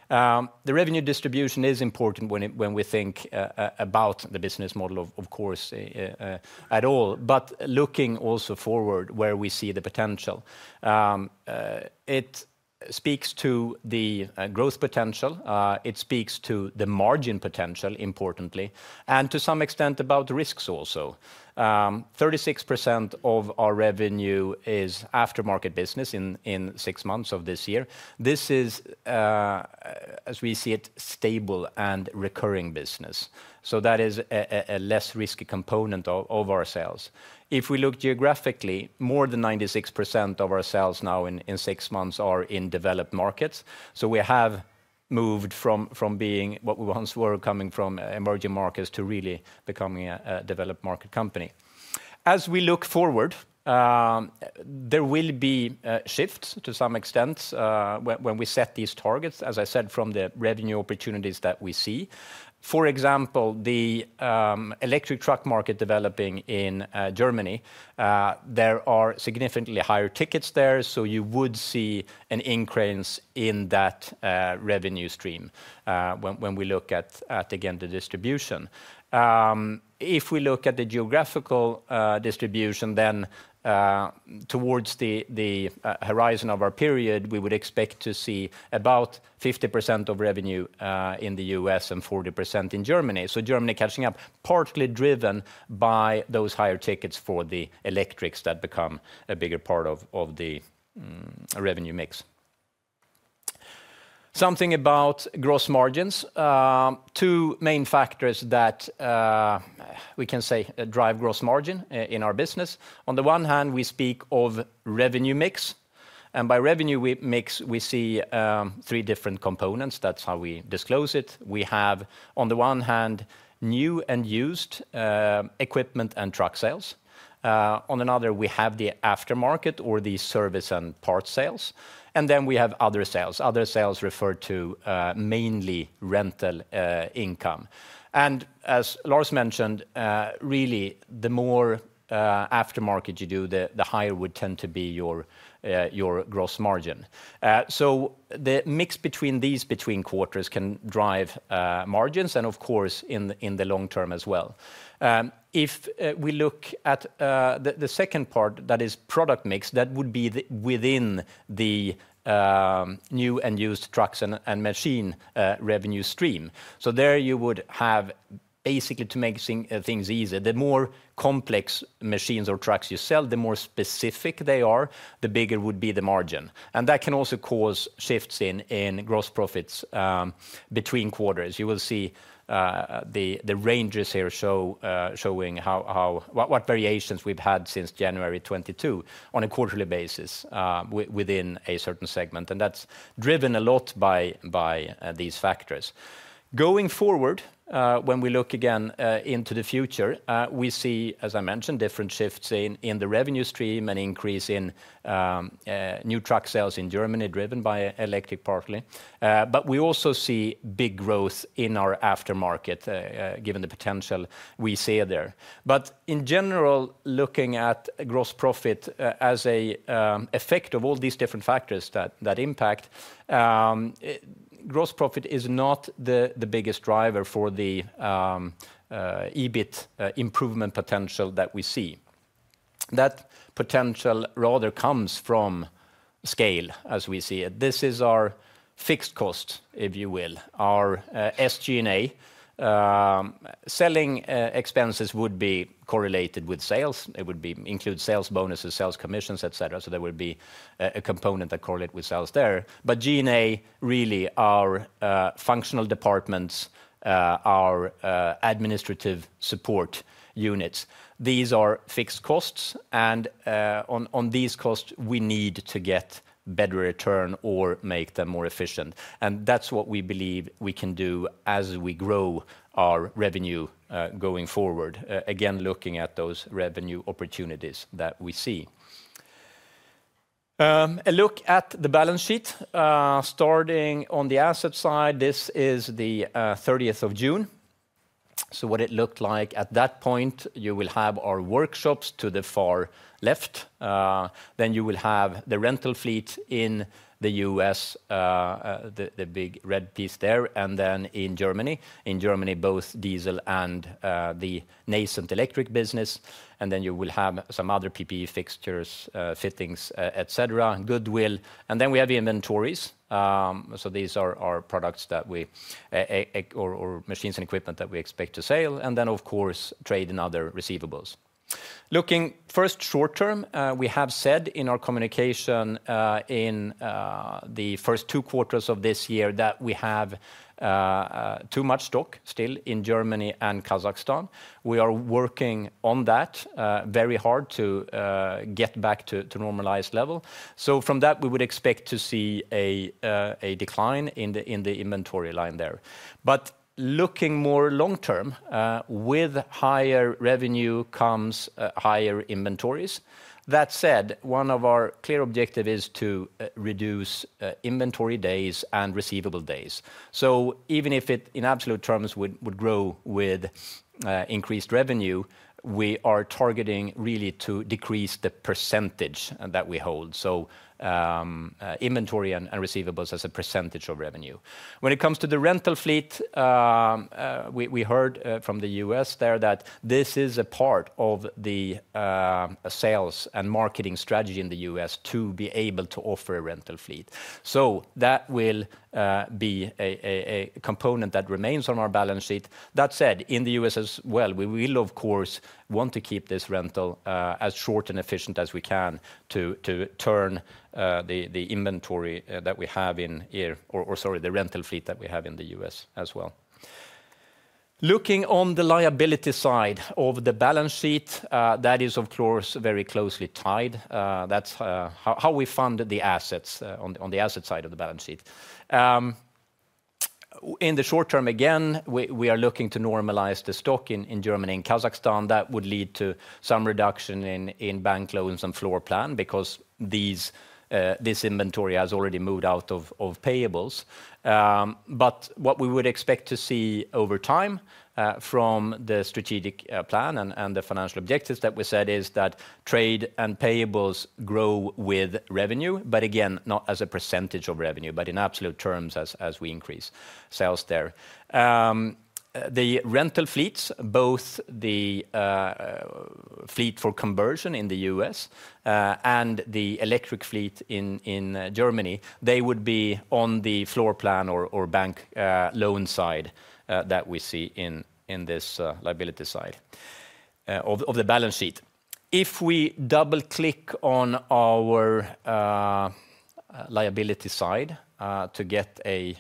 The revenue distribution is important when we think about the business model, of course, at all, but looking also forward where we see the potential. It speaks to the growth potential. It speaks to the margin potential, importantly, and to some extent about risks also. 36% of our revenue is aftermarket business in six months of this year. This is, as we see it, stable and recurring business. So that is a less risky component of our sales. If we look geographically, more than 96% of our sales now in six months are in developed markets. So we have moved from being what we once were coming from emerging markets to really becoming a developed market company. As we look forward, there will be shifts to some extent when we set these targets, as I said, from the revenue opportunities that we see. For example, the electric truck market developing in Germany, there are significantly higher tickets there. So you would see an increase in that revenue stream when we look at, again, the distribution. If we look at the geographical distribution, then towards the horizon of our period, we would expect to see about 50% of revenue in the U.S. and 40% in Germany. So Germany catching up, partly driven by those higher tickets for the electrics that become a bigger part of the revenue mix. Something about gross margins, two main factors that we can say drive gross margin in our business. On the one hand, we speak of revenue mix. And by revenue mix, we see three different components. That's how we disclose it. We have, on the one hand, new and used equipment and truck sales. On another, we have the aftermarket or the service and part sales. And then we have other sales. Other sales refer to mainly rental income. And as Lars mentioned, really, the more aftermarket you do, the higher would tend to be your gross margin. So the mix between these between quarters can drive margins and, of course, in the long term as well. If we look at the second part, that is product mix, that would be within the new and used trucks and machine revenue stream. So there you would have basically to make things easier. The more complex machines or trucks you sell, the more specific they are, the bigger would be the margin. And that can also cause shifts in gross profits between quarters. You will see the ranges here showing what variations we've had since January 22 on a quarterly basis within a certain segment. And that's driven a lot by these factors. Going forward, when we look again into the future, we see, as I mentioned, different shifts in the revenue stream and increase in new truck sales in Germany driven by electric partly. But we also see big growth in our aftermarket given the potential we see there. But in general, looking at gross profit as an effect of all these different factors that impact, gross profit is not the biggest driver for the EBIT improvement potential that we see. That potential rather comes from scale as we see it. This is our fixed cost, if you will, our SG&A. Selling expenses would be correlated with sales. It would include sales bonuses, sales commissions, etc. So there would be a component that correlates with sales there. But G&A really are functional departments, are administrative support units. These are fixed costs. And on these costs, we need to get better return or make them more efficient. And that's what we believe we can do as we grow our revenue going forward, again, looking at those revenue opportunities that we see. A look at the balance sheet starting on the asset side. This is the 30th of June. So what it looked like at that point, you will have our workshops to the far left. Then you will have the rental fleet in the U.S., the big red piece there, and then in Germany. In Germany, both diesel and the nascent electric business. And then you will have some other PPE fixtures, fittings, etc., Goodwill. And then we have the inventories. So these are our products that we or machines and equipment that we expect to sell. And then, of course, trade in other receivables. Looking first short term, we have said in our communication in the first two quarters of this year that we have too much stock still in Germany and Kazakhstan. We are working on that very hard to get back to normalized level. So from that, we would expect to see a decline in the inventory line there. But looking more long term, with higher revenue comes higher inventories. That said, one of our clear objectives is to reduce inventory days and receivable days. So even if it in absolute terms would grow with increased revenue, we are targeting really to decrease the percentage that we hold. So inventory and receivables as a percentage of revenue. When it comes to the rental fleet, we heard from the U.S. there that this is a part of the sales and marketing strategy in the U.S. to be able to offer a rental fleet. So that will be a component that remains on our balance sheet. That said, in the U.S. as well, we will, of course, want to keep this rental as short and efficient as we can to turn the inventory that we have in or sorry, the rental fleet that we have in the U.S. as well. Looking on the liability side of the balance sheet, that is, of course, very closely tied. That's how we fund the assets on the asset side of the balance sheet. In the short term, again, we are looking to normalize the stock in Germany and Kazakhstan. That would lead to some reduction in bank loans and floor plan because this inventory has already moved out of payables. But what we would expect to see over time from the strategic plan and the financial objectives that we said is that trade and payables grow with revenue, but again, not as a percentage of revenue, but in absolute terms as we increase sales there. The rental fleets, both the fleet for conversion in the U.S. and the electric fleet in Germany, they would be on the floor plan or bank loan side that we see in this liability side of the balance sheet. If we double-click on our liability side to get a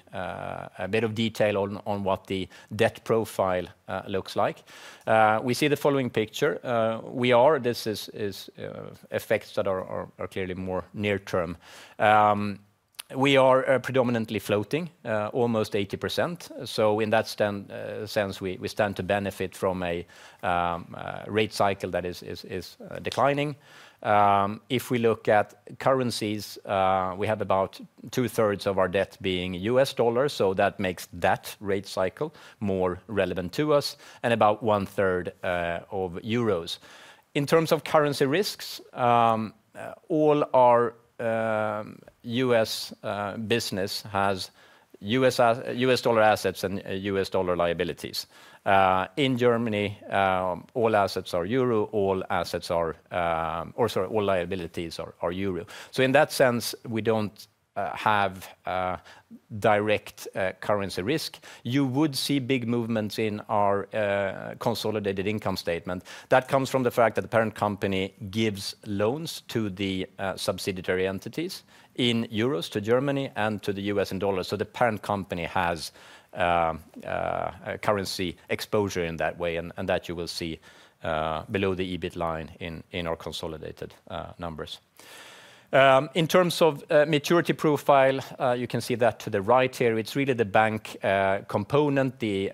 bit of detail on what the debt profile looks like, we see the following picture. We are, this is effects that are clearly more near term. We are predominantly floating, almost 80%. So in that sense, we stand to benefit from a rate cycle that is declining. If we look at currencies, we have about two-thirds of our debt being US dollars. So that makes that rate cycle more relevant to us and about one-third of euros. In terms of currency risks, all our US business has US dollar assets and US dollar liabilities. In Germany, all assets are euro, or sorry, all liabilities are euro. So in that sense, we don't have direct currency risk. You would see big movements in our consolidated income statement. That comes from the fact that the parent company gives loans to the subsidiary entities in euros to Germany and to the US in dollars. So the parent company has currency exposure in that way. And that you will see below the EBIT line in our consolidated numbers. In terms of maturity profile, you can see that to the right here. It's really the bank component, the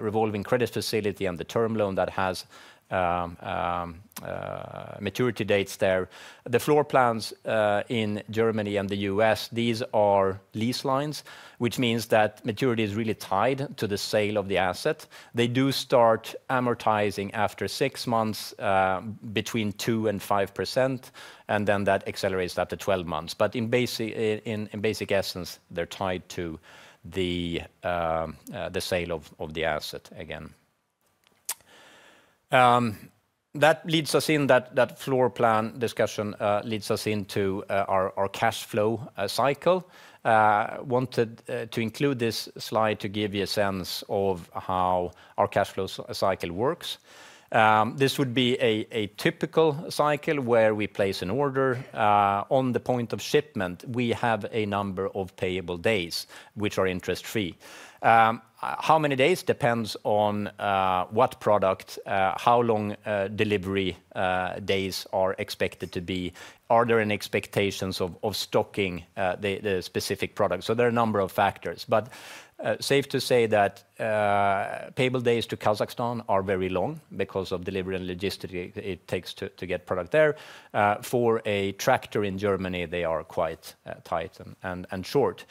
revolving credit facility and the term loan that has maturity dates there. The floor plans in Germany and the U.S., these are lease lines, which means that maturity is really tied to the sale of the asset. They do start amortizing after six months between 2% and 5%, and then that accelerates to 12 months. But in basic essence, they're tied to the sale of the asset again. That leads us in that floor plan discussion into our cash flow cycle. I wanted to include this slide to give you a sense of how our cash flow cycle works. This would be a typical cycle where we place an order. On the point of shipment, we have a number of payable days, which are interest-free. How many days depends on what product, how long delivery days are expected to be? Are there any expectations of stocking the specific product? So there are a number of factors. But safe to say that payable days to Kazakhstan are very long because of delivery and logistics it takes to get product there. For a tractor in Germany, they are quite tight and short.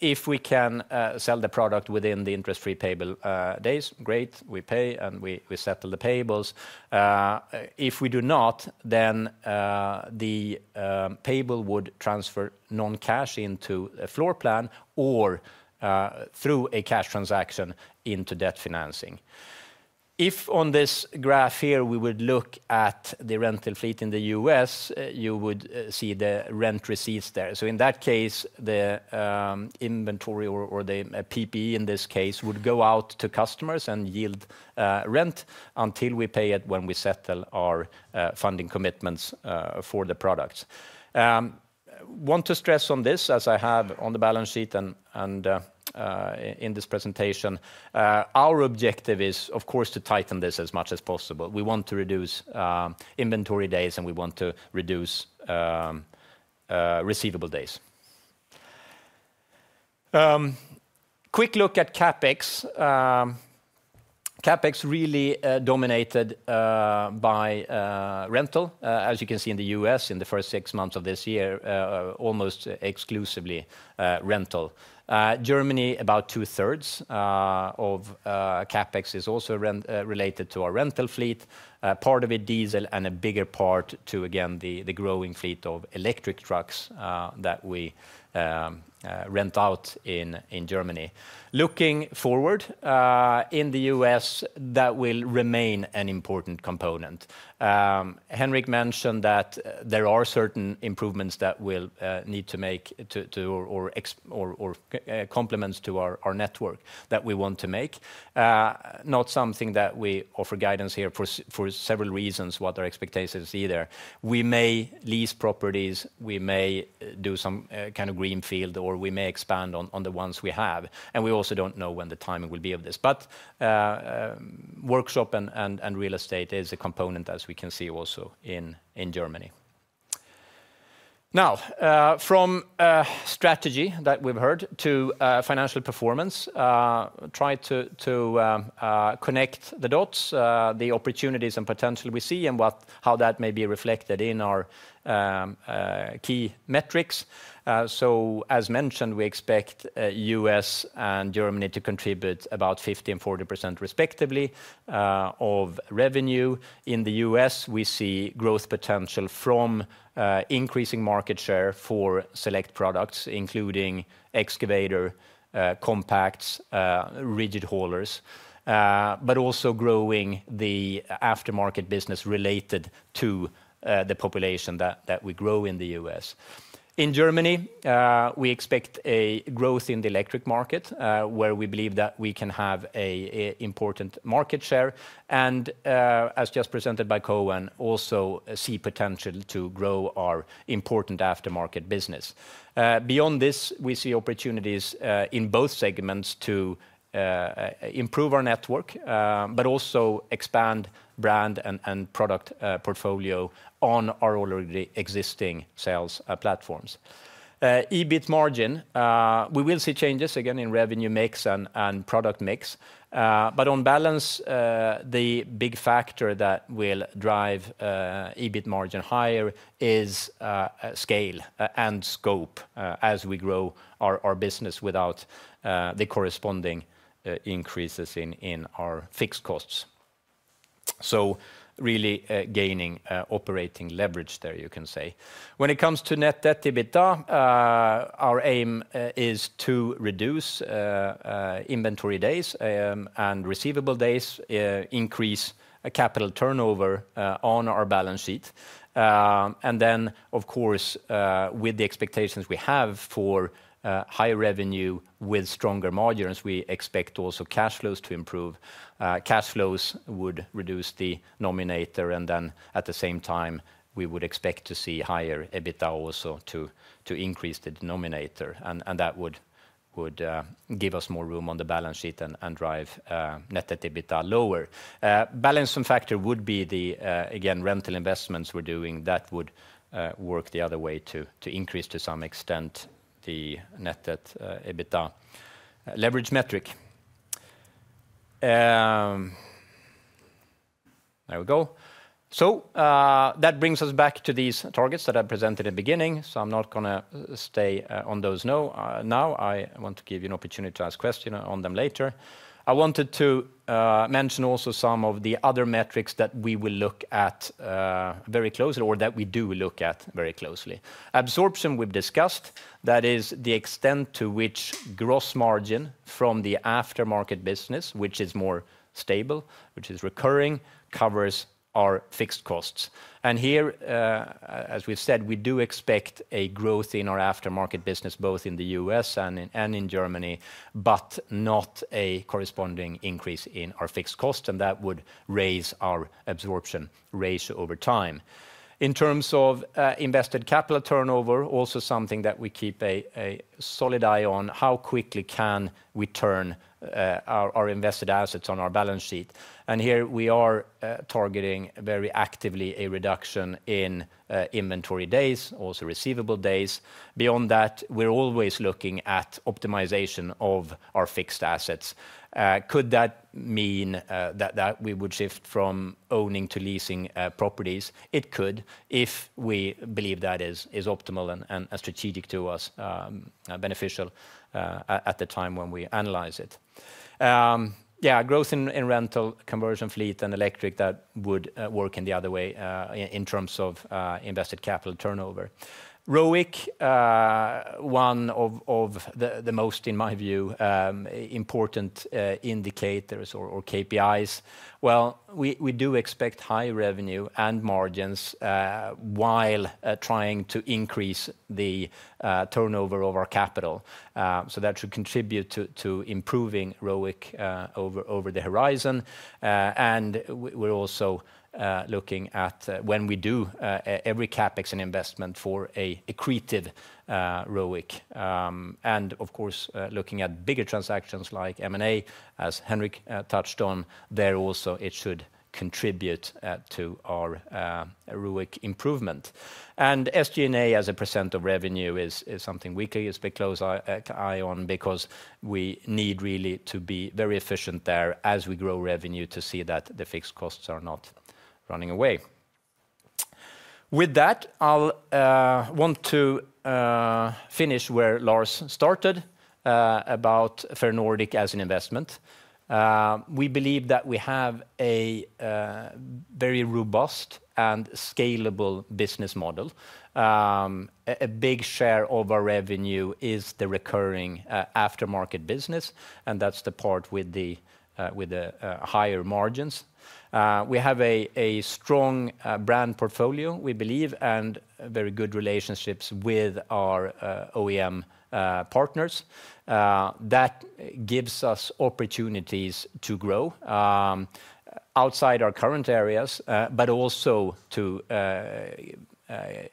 If we can sell the product within the interest-free payable days, great, we pay and we settle the payables. If we do not, then the payable would transfer non-cash into a floor plan or through a cash transaction into debt financing. If on this graph here, we would look at the rental fleet in the US, you would see the rent receipts there. So in that case, the inventory or the PPE in this case would go out to customers and yield rent until we pay it when we settle our funding commitments for the products. I want to stress on this, as I have on the balance sheet and in this presentation, our objective is, of course, to tighten this as much as possible. We want to reduce inventory days and we want to reduce receivable days. Quick look at CapEx. CapEx really dominated by rental. As you can see in the U.S., in the first six months of this year, almost exclusively rental. Germany, about two-thirds of CapEx is also related to our rental fleet, part of it diesel and a bigger part to, again, the growing fleet of electric trucks that we rent out in Germany. Looking forward in the U.S., that will remain an important component. Henrik mentioned that there are certain improvements that we'll need to make or complements to our network that we want to make. Not something that we offer guidance here for several reasons, what our expectations are there. We may lease properties, we may do some kind of greenfield, or we may expand on the ones we have, and we also don't know when the timing will be of this, but workshop and real estate is a component, as we can see also in Germany. Now, from strategy that we've heard to financial performance, try to connect the dots, the opportunities and potential we see and how that may be reflected in our key metrics. So, as mentioned, we expect US and Germany to contribute about 50% and 40% respectively of revenue. In the U.S., we see growth potential from increasing market share for select products, including excavator, compacts, rigid haulers, but also growing the aftermarket business related to the population that we grow in the U.S. In Germany, we expect a growth in the electric market where we believe that we can have an important market share, and as just presented by Koen, also see potential to grow our important aftermarket business. Beyond this, we see opportunities in both segments to improve our network, but also expand brand and product portfolio on our already existing sales platforms. EBIT margin, we will see changes again in revenue mix and product mix, but on balance, the big factor that will drive EBIT margin higher is scale and scope as we grow our business without the corresponding increases in our fixed costs, so really gaining operating leverage there, you can say. When it comes to net debt EBITDA, our aim is to reduce inventory days and receivable days, increase capital turnover on our balance sheet, and then, of course, with the expectations we have for higher revenue with stronger margins, we expect also cash flows to improve. Cash flows would reduce the numerator, and then at the same time, we would expect to see higher EBITDA also to increase the numerator, and that would give us more room on the balance sheet and drive net debt EBITDA lower. Balancing factor would be the, again, rental investments we're doing that would work the other way to increase to some extent the net debt EBITDA leverage metric. There we go. So that brings us back to these targets that I presented in the beginning, so I'm not going to stay on those now. I want to give you an opportunity to ask questions on them later. I wanted to mention also some of the other metrics that we will look at very closely or that we do look at very closely. Absorption we've discussed. That is the extent to which gross margin from the aftermarket business, which is more stable, which is recurring, covers our fixed costs. And here, as we've said, we do expect a growth in our aftermarket business, both in the U.S. and in Germany, but not a corresponding increase in our fixed costs. And that would raise our absorption ratio over time. In terms of invested capital turnover, also something that we keep a solid eye on, how quickly can we turn our invested assets on our balance sheet? And here we are targeting very actively a reduction in inventory days, also receivable days. Beyond that, we're always looking at optimization of our fixed assets. Could that mean that we would shift from owning to leasing properties? It could if we believe that is optimal and strategic to us, beneficial at the time when we analyze it. Yeah, growth in rental conversion fleet and electric, that would work in the other way in terms of invested capital turnover. ROIC, one of the most, in my view, important indicators or KPIs, well, we do expect high revenue and margins while trying to increase the turnover of our capital, so that should contribute to improving ROIC over the horizon, and we're also looking at when we do every CapEx and investment for an accretive ROIC, and of course, looking at bigger transactions like M&A, as Henrik touched on, there also it should contribute to our ROIC improvement. SG&A as a % of revenue is something we keep a close eye on because we need really to be very efficient there as we grow revenue to see that the fixed costs are not running away. With that, I'll want to finish where Lars started about Ferronordic as an investment. We believe that we have a very robust and scalable business model. A big share of our revenue is the recurring aftermarket business. And that's the part with the higher margins. We have a strong brand portfolio, we believe, and very good relationships with our OEM partners. That gives us opportunities to grow outside our current areas, but also to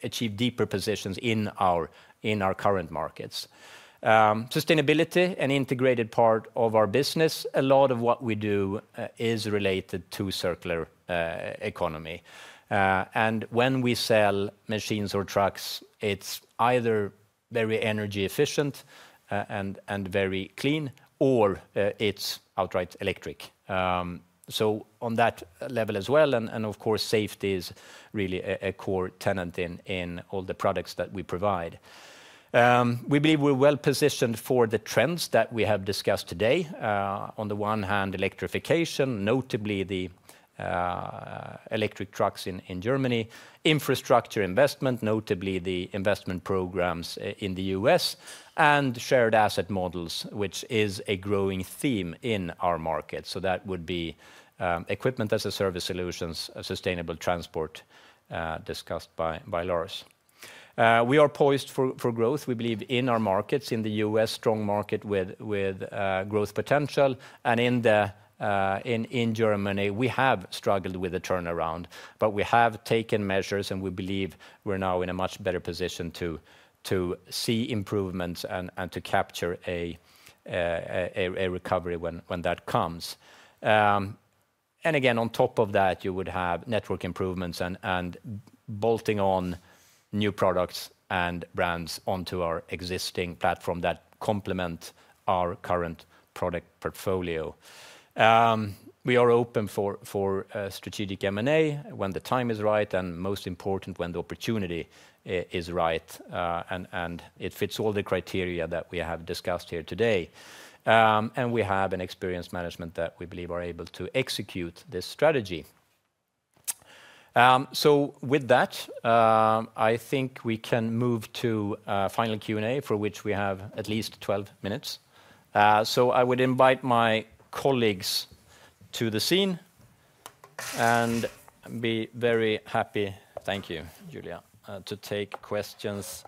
achieve deeper positions in our current markets. Sustainability is an integrated part of our business. A lot of what we do is related to circular economy. And when we sell machines or trucks, it's either very energy efficient and very clean or it's outright electric, so on that level as well, and of course, safety is really a core tenet in all the products that we provide. We believe we're well positioned for the trends that we have discussed today. On the one hand, electrification, notably the electric trucks in Germany, infrastructure investment, notably the investment programs in the U.S. and shared asset models, which is a growing theme in our market, so that would be equipment as a service solutions, sustainable transport discussed by Lars. We are poised for growth, we believe, in our markets, in the U.S., strong market with growth potential. And in Germany, we have struggled with the turnaround, but we have taken measures and we believe we're now in a much better position to see improvements and to capture a recovery when that comes. And again, on top of that, you would have network improvements and bolting on new products and brands onto our existing platform that complement our current product portfolio. We are open for strategic M&A when the time is right and most important when the opportunity is right and it fits all the criteria that we have discussed here today. And we have an experienced management that we believe are able to execute this strategy. So with that, I think we can move to final Q&A for which we have at least 12 minutes. So I would invite my colleagues to the stage and be very happy. Thank you, Julia, to take questions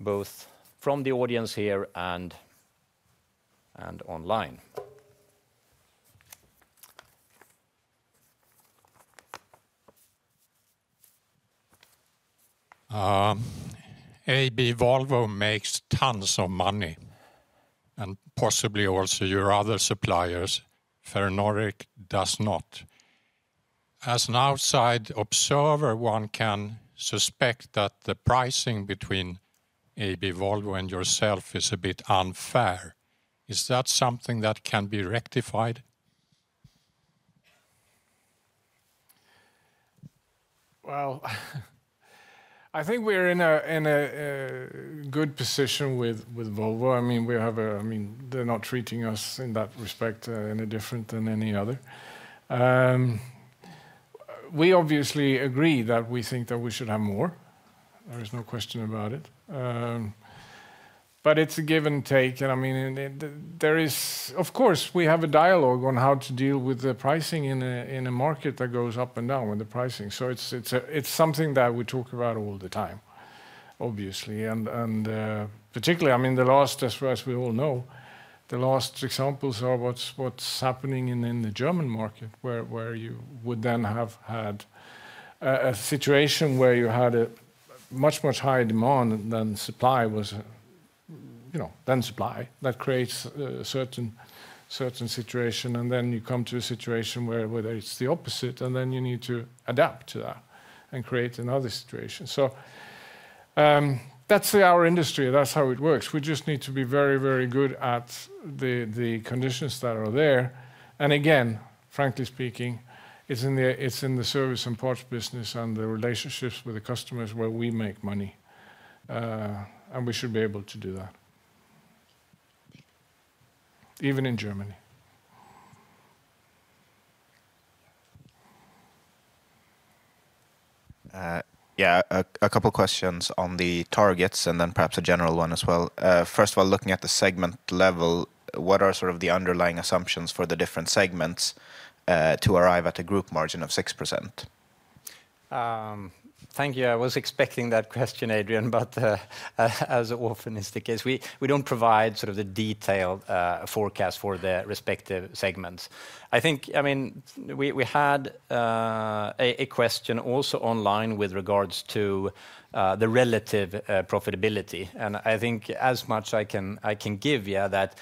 both from the audience here and online. AB Volvo makes tons of money and possibly also your other suppliers. Ferronordic does not. As an outside observer, one can suspect that the pricing between AB Volvo and yourself is a bit unfair. Is that something that can be rectified? Well, I think we're in a good position with Volvo. I mean, they're not treating us in that respect any different than any other. We obviously agree that we think that we should have more. There is no question about it. But it's a give and take. And I mean, of course, we have a dialogue on how to deal with the pricing in a market that goes up and down with the pricing. So it's something that we talk about all the time, obviously. And particularly, I mean, the last, as far as we all know, the last examples are what's happening in the German market, where you would then have had a situation where you had a much, much higher demand than supply was. That creates a certain situation. And then you come to a situation where it's the opposite, and then you need to adapt to that and create another situation. So that's our industry. That's how it works. We just need to be very, very good at the conditions that are there. And again, frankly speaking, it's in the service and parts business and the relationships with the customers where we make money. And we should be able to do that, even in Germany. Yeah, a couple of questions on the targets and then perhaps a general one as well. First of all, looking at the segment level, what are sort of the underlying assumptions for the different segments to arrive at a group margin of 6%? Thank you. I was expecting that question, Adrian, but as often is the case, we don't provide sort of the detailed forecast for the respective segments. I think, I mean, we had a question also online with regards to the relative profitability. And I think as much I can give you that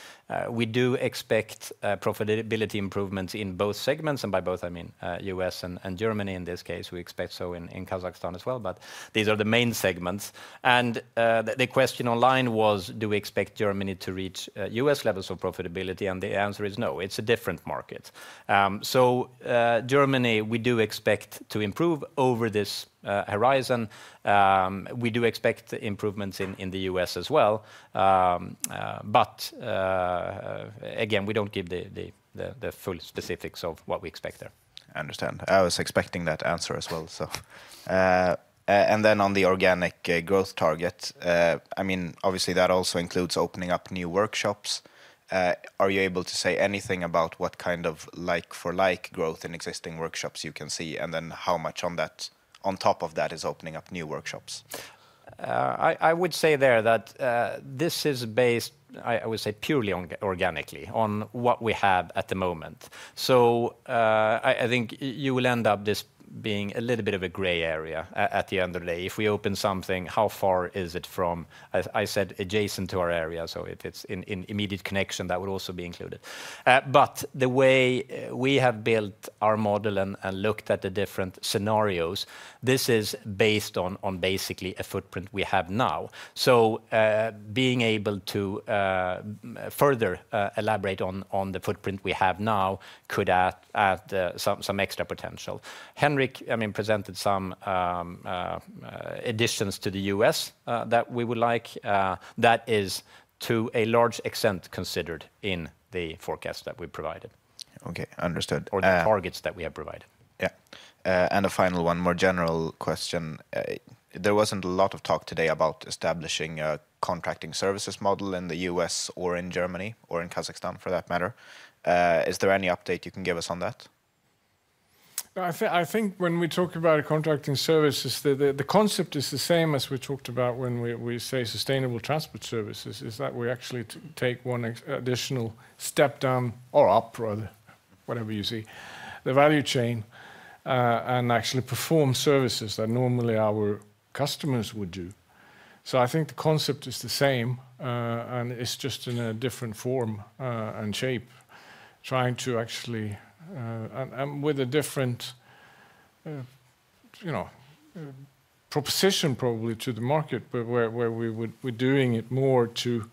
we do expect profitability improvements in both segments. And by both, I mean U.S. and Germany in this case. We expect so in Kazakhstan as well. But these are the main segments. And the question online was, do we expect Germany to reach U.S. levels of profitability? And the answer is no. It's a different market. So Germany, we do expect to improve over this horizon. We do expect improvements in the U.S. as well. But again, we don't give the full specifics of what we expect there. I understand. I was expecting that answer as well. And then on the organic growth target, I mean, obviously that also includes opening up new workshops. Are you able to say anything about what kind of like-for-like growth in existing workshops you can see? And then how much on top of that is opening up new workshops? I would say there that this is based, I would say purely organically, on what we have at the moment. So I think you will end up this being a little bit of a gray area at the end of the day. If we open something, how far is it from, as I said, adjacent to our area? So if it's in immediate connection, that would also be included. But the way we have built our model and looked at the different scenarios, this is based on basically a footprint we have now. So being able to further elaborate on the footprint we have now could add some extra potential. Henrik, I mean, presented some additions to the US that we would like. That is to a large extent considered in the forecast that we provided. Okay, understood. Or the targets that we have provided. Yeah. And a final one, more general question. There wasn't a lot of talk today about establishing a contracting services model in the US or in Germany or in Kazakhstan for that matter. Is there any update you can give us on that? I think when we talk about contracting services, the concept is the same as we talked about when we say sustainable transport services, is that we actually take one additional step down or up, whatever you see, the value chain and actually perform services that normally our customers would do. So I think the concept is the same, and it's just in a different form and shape, trying to actually and with a different proposition probably to the market, but where we're doing it more to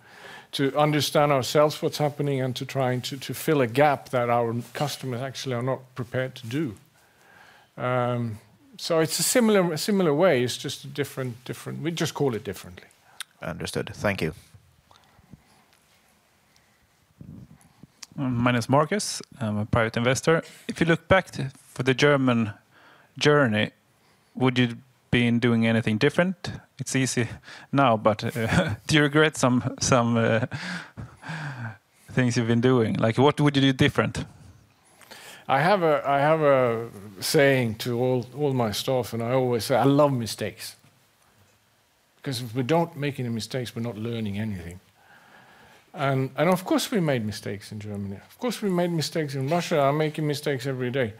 understand ourselves what's happening and to trying to fill a gap that our customers actually are not prepared to do. So it's a similar way. It's just different, we just call it differently. Understood. Thank you. My name is Marcus. I'm a private investor. If you look back for the German journey, would you have been doing anything different? It's easy now, but do you regret some things you've been doing? Like what would you do different? I have a saying to all my staff, and I always say, I love mistakes. Because if we don't make any mistakes, we're not learning anything. And of course, we made mistakes in Germany. Of course, we made mistakes in Russia. I'm making mistakes every day.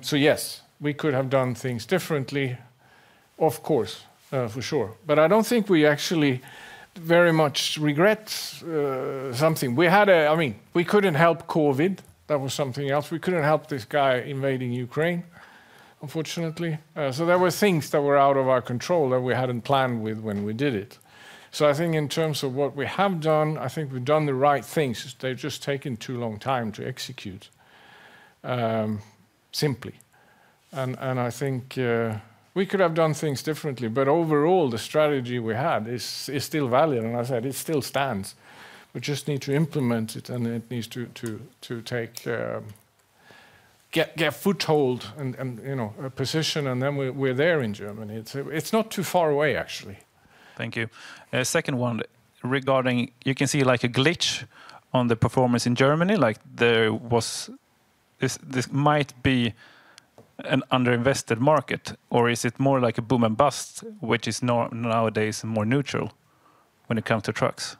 So yes, we could have done things differently, of course, for sure. But I don't think we actually very much regret something. We had a, I mean, we couldn't help COVID. That was something else. We couldn't help this guy invading Ukraine, unfortunately. So there were things that were out of our control that we hadn't planned with when we did it. So I think in terms of what we have done, I think we've done the right things. They've just taken too long time to execute simply. And I think we could have done things differently, but overall, the strategy we had is still valid. And I said, it still stands. We just need to implement it, and it needs to get foothold and a position, and then we're there in Germany. It's not too far away, actually. Thank you. Second one regarding, you can see like a glitch on the performance in Germany, like there was, this might be an underinvested market, or is it more like a boom and bust, which is nowadays more neutral when it comes to trucks?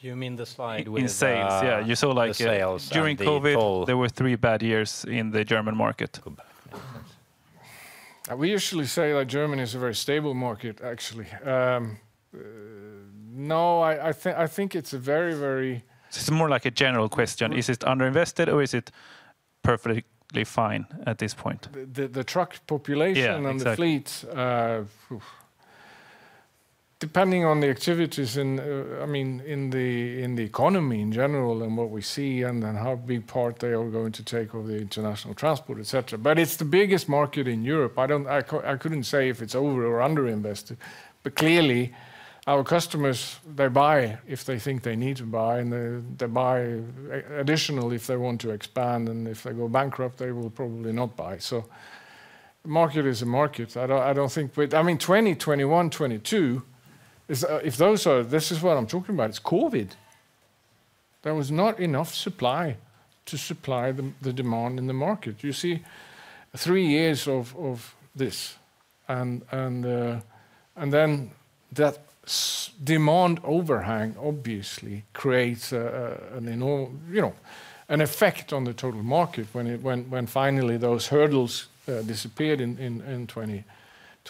You mean the slide with sales. Yeah, you saw like during COVID, there were three bad years in the German market. We usually say that Germany is a very stable market, actually. No, I think it's a very. It's more like a general question. Is it underinvested or is it perfectly fine at this point? The truck population and the fleets, depending on the activities in, I mean, in the economy in general and what we see and then how big part they are going to take over the international transport, etc., but it's the biggest market in Europe. I couldn't say if it's over or underinvested, but clearly our customers, they buy if they think they need to buy, and they buy additionally if they want to expand, and if they go bankrupt, they will probably not buy, so market is a market. I don't think, I mean, 2021, 2022, if those are, this is what I'm talking about, it's COVID. There was not enough supply to supply the demand in the market. You see three years of this, and then that demand overhang obviously creates an effect on the total market when finally those hurdles disappeared in 2020,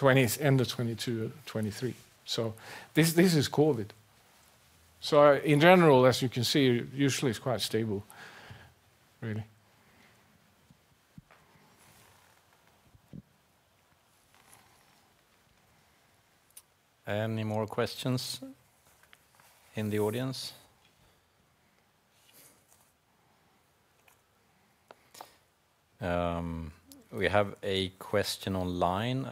end of 2022, 2023, so this is COVID. In general, as you can see, usually it's quite stable, really. Any more questions in the audience? We have a question online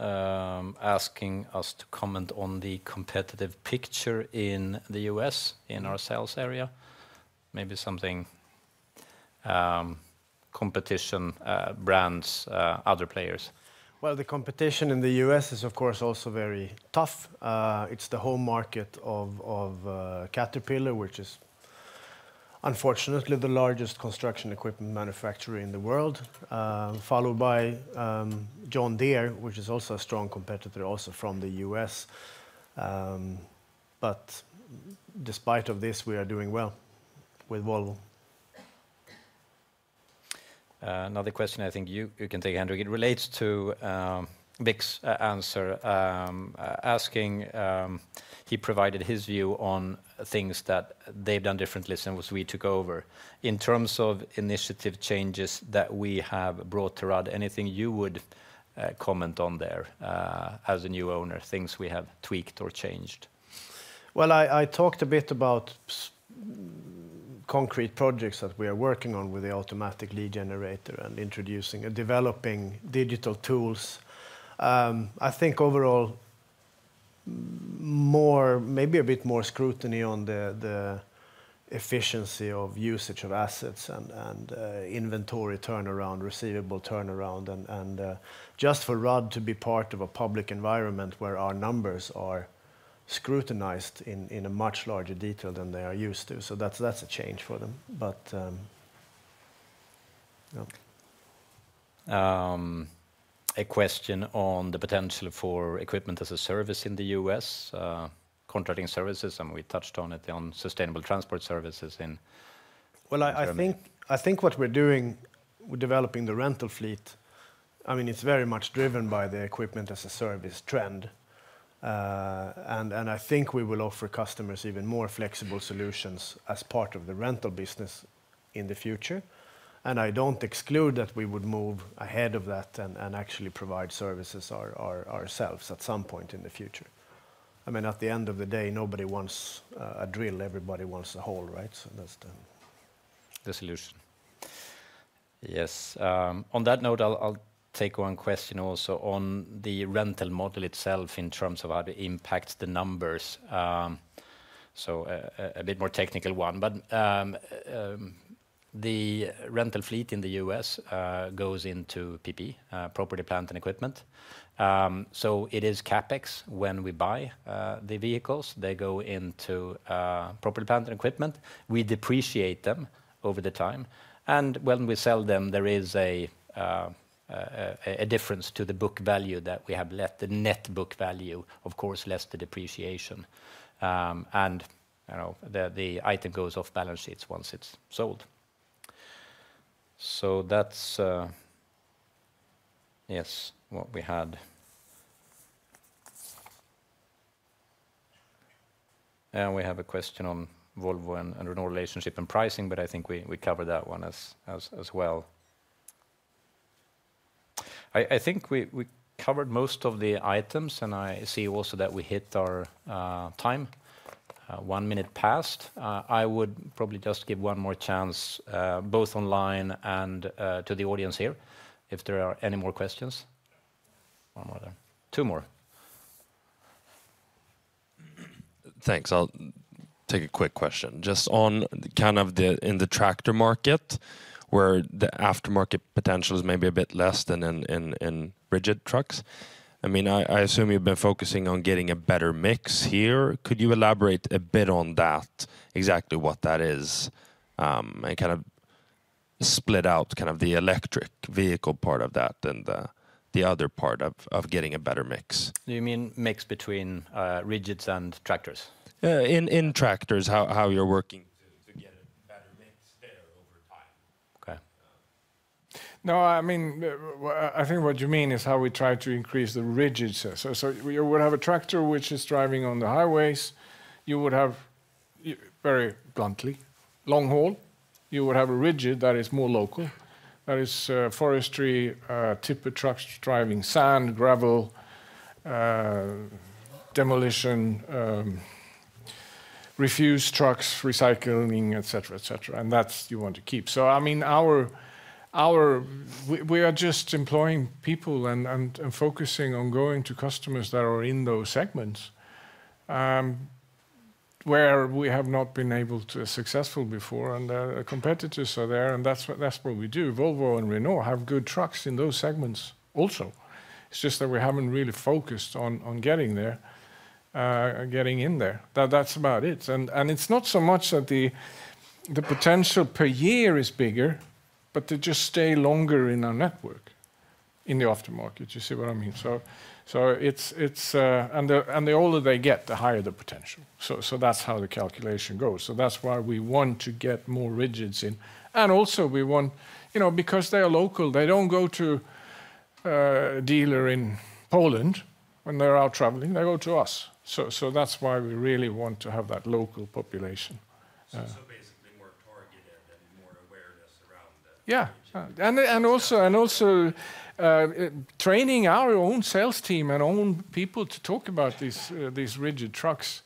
asking us to comment on the competitive picture in the U.S. in our sales area. Maybe something competition, brands, other players. The competition in the U.S. is of course also very tough. It's the home market of Caterpillar, which is unfortunately the largest construction equipment manufacturer in the world, followed by John Deere, which is also a strong competitor also from the U.S. But despite of this, we are doing well with Volvo. Another question, I think you can take Henrik. It relates to Vic's answer asking, he provided his view on things that they've done differently since we took over. In terms of initiative changes that we have brought to Rudd, anything you would comment on there as a new owner, things we have tweaked or changed? I talked a bit about current projects that we are working on with the automatic lead generator and introducing and developing digital tools. I think overall, maybe a bit more scrutiny on the efficiency of usage of assets and inventory turnaround, receivable turnaround, and just for Rudd to be part of a public environment where our numbers are scrutinized in a much larger detail than they are used to. So that's a change for them. But yeah. A question on the potential for equipment as a service in the US, contracting services, and we touched on it on sustainable transport services in. I think what we're doing with developing the rental fleet, I mean, it's very much driven by the equipment as a service trend. And I think we will offer customers even more flexible solutions as part of the rental business in the future. And I don't exclude that we would move ahead of that and actually provide services ourselves at some point in the future. I mean, at the end of the day, nobody wants a drill. Everybody wants a hole, right? So that's the solution. Yes. On that note, I'll take one question also on the rental model itself in terms of how it impacts the numbers. So a bit more technical one. But the rental fleet in the US goes into PPE, property, plant and equipment. So it is CapEx when we buy the vehicles. They go into property, plant and equipment. We depreciate them over the time. And when we sell them, there is a difference to the book value that we have left. The net book value, of course, less the depreciation. And the item goes off balance sheets once it's sold. So that's, yes, what we had. And we have a question on Volvo and Renault relationship and pricing, but I think we covered that one as well. I think we covered most of the items, and I see also that we hit our time, one minute past. I would probably just give one more chance, both online and to the audience here, if there are any more questions. One more there. Two more. Thanks. I'll take a quick question. Just on kind of in the tractor market, where the aftermarket potential is maybe a bit less than in rigid trucks. I mean, I assume you've been focusing on getting a better mix here. Could you elaborate a bit on that, exactly what that is, and kind of split out kind of the electric vehicle part of that and the other part of getting a better mix? Do you mean mix between rigids and tractors? In tractors, how you're working to get a better mix there over time? Okay. No, I mean, I think what you mean is how we try to increase the rigids. So you would have a tractor which is driving on the highways. You would have very bluntly long haul. You would have a rigid that is more local, that is forestry type of trucks driving sand, gravel, demolition, refuse trucks, recycling, etc., etc. And that's you want to keep. So I mean, we are just employing people and focusing on going to customers that are in those segments where we have not been able to be successful before. And the competitors are there, and that's what we do. Volvo and Renault have good trucks in those segments also. It's just that we haven't really focused on getting there, getting in there. That's about it. And it's not so much that the potential per year is bigger, but to just stay longer in our network in the aftermarket, you see what I mean? And the older they get, the higher the potential. So that's how the calculation goes. So that's why we want to get more rigids in. And also we want, because they are local, they don't go to a dealer in Poland when they're out traveling. They go to us. So that's why we really want to have that local population. So basically more targeted and more awareness around the. Yeah. And also training our own sales team and own people to talk about these rigid trucks,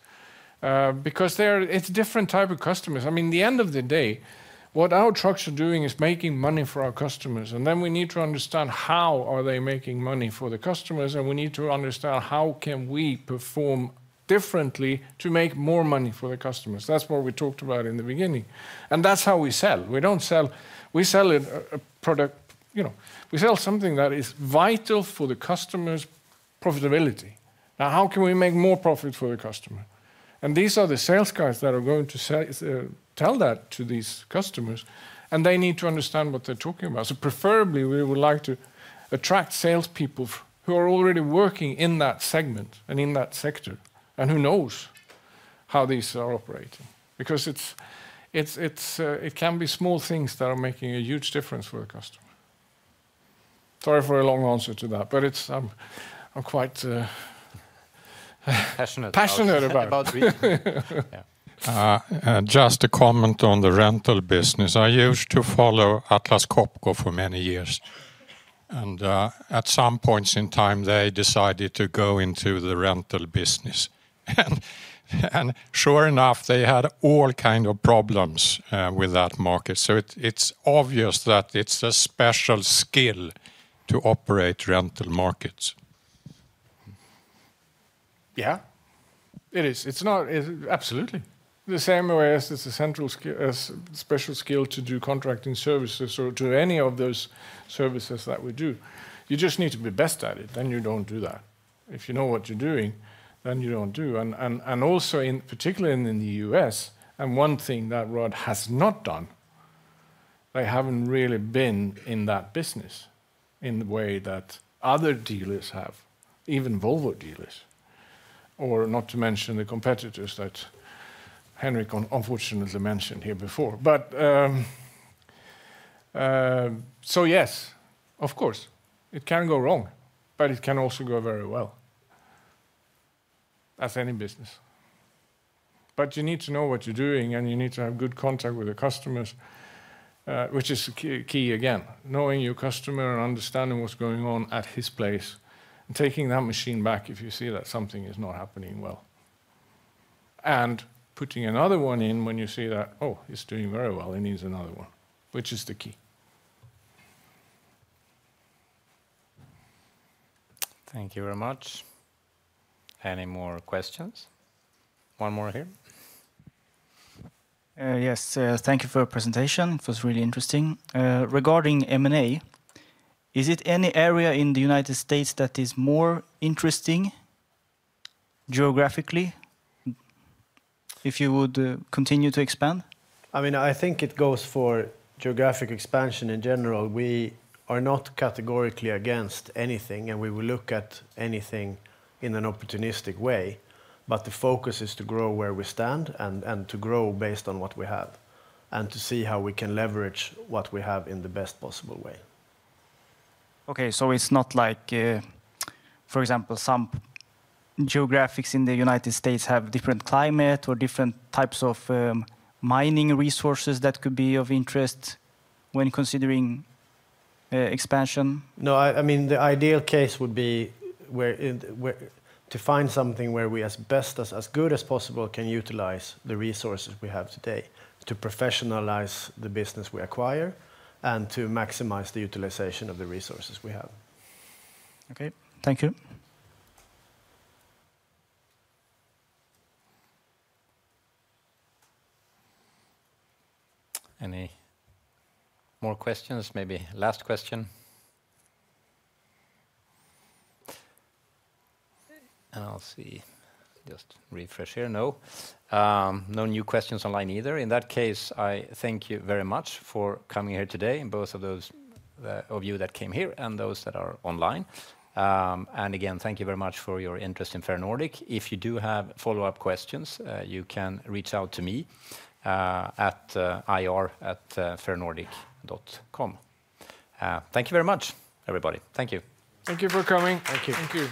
because it's a different type of customers. I mean, at the end of the day, what our trucks are doing is making money for our customers. And then we need to understand how are they making money for the customers, and we need to understand how can we perform differently to make more money for the customers. That's what we talked about in the beginning. And that's how we sell. We sell a product. We sell something that is vital for the customer's profitability. Now, how can we make more profit for the customer? These are the sales guys that are going to tell that to these customers, and they need to understand what they're talking about. So preferably, we would like to attract salespeople who are already working in that segment and in that sector and who knows how these are operating. Because it can be small things that are making a huge difference for the customer. Sorry for a long answer to that, but I'm quite passionate about it. Passionate about it. Just a comment on the rental business. I used to follow Atlas Copco for many years. At some points in time, they decided to go into the rental business. And sure enough, they had all kinds of problems with that market. So it's obvious that it's a special skill to operate rental markets. Yeah, it is. Absolutely. The same way as it's a special skill to do contracting services or to any of those services that we do. You just need to be best at it, then you don't do that. If you know what you're doing, then you don't do. And also particularly in the U.S., and one thing that Rudd has not done, they haven't really been in that business in the way that other dealers have, even Volvo dealers, or not to mention the competitors that Henrik unfortunately mentioned here before. But so yes, of course, it can go wrong, but it can also go very well. That's any business. But you need to know what you're doing, and you need to have good contact with the customers, which is key again, knowing your customer and understanding what's going on at his place, and taking that machine back if you see that something is not happening well, and putting another one in when you see that, oh, he's doing very well. He needs another one, which is the key. Thank you very much. Any more questions? One more here. Yes, thank you for your presentation. It was really interesting. Regarding M&A, is it any area in the United States that is more interesting geographically if you would continue to expand? I mean, I think it goes for geographic expansion in general. We are not categorically against anything, and we will look at anything in an opportunistic way. But the focus is to grow where we stand and to grow based on what we have and to see how we can leverage what we have in the best possible way. Okay, so it's not like, for example, some geographics in the United States have different climate or different types of mining resources that could be of interest when considering expansion. No, I mean, the ideal case would be to find something where we as best as good as possible can utilize the resources we have today to professionalize the business we acquire and to maximize the utilization of the resources we have. Okay, thank you. Any more questions? Maybe last question. And I'll see. Just refresh here. No. No new questions online either. In that case, I thank you very much for coming here today, both of those of you that came here and those that are online. Again, thank you very much for your interest in Ferronordic. If you do have follow-up questions, you can reach out to me at ir@ferronordic.com. Thank you very much, everybody. Thank you. Thank you for coming. Thank you. Thank you.